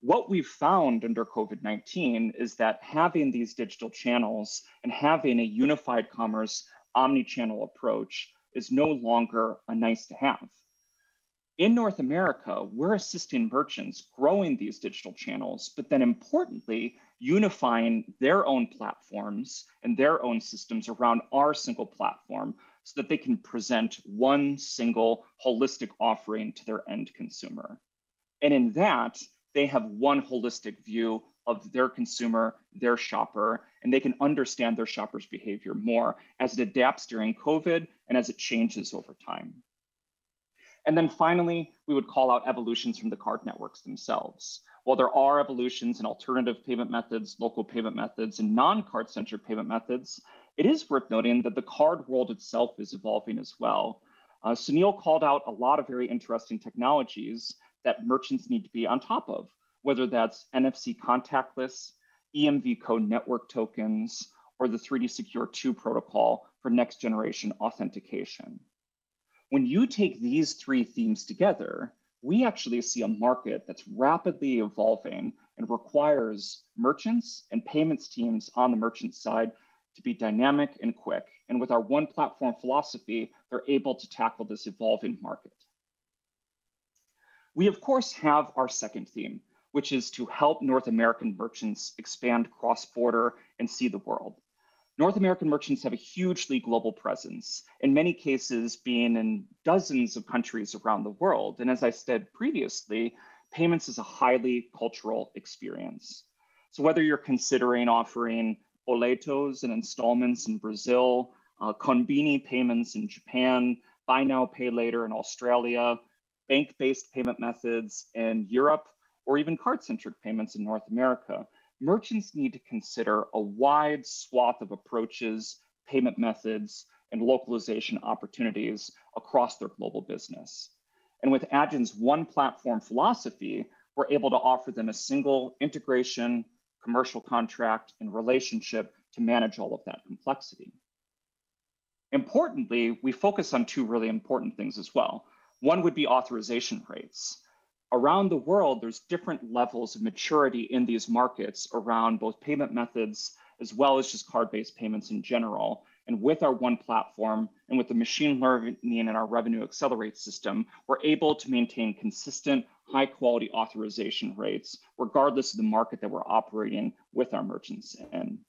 What we've found under COVID-19 is that having these digital channels and having a unified commerce omni-channel approach is no longer a nice-to-have. In North America, we're assisting merchants growing these digital channels, but then importantly unifying their own platforms and their own systems around our single platform so that they can present one single holistic offering to their end consumer. In that, they have one holistic view of their consumer, their shopper, and they can understand their shopper's behavior more as it adapts during COVID and as it changes over time. Finally, we would call out evolutions from the card networks themselves. While there are evolutions in alternative payment methods, local payment methods, and non-card-centric payment methods, it is worth noting that the card world itself is evolving as well. Sunil called out a lot of very interesting technologies that merchants need to be on top of, whether that's NFC contactless, EMVCo network tokens, or the 3D Secure 2 protocol for next-generation authentication. When you take these three themes together, we actually see a market that's rapidly evolving and requires merchants and payments teams on the merchant side to be dynamic and quick. With our one platform philosophy, they're able to tackle this evolving market. We, of course, have our second theme, which is to help North American merchants expand cross-border and see the world. North American merchants have a hugely global presence, in many cases being in dozens of countries around the world. As I said previously, payments is a highly cultural experience. Whether you're considering offering Boleto and installments in Brazil, Konbini payments in Japan, buy now, pay later in Australia, bank-based payment methods in Europe, or even card-centric payments in North America, merchants need to consider a wide swath of approaches, payment methods, and localization opportunities across their global business. With Adyen's one platform philosophy, we're able to offer them a single integration, commercial contract, and relationship to manage all of that complexity. Importantly, we focus on two really important things as well. One would be authorization rates. Around the world, there's different levels of maturity in these markets around both payment methods as well as just card-based payments in general. With our one platform and with the machine learning and our RevenueAccelerate system, we're able to maintain consistent high-quality authorization rates regardless of the market that we're operating with our merchants in.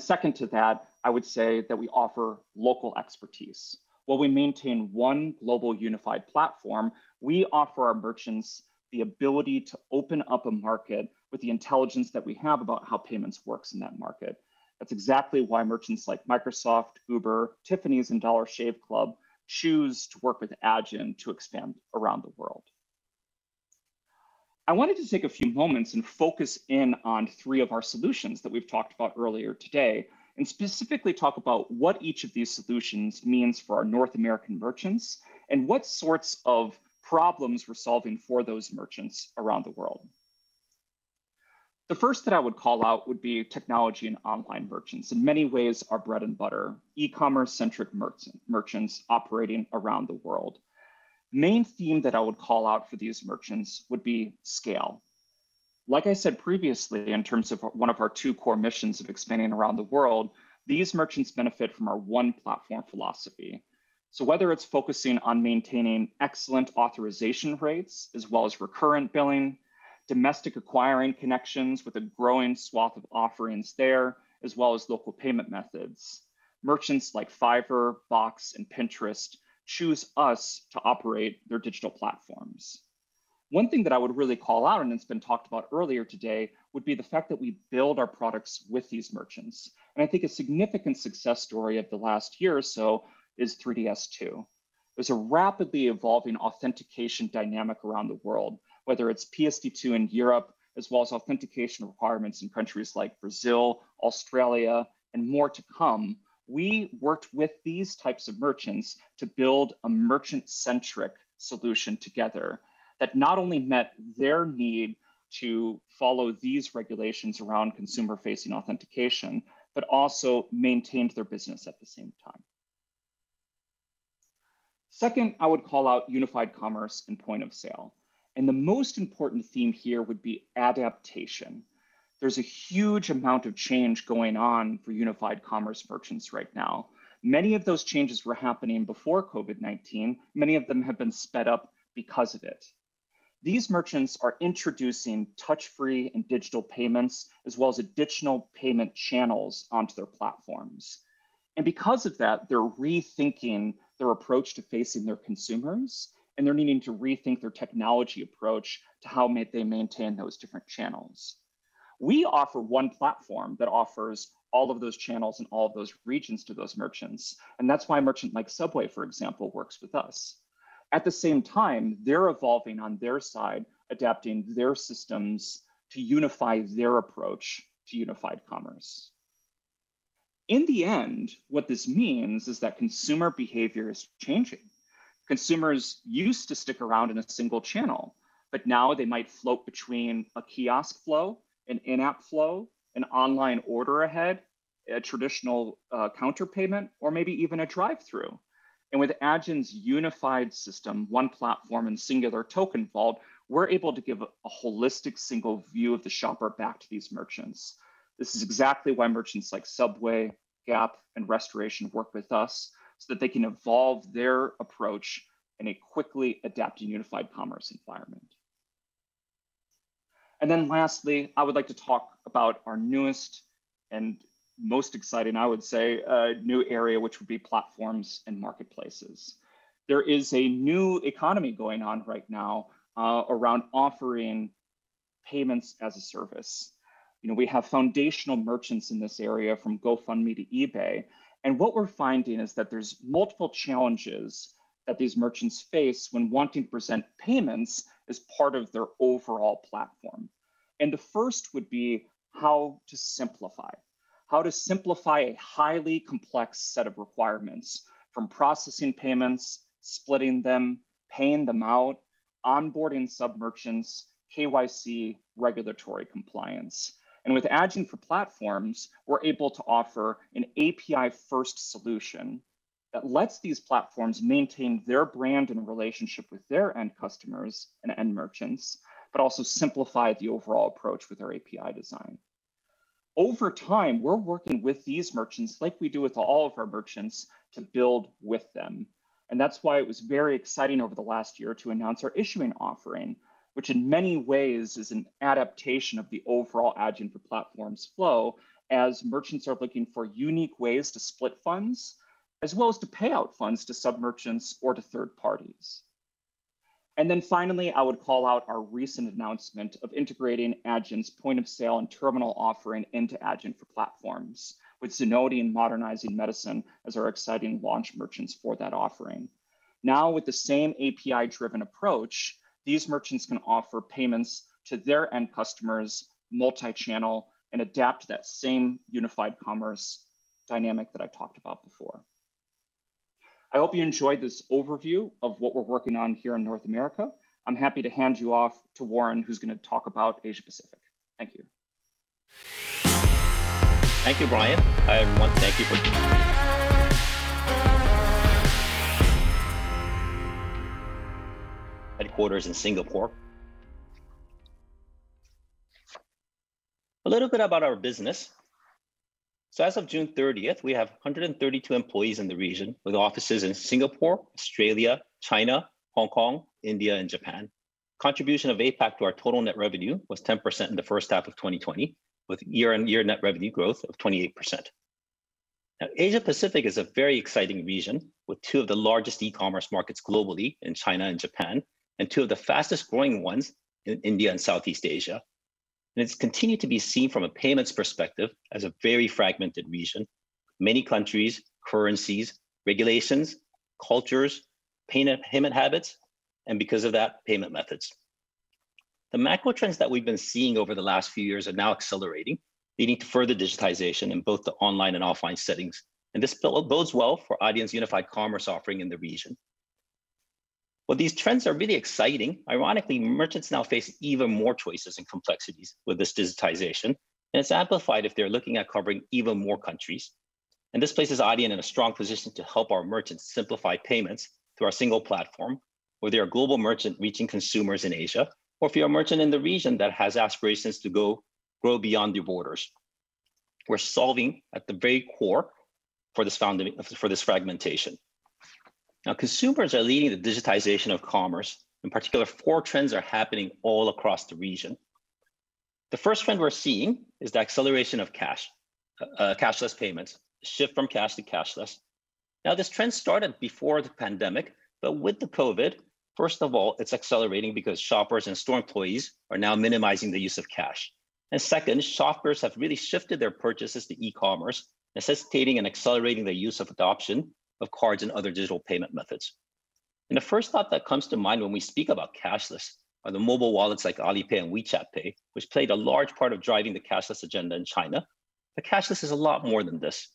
Second to that, I would say that we offer local expertise. While we maintain one global unified platform, we offer our merchants the ability to open up a market with the intelligence that we have about how payments works in that market. That's exactly why merchants like Microsoft, Uber, Tiffany's, and Dollar Shave Club choose to work with Adyen to expand around the world. I wanted to take a few moments and focus in on three of our solutions that we've talked about earlier today, and specifically talk about what each of these solutions means for our North American merchants and what sorts of problems we're solving for those merchants around the world. The first that I would call out would be technology and online merchants, in many ways, our bread and butter, e-commerce-centric merchants operating around the world. Main theme that I would call out for these merchants would be scale. Like I said previously, in terms of one of our two core missions of expanding around the world, these merchants benefit from our one platform philosophy. Whether it's focusing on maintaining excellent authorization rates as well as recurrent billing, domestic acquiring connections with a growing swath of offerings there, as well as local payment methods, merchants like Fiverr, Box, and Pinterest choose us to operate their digital platforms. One thing that I would really call out, and it's been talked about earlier today, would be the fact that we build our products with these merchants. I think a significant success story of the last year or so is 3DS2. There's a rapidly evolving authentication dynamic around the world, whether it's PSD2 in Europe as well as authentication requirements in countries like Brazil, Australia, and more to come. We worked with these types of merchants to build a merchant-centric solution together that not only met their need to follow these regulations around consumer-facing authentication, but also maintained their business at the same time. Second, I would call out unified commerce and point of sale, and the most important theme here would be adaptation. There's a huge amount of change going on for unified commerce merchants right now. Many of those changes were happening before COVID-19. Many of them have been sped up because of it. These merchants are introducing touch-free and digital payments as well as additional payment channels onto their platforms. Because of that, they're rethinking their approach to facing their consumers, and they're needing to rethink their technology approach to how they maintain those different channels. We offer one platform that offers all of those channels in all of those regions to those merchants, and that's why a merchant like Subway, for example, works with us. At the same time, they're evolving on their side, adapting their systems to unify their approach to unified commerce. In the end, what this means is that consumer behavior is changing. Consumers used to stick around in a single channel, but now they might float between a kiosk flow, an in-app flow, an online order ahead, a traditional counter payment, or maybe even a drive-thru. With Adyen's unified system, one platform and singular token vault, we're able to give a holistic single view of the shopper back to these merchants. This is exactly why merchants like Subway, Gap, and RH work with us so that they can evolve their approach in a quickly adapting, unified commerce environment. Lastly, I would like to talk about our newest and most exciting, I would say, new area, which would be platforms and marketplaces. There is a new economy going on right now around offering payments as a service. We have foundational merchants in this area from GoFundMe to eBay. What we're finding is that there's multiple challenges that these merchants face when wanting to present payments as part of their overall platform. The first would be how to simplify. How to simplify a highly complex set of requirements from processing payments, splitting them, paying them out, onboarding sub-merchants, KYC, regulatory compliance. With Adyen for Platforms, we're able to offer an API-first solution that lets these platforms maintain their brand and relationship with their end customers and end merchants, but also simplify the overall approach with our API design. Over time, we're working with these merchants like we do with all of our merchants to build with them, and that's why it was very exciting over the last year to announce our issuing offering, which in many ways is an adaptation of the overall Adyen for Platforms flow as merchants are looking for unique ways to split funds as well as to pay out funds to sub-merchants or to third parties. Finally, I would call out our recent announcement of integrating Adyen's point-of-sale and terminal offering into Adyen for Platforms with Zenoti and Modernizing Medicine as our exciting launch merchants for that offering. Now with the same API-driven approach, these merchants can offer payments to their end customers multi-channel and adapt that same unified commerce dynamic that I talked about before. I hope you enjoyed this overview of what we're working on here in North America. I'm happy to hand you off to Warren, who's going to talk about Asia-Pacific. Thank you. Thank you, Brian. Hi, everyone. Thank you for tuning in. Headquarters in Singapore. A little bit about our business. As of June 30th, we have 132 employees in the region with offices in Singapore, Australia, China, Hong Kong, India, and Japan. Contribution of APAC to our total net revenue was 10% in the first half of 2020, with year-on-year net revenue growth of 28%. Asia-Pacific is a very exciting region with two of the largest e-commerce markets globally in China and Japan and two of the fastest-growing ones in India and Southeast Asia, and it's continued to be seen from a payments perspective as a very fragmented region. Many countries, currencies, regulations, cultures, payment habits, and because of that, payment methods. The macro trends that we've been seeing over the last few years are now accelerating, leading to further digitization in both the online and offline settings. This bodes well for Adyen's unified commerce offering in the region. While these trends are really exciting, ironically, merchants now face even more choices and complexities with this digitization, and it's amplified if they're looking at covering even more countries. This places Adyen in a strong position to help our merchants simplify payments through our single platform whether you're a global merchant reaching consumers in Asia or if you're a merchant in the region that has aspirations to grow beyond your borders. We're solving at the very core for this fragmentation. Now consumers are leading the digitization of commerce. In particular, four trends are happening all across the region. The first trend we're seeing is the acceleration of cashless payments, shift from cash to cashless. This trend started before the pandemic, but with the COVID, first of all, it's accelerating because shoppers and store employees are now minimizing the use of cash. Second, shoppers have really shifted their purchases to e-commerce, necessitating and accelerating the use of adoption of cards and other digital payment methods. The first thought that comes to mind when we speak about cashless are the mobile wallets like Alipay and WeChat Pay, which played a large part of driving the cashless agenda in China, but cashless is a lot more than this.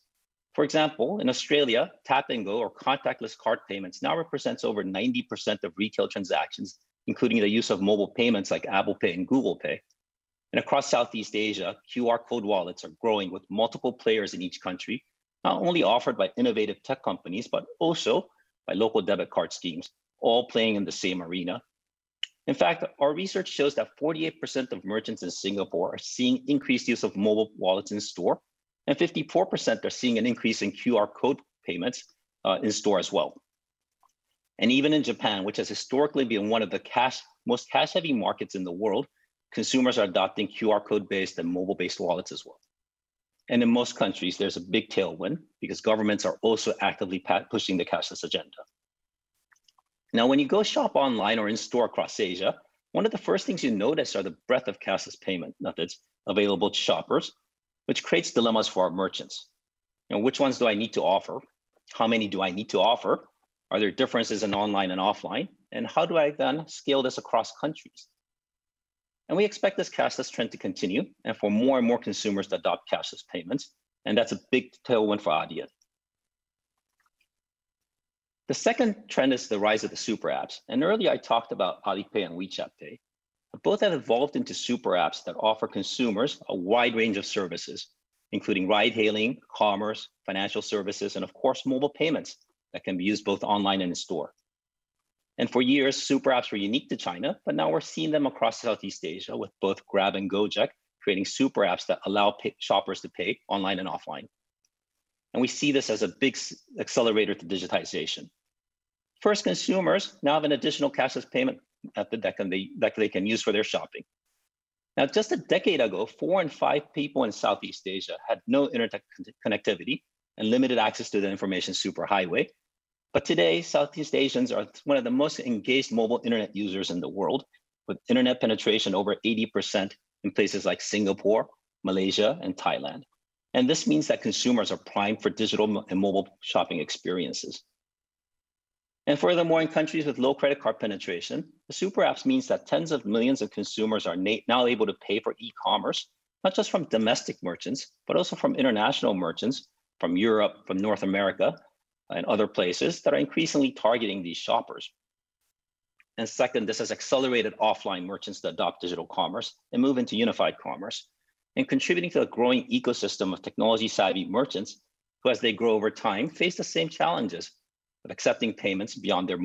For example, in Australia, tap-and-go or contactless card payments now represents over 90% of retail transactions, including the use of mobile payments like Apple Pay and Google Pay. Across Southeast Asia, QR code wallets are growing with multiple players in each country, not only offered by innovative tech companies, but also by local debit card schemes, all playing in the same arena. In fact, our research shows that 48% of merchants in Singapore are seeing increased use of mobile wallets in store, and 54% are seeing an increase in QR code payments in store as well. Even in Japan, which has historically been one of the most cash-heavy markets in the world, consumers are adopting QR code-based and mobile-based wallets as well. In most countries, there's a big tailwind because governments are also actively pushing the cashless agenda. Now when you go shop online or in store across Asia, one of the first things you notice are the breadth of cashless payment methods available to shoppers, which creates dilemmas for our merchants. Now which ones do I need to offer? How many do I need to offer? Are there differences in online and offline? How do I then scale this across countries? We expect this cashless trend to continue and for more and more consumers to adopt cashless payments, and that's a big tailwind for Adyen. The second trend is the rise of the superapps. Earlier I talked about Alipay and WeChat Pay, but both have evolved into superapps that offer consumers a wide range of services, including ride-hailing, commerce, financial services, and of course, mobile payments that can be used both online and in store. For years, superapps were unique to China, but now we're seeing them across Southeast Asia with both Grab and Gojek creating superapps that allow shoppers to pay online and offline. We see this as a big accelerator to digitization. First, consumers now have an additional cashless payment method that they can use for their shopping. Just a decade ago, four in five people in Southeast Asia had no internet connectivity and limited access to the information superhighway. Today, Southeast Asians are one of the most engaged mobile internet users in the world with internet penetration over 80% in places like Singapore, Malaysia, and Thailand. This means that consumers are primed for digital and mobile shopping experiences. Furthermore, in countries with low credit card penetration, the superapps means that tens of millions of consumers are now able to pay for e-commerce, not just from domestic merchants, but also from international merchants from Europe, from North America, and other places that are increasingly targeting these shoppers. Second, this has accelerated offline merchants to adopt digital commerce and move into unified commerce and contributing to a growing ecosystem of technology-savvy merchants who, as they grow over time, face the same challenges of accepting payments beyond their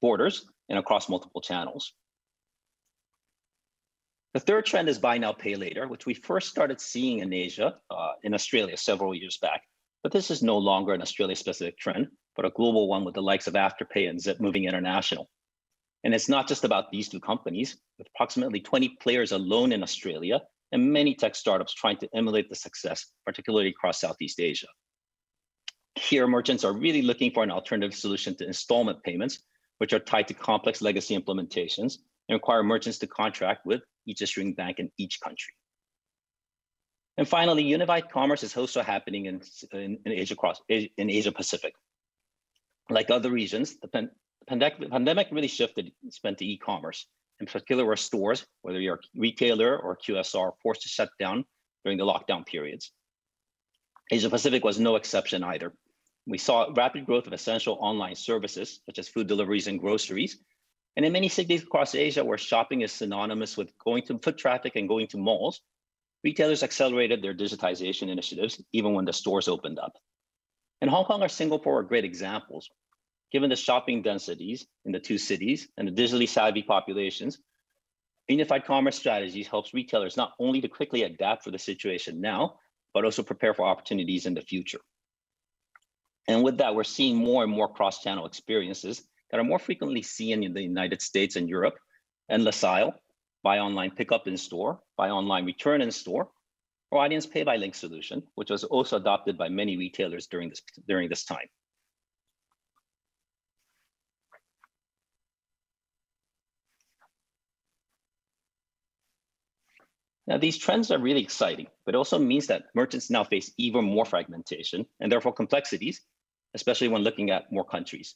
borders and across multiple channels. The third trend is buy now, pay later, which we first started seeing in Asia, in Australia several years back. This is no longer an Australia specific trend, but a global one with the likes of Afterpay and Zip moving international. It's not just about these two companies, with approximately 20 players alone in Australia and many tech startups trying to emulate the success, particularly across Southeast Asia. Here, merchants are really looking for an alternative solution to installment payments, which are tied to complex legacy implementations and require merchants to contract with each issuing bank in each country. Finally, unified commerce is also happening in Asia-Pacific. Like other regions, the pandemic really shifted spend to e-commerce. In particular with stores, whether you're a retailer or QSR, forced to shut down during the lockdown periods. Asia-Pacific was no exception either. We saw rapid growth of essential online services such as food deliveries and groceries, and in many cities across Asia, where shopping is synonymous with foot traffic and going to malls, retailers accelerated their digitization initiatives even when the stores opened up. Hong Kong or Singapore are great examples. Given the shopping densities in the two cities and the digitally savvy populations, unified commerce strategies helps retailers not only to quickly adapt for the situation now, but also prepare for opportunities in the future. With that, we're seeing more and more cross-channel experiences that are more frequently seen in the U.S. and Europe, and less buy online, pick up in store, buy online, return in store, or Adyen's Pay by Link solution, which was also adopted by many retailers during this time. These trends are really exciting, but it also means that merchants now face even more fragmentation and therefore complexities, especially when looking at more countries.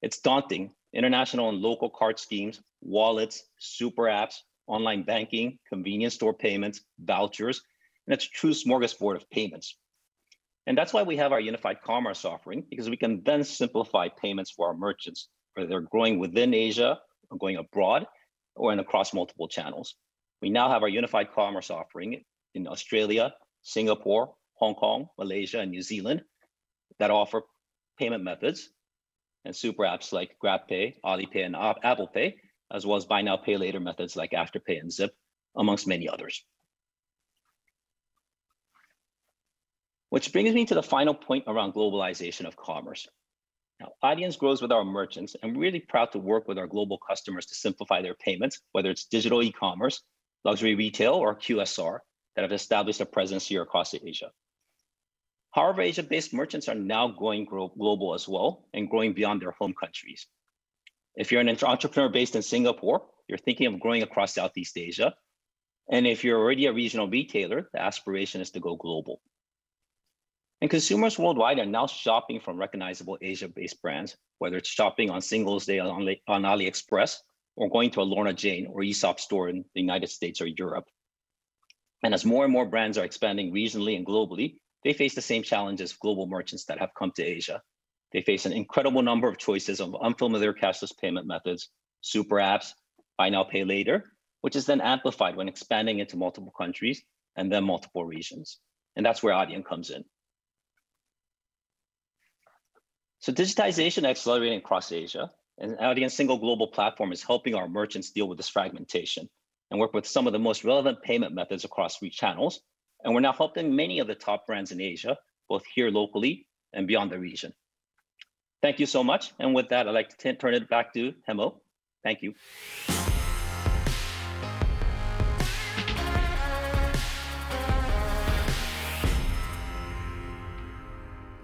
It's daunting. International and local card schemes, wallets, superapps, online banking, convenience store payments, vouchers, and it's a true smorgasbord of payments. That's why we have our unified commerce offering, because we can then simplify payments for our merchants, whether they're growing within Asia or going abroad or across multiple channels. We now have our unified commerce offering in Australia, Singapore, Hong Kong, Malaysia, and New Zealand that offer payment methods and super apps like GrabPay, Alipay, and Apple Pay, as well as buy now, pay later methods like Afterpay and Zip, amongst many others. Which brings me to the final point around globalization of commerce. Now, Adyen grows with our merchants, and we're really proud to work with our global customers to simplify their payments, whether it's digital e-commerce, luxury retail, or QSR, that have established a presence here across Asia. However, Asia-based merchants are now going global as well and growing beyond their home countries. If you're an entrepreneur based in Singapore, you're thinking of growing across Southeast Asia, and if you're already a regional retailer, the aspiration is to go global. Consumers worldwide are now shopping from recognizable Asia-based brands, whether it's shopping on Singles Day on AliExpress or going to a Lorna Jane or Aesop store in the United States or Europe. As more and more brands are expanding regionally and globally, they face the same challenge as global merchants that have come to Asia. They face an incredible number of choices of unfamiliar cashless payment methods, super apps, buy now, pay later, which is then amplified when expanding into multiple countries and then multiple regions. That's where Adyen comes in. Digitization accelerating across Asia, and Adyen's single global platform is helping our merchants deal with this fragmentation and work with some of the most relevant payment methods across reach channels. We're now helping many of the top brands in Asia, both here locally and beyond the region. Thank you so much. With that, I'd like to turn it back to Hemmo. Thank you.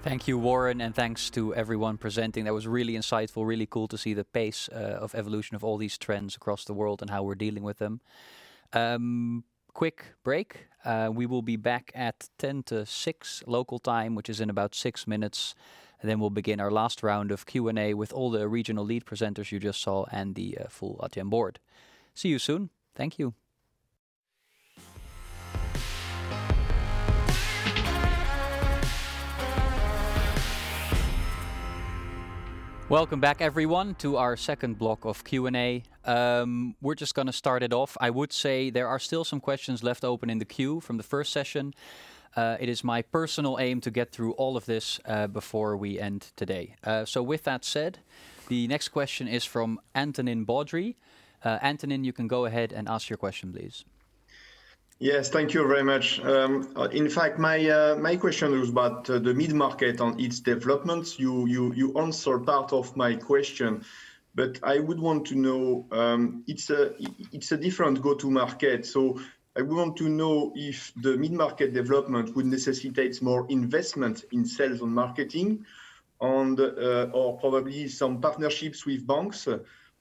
Thank you, Warren, and thanks to everyone presenting. That was really insightful, really cool to see the pace of evolution of all these trends across the world and how we're dealing with them. Quick break. We will be back at 10 to 6:00 P.M. local time, which is in about six minutes. We'll begin our last round of Q&A with all the regional lead presenters you just saw and the full Adyen board. See you soon. Thank you. Welcome back, everyone, to our second block of Q&A. We're just going to start it off. I would say there are still some questions left open in the queue from the first session. It is my personal aim to get through all of this before we end today. With that said, the next question is from Antonin Baudry. Antonin, you can go ahead and ask your question, please. Yes, thank you very much. In fact, my question was about the mid-market on its developments. You answered part of my question, but I would want to know, it's a different go-to market, so I want to know if the mid-market development would necessitate more investment in sales and marketing or probably some partnerships with banks.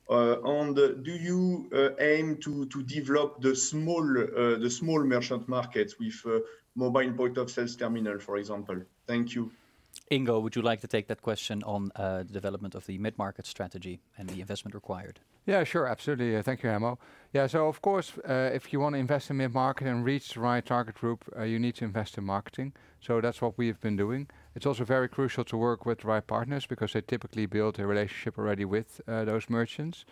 Do you aim to develop the small merchant markets with mobile point of sales terminal, for example? Thank you. Ingo, would you like to take that question on the development of the mid-market strategy and the investment required? Sure. Absolutely. Thank you, Hemmo. Of course, if you want to invest in mid-market and reach the right target group, you need to invest in marketing. That's what we've been doing. It's also very crucial to work with the right partners because they typically build a relationship already with those merchants.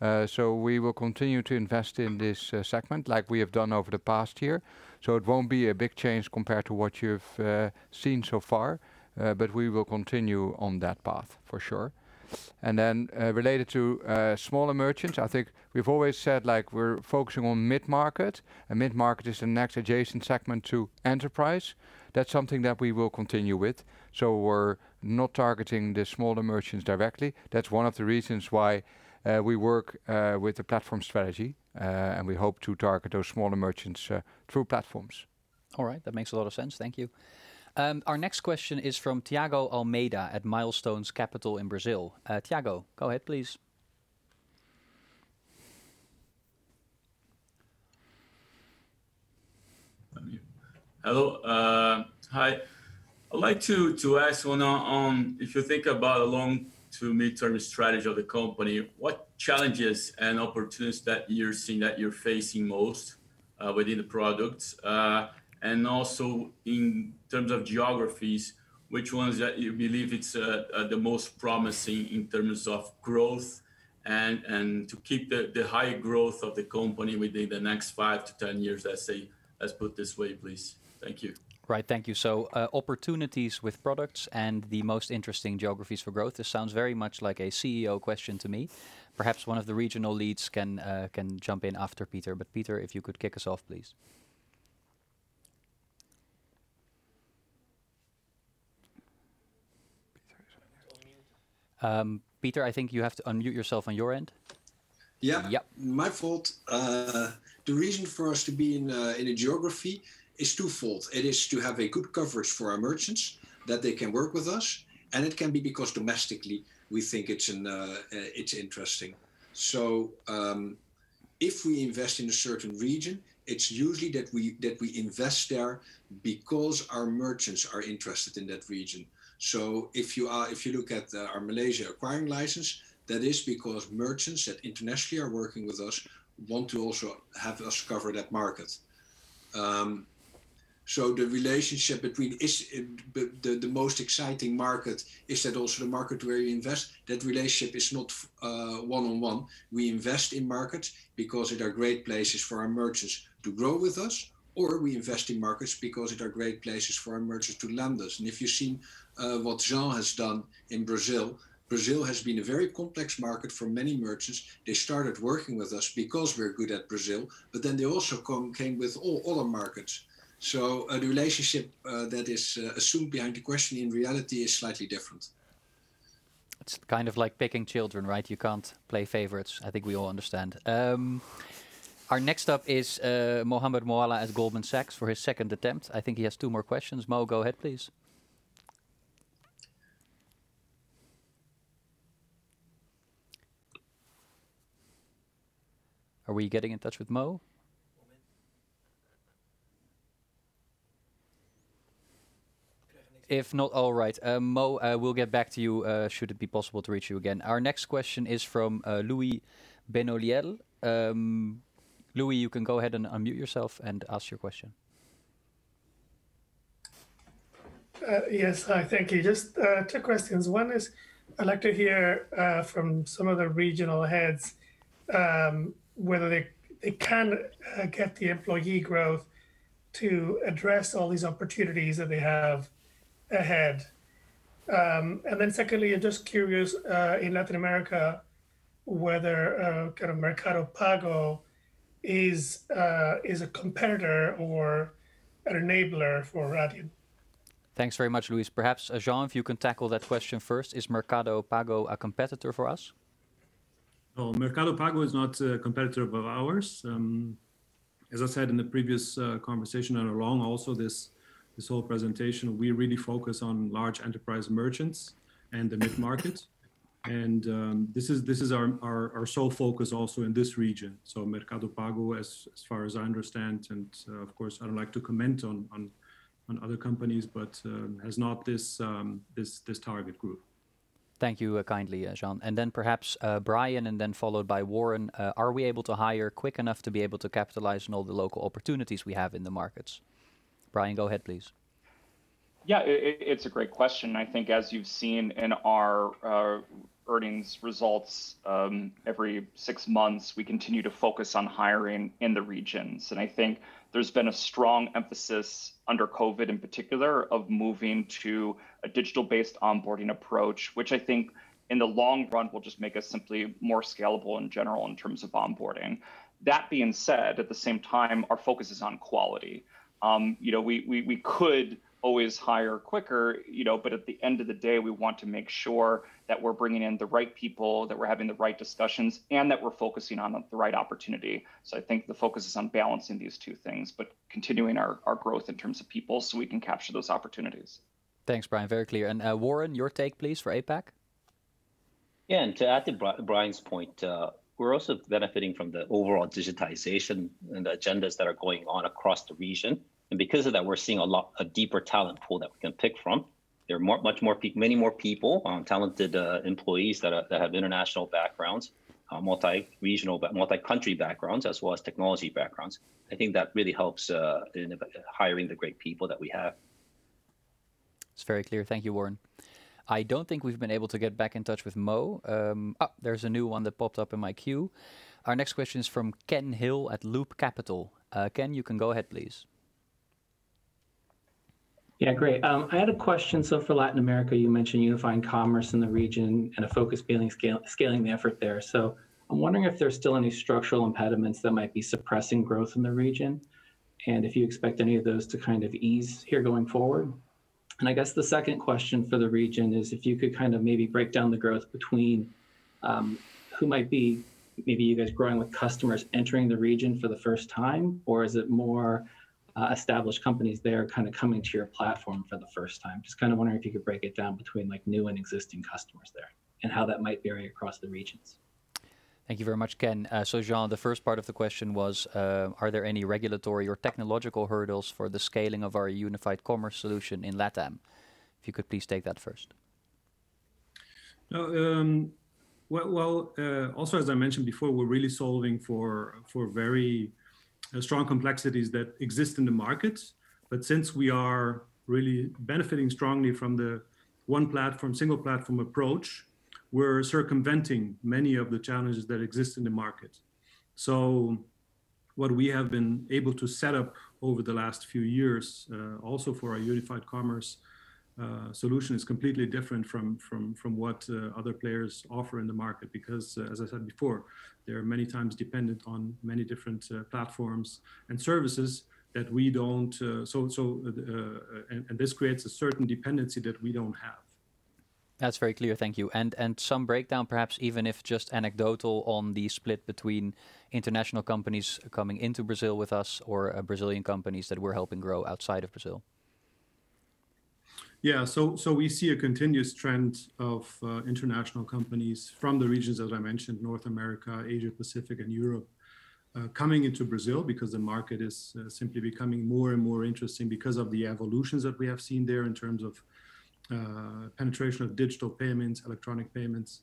We will continue to invest in this segment like we have done over the past year. It won't be a big change compared to what you've seen so far. We will continue on that path for sure. Related to smaller merchants, I think we've always said we're focusing on mid-market, and mid-market is the next adjacent segment to enterprise. That's something that we will continue with. We're not targeting the smaller merchants directly. That's one of the reasons why we work with the platform strategy, and we hope to target those smaller merchants through platforms. All right. That makes a lot of sense. Thank you. Our next question is from Tiago Almeida at Milestones Capital in Brazil. Tiago, go ahead, please. Unmute. Hello. Hi. I'd like to ask one on, if you think about a long to mid-term strategy of the company, what challenges and opportunities that you're seeing that you're facing most within the products? Also in terms of geographies, which ones that you believe it's the most promising in terms of growth, and to keep the high growth of the company within the next five to 10 years, let's say. Let's put this way, please. Thank you. Right. Thank you. Opportunities with products and the most interesting geographies for growth. This sounds very much like a CEO question to me. Perhaps one of the regional leads can jump in after Pieter. Pieter, if you could kick us off, please. Pieter is on mute. Pieter, I think you have to unmute yourself on your end. Yeah. Yeah. My fault. The reason for us to be in a geography is twofold. It is to have a good coverage for our merchants, that they can work with us, and it can be because domestically, we think it's interesting. If we invest in a certain region, it's usually that we invest there because our merchants are interested in that region. If you look at our Malaysia acquiring license, that is because merchants that internationally are working with us want to also have us cover that market. The relationship between the most exciting market is that also the market where you invest, that relationship is not one-on-one. We invest in markets because they are great places for our merchants to grow with us, or we invest in markets because they are great places for our merchants to land us. If you've seen what Jean has done in Brazil has been a very complex market for many merchants. They started working with us because we're good at Brazil, but then they also came with all other markets. The relationship that is assumed behind the question in reality is slightly different. It's kind of like picking children, right? You can't play favorites. I think we all understand. Our next up is Mohammed Moawalla at Goldman Sachs for his second attempt. I think he has two more questions. Mo, go ahead, please. Are we getting in touch with Mo? If not, all right. Mo, we'll get back to you should it be possible to reach you again. Our next question is from Luis Benoliel. Luis, you can go ahead and unmute yourself and ask your question. Yes. Hi, thank you. Just two questions. One is, I'd like to hear from some of the regional heads whether they can get the employee growth to address all these opportunities that they have ahead. Secondly, just curious, in Latin America, whether Mercado Pago is a competitor or an enabler for Adyen. Thanks very much, Luis. Perhaps, Jean, if you can tackle that question first. Is Mercado Pago a competitor for us? Mercado Pago is not a competitor of ours. As I said in the previous conversation, and along also this whole presentation, we really focus on large enterprise merchants and the mid-market. This is our sole focus also in this region. Mercado Pago, as far as I understand, and of course, I don't like to comment on other companies, but has not this target group. Thank you kindly, Jean. Then perhaps Brian, then followed by Warren, are we able to hire quick enough to be able to capitalize on all the local opportunities we have in the markets? Brian, go ahead, please. Yeah. It's a great question, and I think as you've seen in our earnings results every six months, we continue to focus on hiring in the regions. I think there's been a strong emphasis under COVID, in particular, of moving to a digital-based onboarding approach, which I think in the long run will just make us simply more scalable in general in terms of onboarding. That being said, at the same time, our focus is on quality. We could always hire quicker, but at the end of the day, we want to make sure that we're bringing in the right people, that we're having the right discussions, and that we're focusing on the right opportunity. I think the focus is on balancing these two things, but continuing our growth in terms of people so we can capture those opportunities. Thanks, Brian. Very clear. Warren, your take, please, for APAC? Yeah. To add to Brian's point, we're also benefiting from the overall digitization and the agendas that are going on across the region. Because of that, we're seeing a deeper talent pool that we can pick from. There are many more people, talented employees that have international backgrounds, multi-regional, but multi-country backgrounds as well as technology backgrounds. I think that really helps in hiring the great people that we have. It's very clear. Thank you, Warren. I don't think we've been able to get back in touch with Mo. There's a new one that popped up in my queue. Our next question is from Ken Hill at Loop Capital. Ken, you can go ahead, please. Yeah, great. I had a question. For Latin America, you mentioned unifying commerce in the region and a focus scaling the effort there. I'm wondering if there's still any structural impediments that might be suppressing growth in the region, and if you expect any of those to kind of ease here going forward. I guess the second question for the region is if you could kind of break down the growth between who might be you guys growing with customers entering the region for the first time, or is it more established companies there kind of coming to your platform for the first time? Just kind of wondering if you could break it down between new and existing customers there and how that might vary across the regions. Thank you very much, Ken. Jean, the first part of the question was are there any regulatory or technological hurdles for the scaling of our unified commerce solution in LATAM? If you could please take that first. Well, also, as I mentioned before, we're really solving for very strong complexities that exist in the market. Since we are really benefiting strongly from the one platform, single platform approach, we're circumventing many of the challenges that exist in the market. What we have been able to set up over the last few years, also for our unified commerce solution, is completely different from what other players offer in the market because, as I said before, they are many times dependent on many different platforms and services that we don't. This creates a certain dependency that we don't have. That's very clear. Thank you. Some breakdown, perhaps even if just anecdotal, on the split between international companies coming into Brazil with us or Brazilian companies that we're helping grow outside of Brazil. We see a continuous trend of international companies from the regions that I mentioned, North America, Asia-Pacific, and Europe, coming into Brazil because the market is simply becoming more and more interesting because of the evolutions that we have seen there in terms of penetration of digital payments, electronic payments.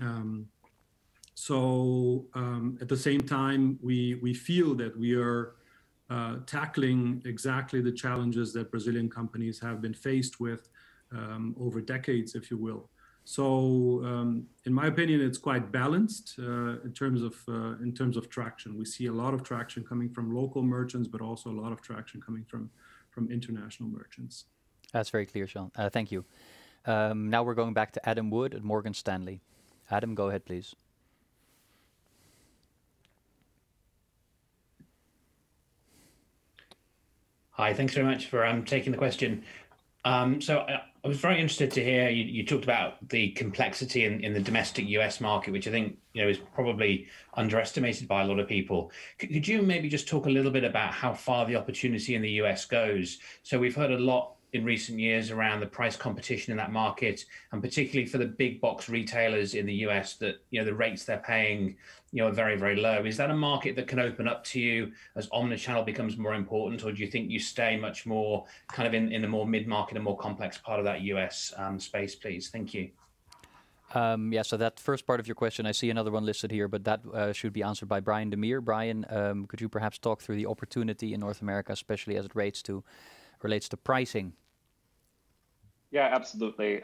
At the same time, we feel that we are tackling exactly the challenges that Brazilian companies have been faced with over decades, if you will. In my opinion, it's quite balanced, in terms of traction. We see a lot of traction coming from local merchants, but also a lot of traction coming from international merchants. That's very clear, Jean. Thank you. We're going back to Adam Wood at Morgan Stanley. Adam, go ahead please. Hi. Thanks very much for taking the question. I was very interested to hear you talked about the complexity in the domestic U.S. market, which I think is probably underestimated by a lot of people. Could you maybe just talk a little bit about how far the opportunity in the U.S. goes? We've heard a lot in recent years around the price competition in that market, and particularly for the big box retailers in the U.S. that the rates they're paying are very low. Is that a market that can open up to you as omnichannel becomes more important, or do you think you stay much more kind of in the more mid-market, a more complex part of that U.S. space, please? Thank you. Yeah. That first part of your question, I see another one listed here, but that should be answered by Brian Dammeir. Brian, could you perhaps talk through the opportunity in North America, especially as it relates to pricing? Yeah, absolutely.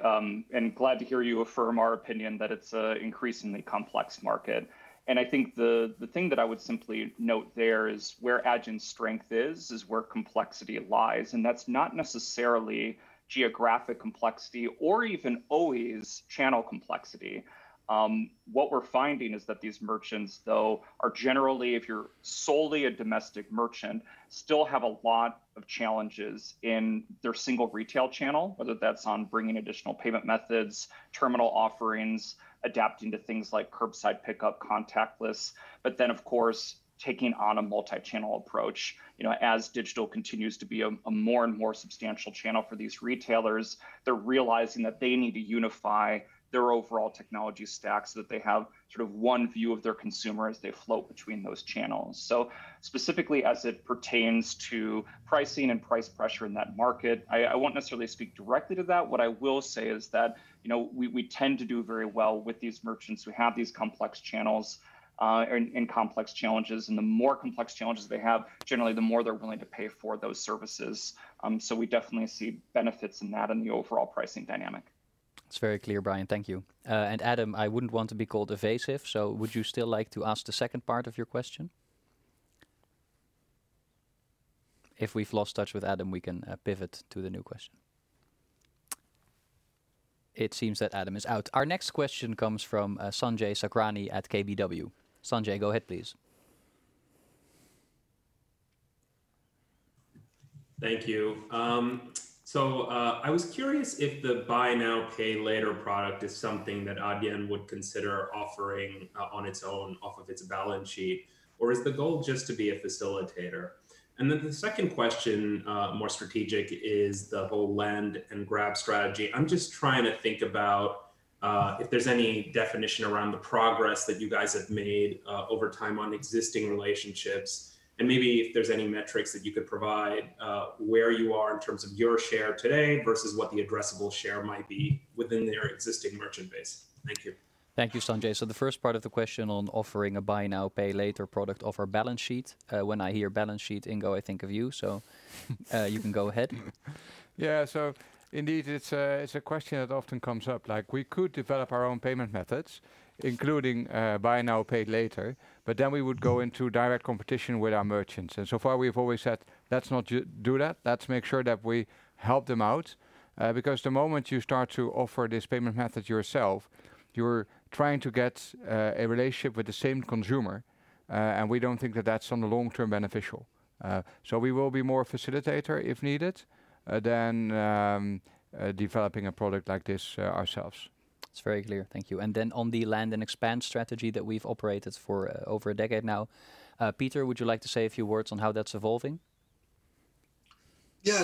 Glad to hear you affirm our opinion that it's an increasingly complex market. I think the thing that I would simply note there is where Adyen's strength is where complexity lies. That's not necessarily geographic complexity or even always channel complexity. What we're finding is that these merchants, though, are generally, if you're solely a domestic merchant, still have a lot of challenges in their single retail channel, whether that's on bringing additional payment methods, terminal offerings, adapting to things like curbside pickup, contactless, but then of course, taking on a multichannel approach. As digital continues to be a more and more substantial channel for these retailers, they're realizing that they need to unify their overall technology stacks so that they have sort of one view of their consumer as they float between those channels. Specifically as it pertains to pricing and price pressure in that market, I won't necessarily speak directly to that. What I will say is that we tend to do very well with these merchants who have these complex channels, and complex challenges. The more complex challenges they have, generally the more they're willing to pay for those services. We definitely see benefits in that in the overall pricing dynamic. It's very clear, Brian. Thank you. Adam, I wouldn't want to be called evasive, would you still like to ask the second part of your question? If we've lost touch with Adam, we can pivot to the new question. It seems that Adam is out. Our next question comes from Sanjay Sakhrani at KBW. Sanjay, go ahead please. Thank you. I was curious if the buy now, pay later product is something that Adyen would consider offering on its own off of its balance sheet, or is the goal just to be a facilitator? The second question, more strategic, is the whole lend and grab strategy. I'm just trying to think about if there's any definition around the progress that you guys have made over time on existing relationships, and maybe if there's any metrics that you could provide, where you are in terms of your share today versus what the addressable share might be within their existing merchant base. Thank you. Thank you, Sanjay. The first part of the question on offering a buy now, pay later product off our balance sheet. When I hear balance sheet, Ingo, I think of you, so you can go ahead. Yeah. Indeed, it's a question that often comes up. Like we could develop our own payment methods, including buy now, pay later, we would go into direct competition with our merchants. So far we've always said, "Let's not do that. Let's make sure that we help them out." The moment you start to offer this payment method yourself, you're trying to get a relationship with the same consumer. We don't think that that's long-term beneficial. We will be more facilitator if needed, than developing a product like this ourselves. That's very clear. Thank you. On the land and expand strategy that we've operated for over a decade now, Pieter, would you like to say a few words on how that's evolving? Yeah.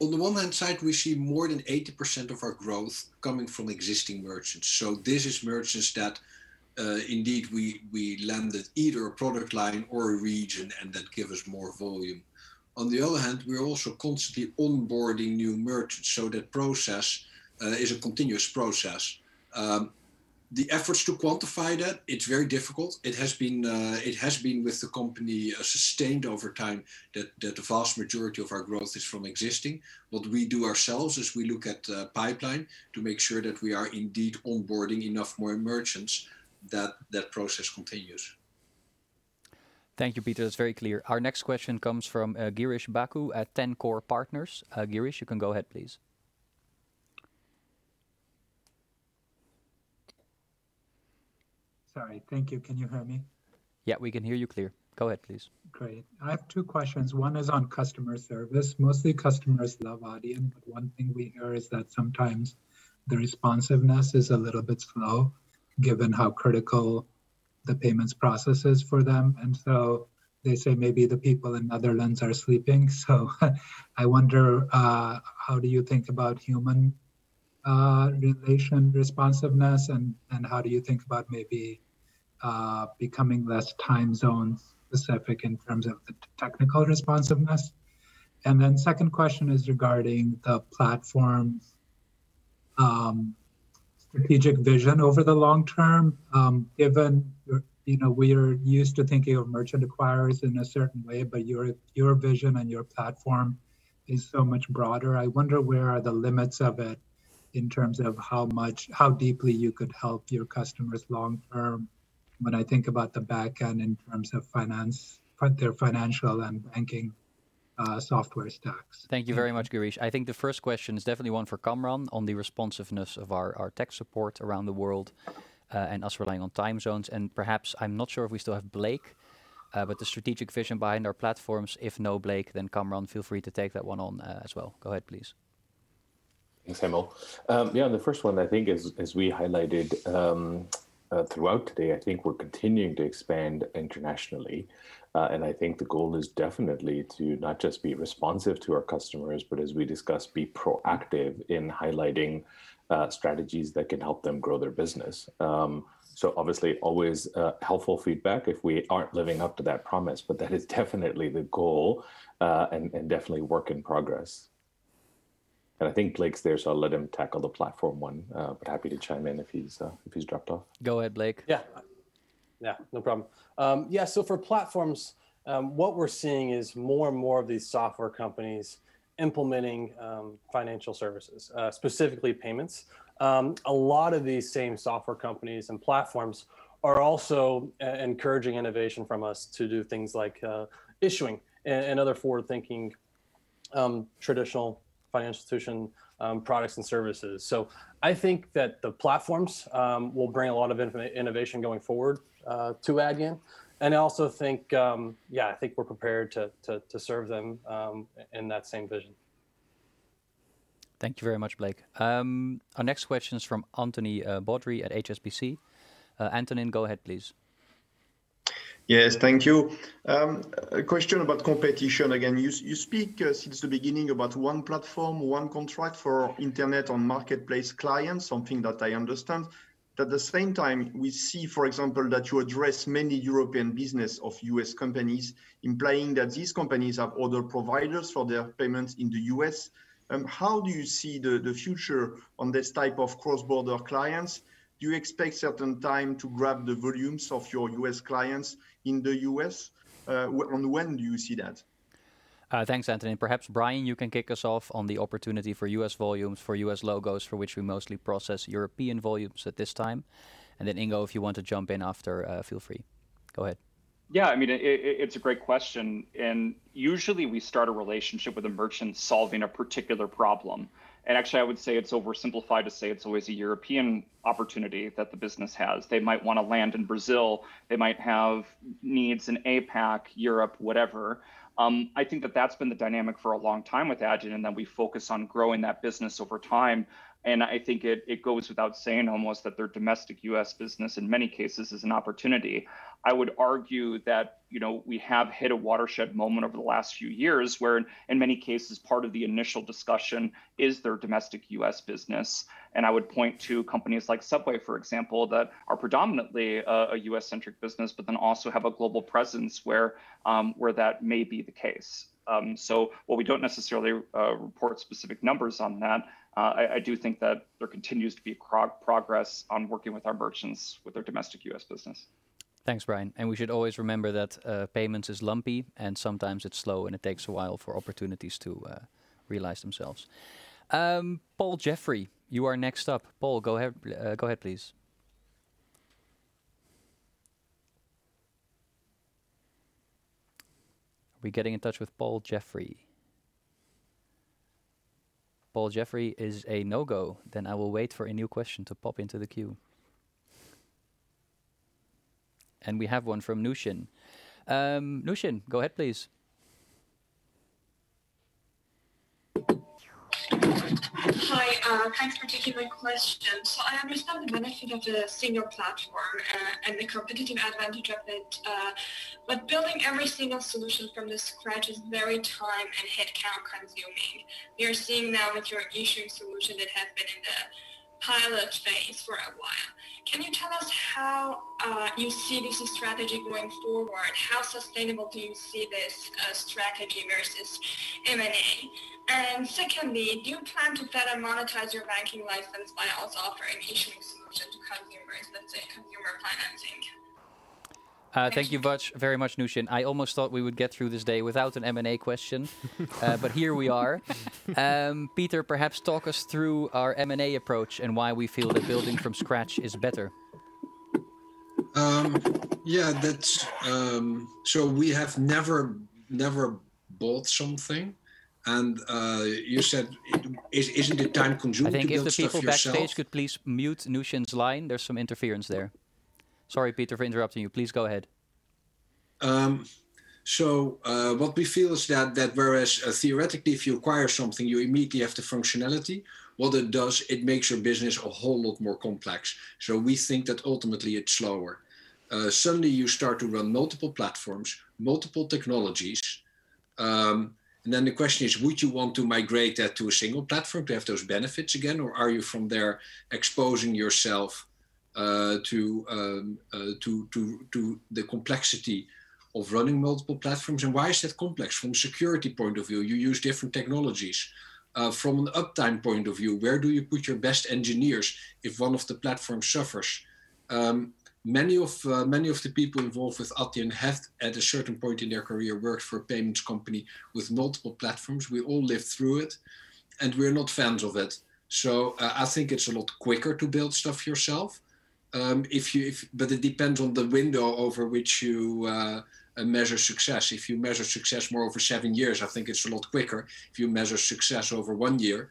On the one hand side, we see more than 80% of our growth coming from existing merchants. These are merchants that, indeed, we landed either a product line or a region, and that give us more volume. On the other hand, we are also constantly onboarding new merchants, so that process is a continuous process. The efforts to quantify that, it's very difficult. It has been, with the company, sustained over time that the vast majority of our growth is from existing. What we do ourselves is we look at the pipeline to make sure that we are indeed onboarding enough more merchants, that process continues. Thank you, Pieter. That's very clear. Our next question comes from Girish Bhakoo at TenCore Partners. Girish, you can go ahead, please. Sorry. Thank you. Can you hear me? Yeah, we can hear you clear. Go ahead, please. Great. I have two questions. One is on customer service. Mostly customers love Adyen, but one thing we hear is that sometimes the responsiveness is a little bit slow given how critical the payments process is for them. They say maybe the people in Netherlands are sleeping. I wonder, how do you think about human relation responsiveness and how do you think about maybe becoming less time zone specific in terms of the technical responsiveness? Second question is regarding the platform's strategic vision over the long term. Given we're used to thinking of merchant acquirers in a certain way, but your vision and your platform is so much broader. I wonder where are the limits of it in terms of how deeply you could help your customers long term when I think about the back end in terms of their financial and banking software stacks. Thank you very much, Girish. I think the first question is definitely one for Kamran on the responsiveness of our tech support around the world, and us relying on time zones. Perhaps, I'm not sure if we still have Blake, but the strategic vision behind our platforms. If no Blake, then Kamran, feel free to take that one on as well. Go ahead, please. Thanks, Hemmo. Yeah, the first one I think as we highlighted throughout today, I think we're continuing to expand internationally. I think the goal is definitely to not just be responsive to our customers, but as we discussed, be proactive in highlighting strategies that can help them grow their business. Obviously, always helpful feedback if we aren't living up to that promise, but that is definitely the goal, and definitely work in progress. I think Blake's there, so I'll let him tackle the platform one, but happy to chime in if he's dropped off. Go ahead, Blake. Yeah. No problem. Yeah. For platforms, what we're seeing is more and more of these software companies implementing financial services, specifically payments. A lot of these same software companies and platforms are also encouraging innovation from us to do things like issuing and other forward-thinking traditional financial institution products and services. I think that the platforms will bring a lot of innovation going forward to Adyen. I also think we're prepared to serve them in that same vision. Thank you very much, Blake. Our next question is from Antonin Baudry at HSBC. Antonin, go ahead, please. Yes. Thank you. A question about competition again. You speak since the beginning about one platform, one contract for internet and marketplace clients, something that I understand. At the same time, we see, for example, that you address many European business of U.S. companies, implying that these companies have other providers for their payments in the U.S. How do you see the future on this type of cross-border clients? Do you expect certain time to grab the volumes of your U.S. clients in the U.S.? When do you see that? Thanks, Antonin. Perhaps Brian, you can kick us off on the opportunity for US volumes, for US logos, for which we mostly process European volumes at this time. Ingo, if you want to jump in after, feel free. Go ahead. Yeah, it's a great question. Usually, we start a relationship with a merchant solving a particular problem. Actually, I would say it's oversimplified to say it's always a European opportunity that the business has. They might want to land in Brazil, they might have needs in APAC, Europe, whatever. I think that that's been the dynamic for a long time with Adyen, we focus on growing that business over time. I think it goes without saying almost that their domestic U.S. business in many cases is an opportunity. I would argue that we have hit a watershed moment over the last few years where, in many cases, part of the initial discussion is their domestic U.S. business. I would point to companies like Subway, for example, that are predominantly a U.S.-centric business, but then also have a global presence where that may be the case. While we don't necessarily report specific numbers on that, I do think that there continues to be progress on working with our merchants with their domestic U.S. business. Thanks, Brian. We should always remember that payments is lumpy and sometimes it's slow and it takes a while for opportunities to realize themselves. Paul Jeffrey, you are next up. Paul, go ahead, please. Are we getting in touch with Paul Jeffrey? Paul Jeffrey is a no-go. I will wait for a new question to pop into the queue. We have one from Nooshin. Nooshin, go ahead, please. Hi. Thanks for taking my question. I understand the benefit of the single platform and the competitive advantage of it, but building every single solution from the scratch is very time and headcount consuming. We are seeing now with your issuing solution that has been in the pilot phase for a while. Can you tell us how you see this strategy going forward? How sustainable do you see this strategy versus M&A? Secondly, do you plan to better monetize your banking license by also offering issuing solution to consumers, let's say consumer financing? Thank you very much, Nooshin. I almost thought we would get through this day without an M&A question, but here we are. Pieter, perhaps talk us through our M&A approach and why we feel that building from scratch is better. We have never built something. You said, isn't it time consuming to build stuff yourself? I think if the people backstage could please mute Nooshin's line. There is some interference there. Sorry, Pieter, for interrupting you. Please go ahead. What we feel is that whereas theoretically if you acquire something, you immediately have the functionality, what it does, it makes your business a whole lot more complex. We think that ultimately it's slower. Suddenly you start to run multiple platforms, multiple technologies. Then the question is, would you want to migrate that to a single platform to have those benefits again, or are you from there exposing yourself to the complexity of running multiple platforms, and why is that complex? From a security point of view, you use different technologies. From an uptime point of view, where do you put your best engineers if one of the platforms suffers? Many of the people involved with Adyen have, at a certain point in their career, worked for a payments company with multiple platforms. We all lived through it, and we're not fans of it. I think it's a lot quicker to build stuff yourself. It depends on the window over which you measure success. If you measure success more over seven years, I think it's a lot quicker. If you measure success over one year,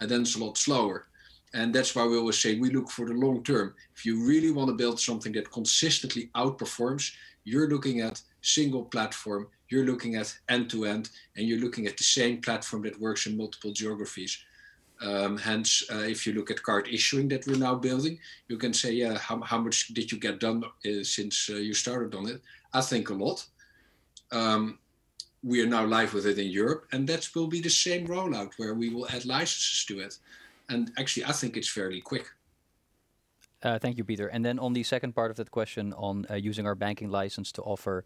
it's a lot slower. That's why we always say we look for the long term. If you really want to build something that consistently outperforms, you're looking at single platform, you're looking at end to end, and you're looking at the same platform that works in multiple geographies. Hence, if you look at card issuing that we're now building, you can say, "Yeah, how much did you get done since you started on it?" I think a lot. We are now live with it in Europe, and that will be the same rollout where we will add licenses to it. Actually, I think it's very quick. Thank you, Pieter. On the second part of that question on using our banking license to offer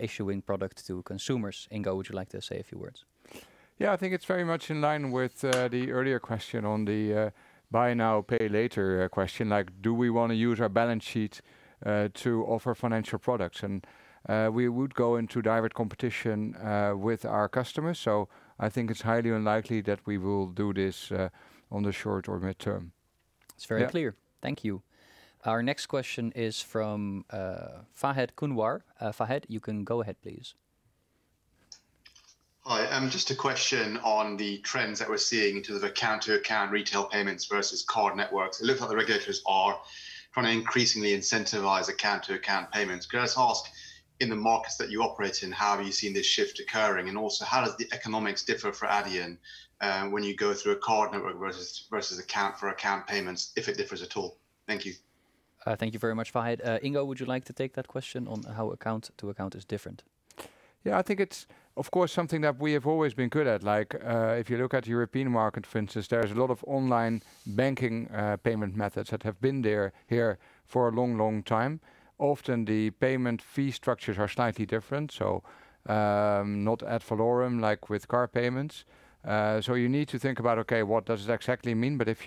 issuing product to consumers, Ingo, would you like to say a few words? Yeah, I think it's very much in line with the earlier question on the buy now, pay later question. Do we want to use our balance sheet to offer financial products? We would go into direct competition with our customers, so I think it's highly unlikely that we will do this on the short or midterm. It's very clear. Thank you. Our next question is from Fahed Kunwar. Fahed, you can go ahead, please. Hi. Just a question on the trends that we're seeing to the account-to-account retail payments versus card networks. It looks like the regulators are trying to increasingly incentivize account-to-account payments. Can I just ask, in the markets that you operate in, how have you seen this shift occurring, and also how does the economics differ for Adyen when you go through a card network versus account-to-account payments, if it differs at all? Thank you. Thank you very much, Fahed. Ingo, would you like to take that question on how account to account is different? Yeah, I think it's, of course, something that we have always been good at. If you look at the European market, for instance, there's a lot of online banking payment methods that have been here for a long time. Often the payment fee structures are slightly different, so not ad valorem like with card payments. You need to think about, okay, what does it exactly mean? If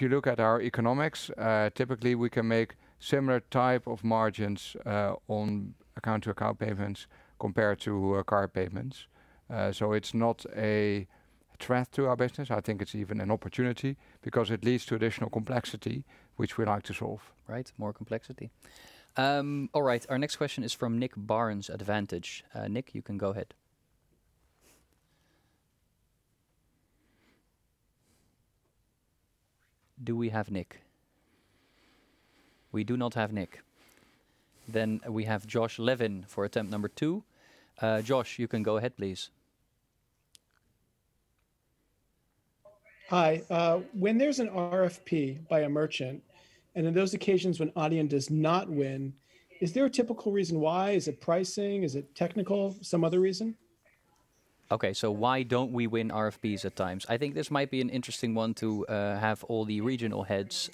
you look at our economics, typically we can make similar type of margins on account-to-account payments compared to card payments. It's not a threat to our business. I think it's even an opportunity because it leads to additional complexity, which we like to solve. Right. More complexity. All right. Our next question is from Nick Barnes, Advantage. Nick, you can go ahead. Do we have Nick? We do not have Nick. We have Josh Levin for attempt number two. Josh, you can go ahead, please. Hi. When there's an RFP by a merchant, and in those occasions when Adyen does not win, is there a typical reason why? Is it pricing? Is it technical? Some other reason? Why don't we win RFPs at times? I think this might be an interesting one to have all the regional heads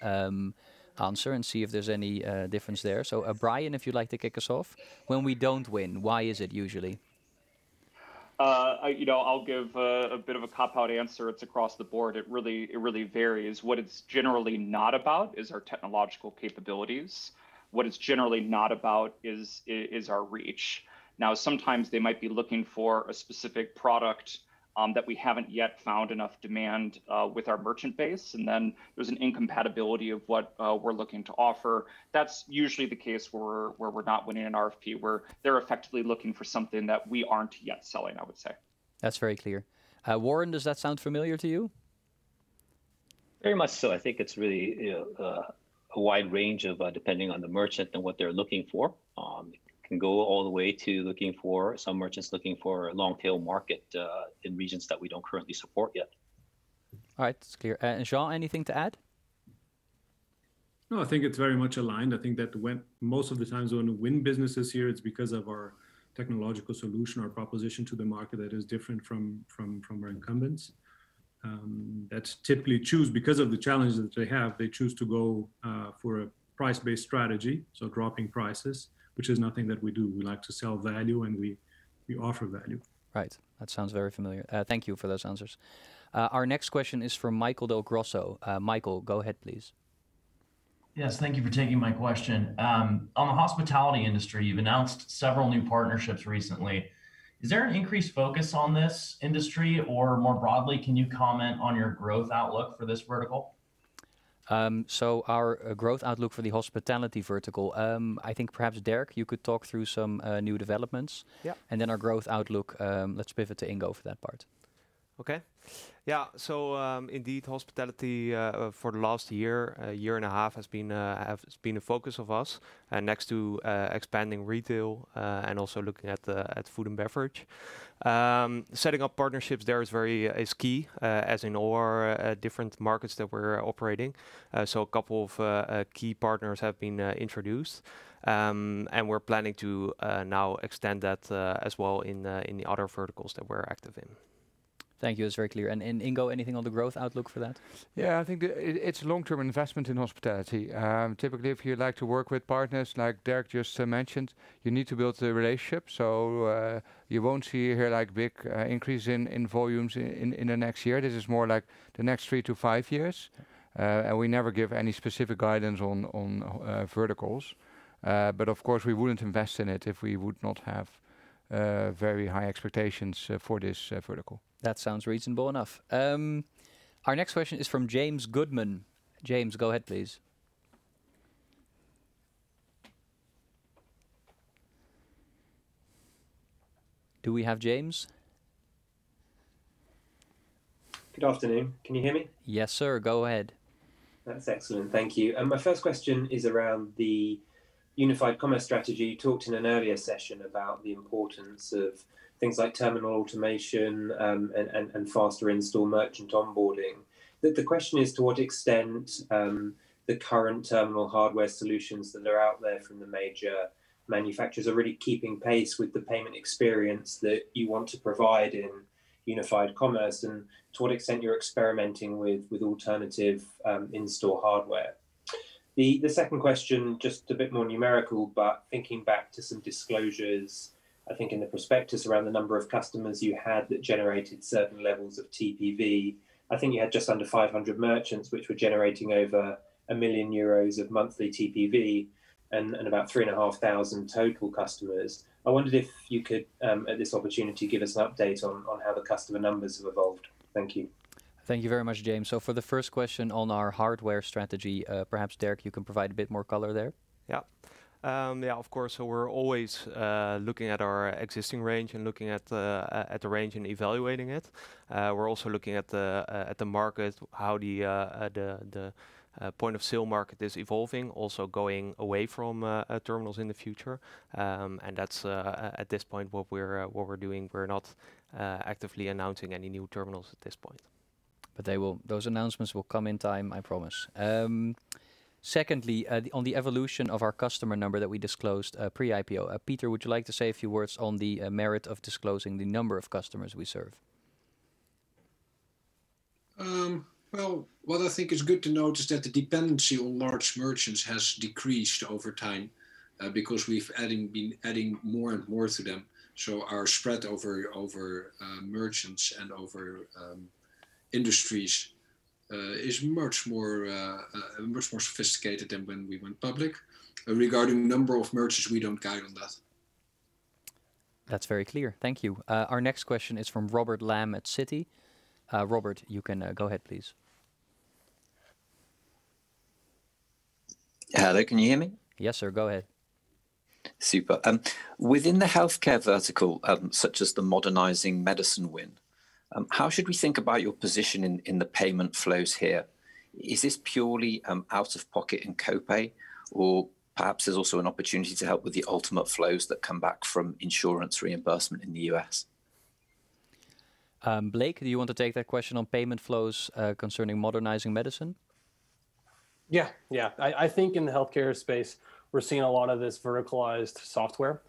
answer and see if there's any difference there. Brian, if you'd like to kick us off. When we don't win, why is it usually? I'll give a bit of a cop-out answer. It's across the board. It really varies. What it's generally not about is our technological capabilities. What it's generally not about is our reach. Now, sometimes they might be looking for a specific product that we haven't yet found enough demand with our merchant base, and then there's an incompatibility of what we're looking to offer. That's usually the case where we're not winning an RFP, where they're effectively looking for something that we aren't yet selling, I would say. That's very clear. Warren, does that sound familiar to you? Very much so. I think it is really a wide range depending on the merchant and what they are looking for. It can go all the way to some merchants looking for a long-tail market in regions that we do not currently support yet. All right. That's clear. Jean, anything to add? No, I think it's very much aligned. I think that most of the times when we win businesses here, it's because of our technological solution or proposition to the market that is different from our incumbents. That's typically choose because of the challenges that they have, they choose to go for a price-based strategy, so dropping prices, which is nothing that we do. We like to sell value, and we offer value. Right. That sounds very familiar. Thank you for those answers. Our next question is from Michael Del Grosso. Michael, go ahead, please. Yes, thank you for taking my question. On the hospitality industry, you've announced several new partnerships recently. Is there an increased focus on this industry, or more broadly, can you comment on your growth outlook for this vertical? Our growth outlook for the hospitality vertical, I think perhaps Derk, you could talk through some new developments. Yeah. Our growth outlook, let's pivot to Ingo for that part. Indeed, hospitality for the last year and a half has been a focus of us next to expanding retail, and also looking at food and beverage. Setting up partnerships there is key, as in all our different markets that we're operating. A couple of key partners have been introduced, and we're planning to now extend that as well in the other verticals that we're active in. Thank you. That's very clear. Ingo, anything on the growth outlook for that? Yeah, I think it's long-term investment in hospitality. Typically, if you like to work with partners like Derk just mentioned, you need to build the relationship. You won't see here big increase in volumes in the next year. This is more like the next three to five years. We never give any specific guidance on verticals. Of course, we wouldn't invest in it if we would not have very high expectations for this vertical. That sounds reasonable enough. Our next question is from James Goodman. James, go ahead, please. Do we have James? Good afternoon. Can you hear me? Yes, sir. Go ahead. That's excellent. Thank you. My first question is around the unified commerce strategy. You talked in an earlier session about the importance of things like terminal automation, and faster install merchant onboarding. The question is to what extent the current terminal hardware solutions that are out there from the major manufacturers are really keeping pace with the payment experience that you want to provide in unified commerce, and to what extent you're experimenting with alternative in-store hardware. The second question, just a bit more numerical, but thinking back to some disclosures, I think in the prospectus around the number of customers you had that generated certain levels of TPV. I think you had just under 500 merchants, which were generating over 1 million euros of monthly TPV and about 3,500 total customers. I wondered if you could, at this opportunity, give us an update on how the customer numbers have evolved. Thank you. Thank you very much, James. For the first question on our hardware strategy, perhaps Derk, you can provide a bit more color there. Of course. We're always looking at our existing range and looking at the range and evaluating it. We're also looking at the market, how the point-of-sale market is evolving, also going away from terminals in the future. That's at this point what we're doing. We're not actively announcing any new terminals at this point. Those announcements will come in time, I promise. Secondly, on the evolution of our customer number that we disclosed pre-IPO, Pieter, would you like to say a few words on the merit of disclosing the number of customers we serve? Well, what I think is good to note is that the dependency on large merchants has decreased over time, because we've been adding more and more to them. Our spread over merchants and over industries is much more sophisticated than when we went public. Regarding number of merchants, we don't guide on that. That's very clear. Thank you. Our next question is from Robert Lamb at Citi. Robert, you can go ahead, please. Hello, can you hear me? Yes, sir. Go ahead. Super. Within the healthcare vertical, such as the Modernizing Medicine win, how should we think about your position in the payment flows here? Is this purely out-of-pocket and co-pay, or perhaps there's also an opportunity to help with the ultimate flows that come back from insurance reimbursement in the U.S.? Blake, do you want to take that question on payment flows concerning Modernizing Medicine? Yeah. I think in the healthcare space, we're seeing a lot of this verticalized software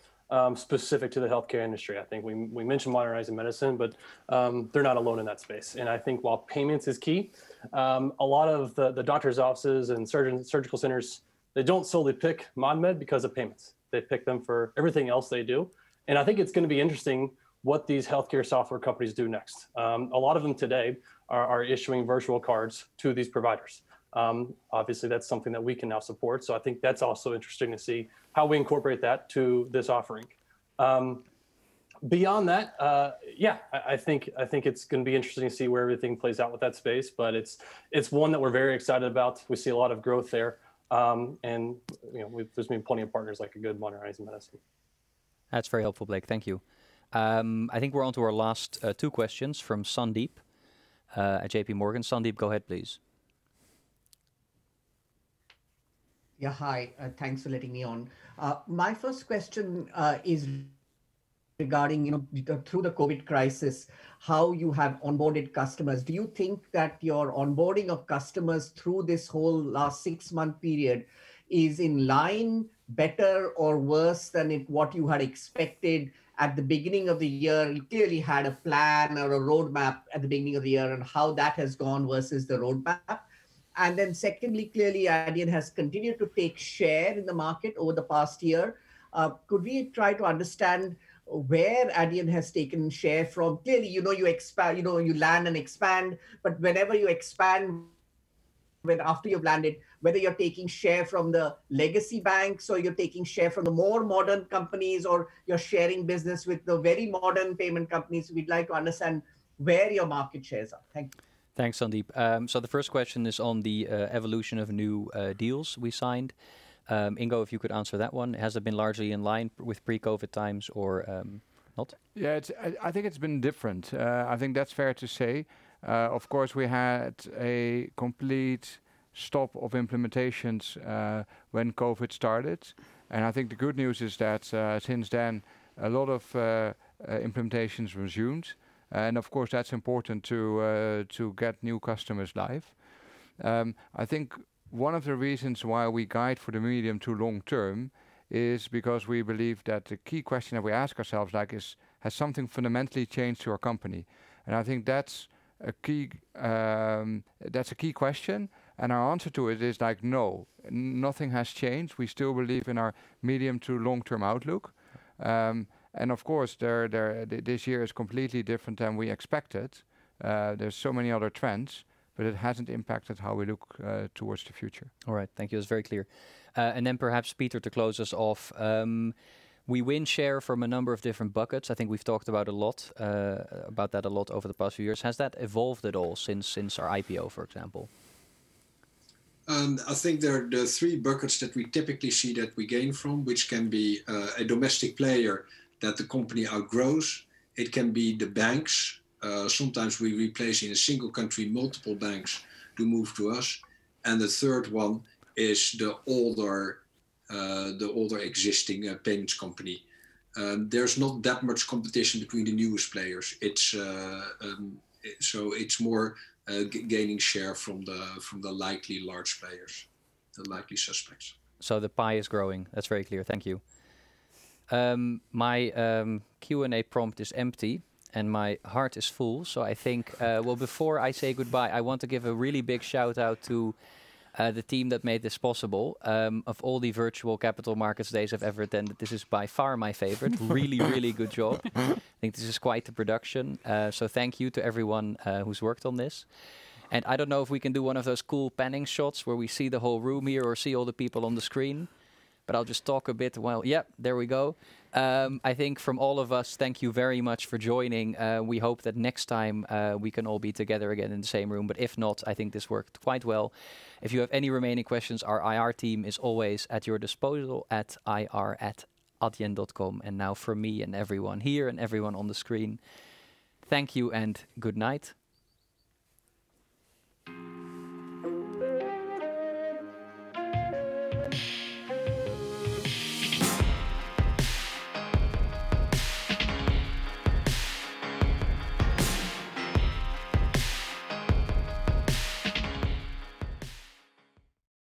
specific to the healthcare industry. I think we mentioned Modernizing Medicine, they're not alone in that space. I think while payments is key, a lot of the doctor's offices and surgical centers, they don't solely pick ModMed because of payments. They pick them for everything else they do. I think it's going to be interesting what these healthcare software companies do next. A lot of them today are issuing virtual cards to these providers. Obviously, that's something that we can now support. I think that's also interesting to see how we incorporate that to this offering. Beyond that, yeah, I think it's going to be interesting to see where everything plays out with that space, but it's one that we're very excited about. We see a lot of growth there. There's been plenty of partners like a good Modernizing Medicine. That's very helpful, Blake. Thank you. I think we're onto our last two questions from Sandeep at JPMorgan. Sandeep, go ahead, please. Hi, thanks for letting me on. My first question is regarding through the COVID crisis, how you have onboarded customers. Do you think that your onboarding of customers through this whole last six-month period is in line, better, or worse than what you had expected at the beginning of the year? You clearly had a plan or a roadmap at the beginning of the year on how that has gone versus the roadmap. Secondly, clearly, Adyen has continued to take share in the market over the past year. Could we try to understand where Adyen has taken share from? Clearly, you land and expand, but whenever you expand after you've landed, whether you're taking share from the legacy banks or you're taking share from the more modern companies, or you're sharing business with the very modern payment companies, we'd like to understand where your market shares are. Thank you. Thanks, Sandeep. The first question is on the evolution of new deals we signed. Ingo, if you could answer that one. Has it been largely in line with pre-COVID times or not? Yeah, I think it's been different. I think that's fair to say. Of course, we had a complete stop of implementations when COVID started, and I think the good news is that since then, a lot of implementations resumed, and of course, that's important to get new customers live. I think one of the reasons why we guide for the medium to long term is because we believe that the key question that we ask ourselves is: Has something fundamentally changed to our company? I think that's a key question, and our answer to it is no, nothing has changed. We still believe in our medium to long-term outlook. Of course, this year is completely different than we expected. There's so many other trends, but it hasn't impacted how we look towards the future. All right. Thank you. That's very clear. Perhaps Pieter, to close us off. We win share from a number of different buckets. I think we've talked about that a lot over the past few years. Has that evolved at all since our IPO, for example? I think there are the three buckets that we typically see that we gain from, which can be a domestic player that the company outgrows. It can be the banks. Sometimes we replace, in a single country, multiple banks who move to us. The third one is the older existing payments company. There's not that much competition between the newest players. It's more gaining share from the likely large players, the likely suspects. The pie is growing. That's very clear. Thank you. My Q&A prompt is empty, and my heart is full. I think before I say goodbye, I want to give a really big shout-out to the team that made this possible. Of all the virtual capital markets days I've ever attended, this is by far my favorite. Really good job. I think this is quite the production. Thank you to everyone who's worked on this. I don't know if we can do one of those cool panning shots where we see the whole room here or see all the people on the screen, but I'll just talk a bit while Yeah, there we go. I think from all of us, thank you very much for joining. We hope that next time we can all be together again in the same room. If not, I think this worked quite well. If you have any remaining questions, our IR team is always at your disposal at ir@adyen.com. Now from me and everyone here and everyone on the screen, thank you and good night.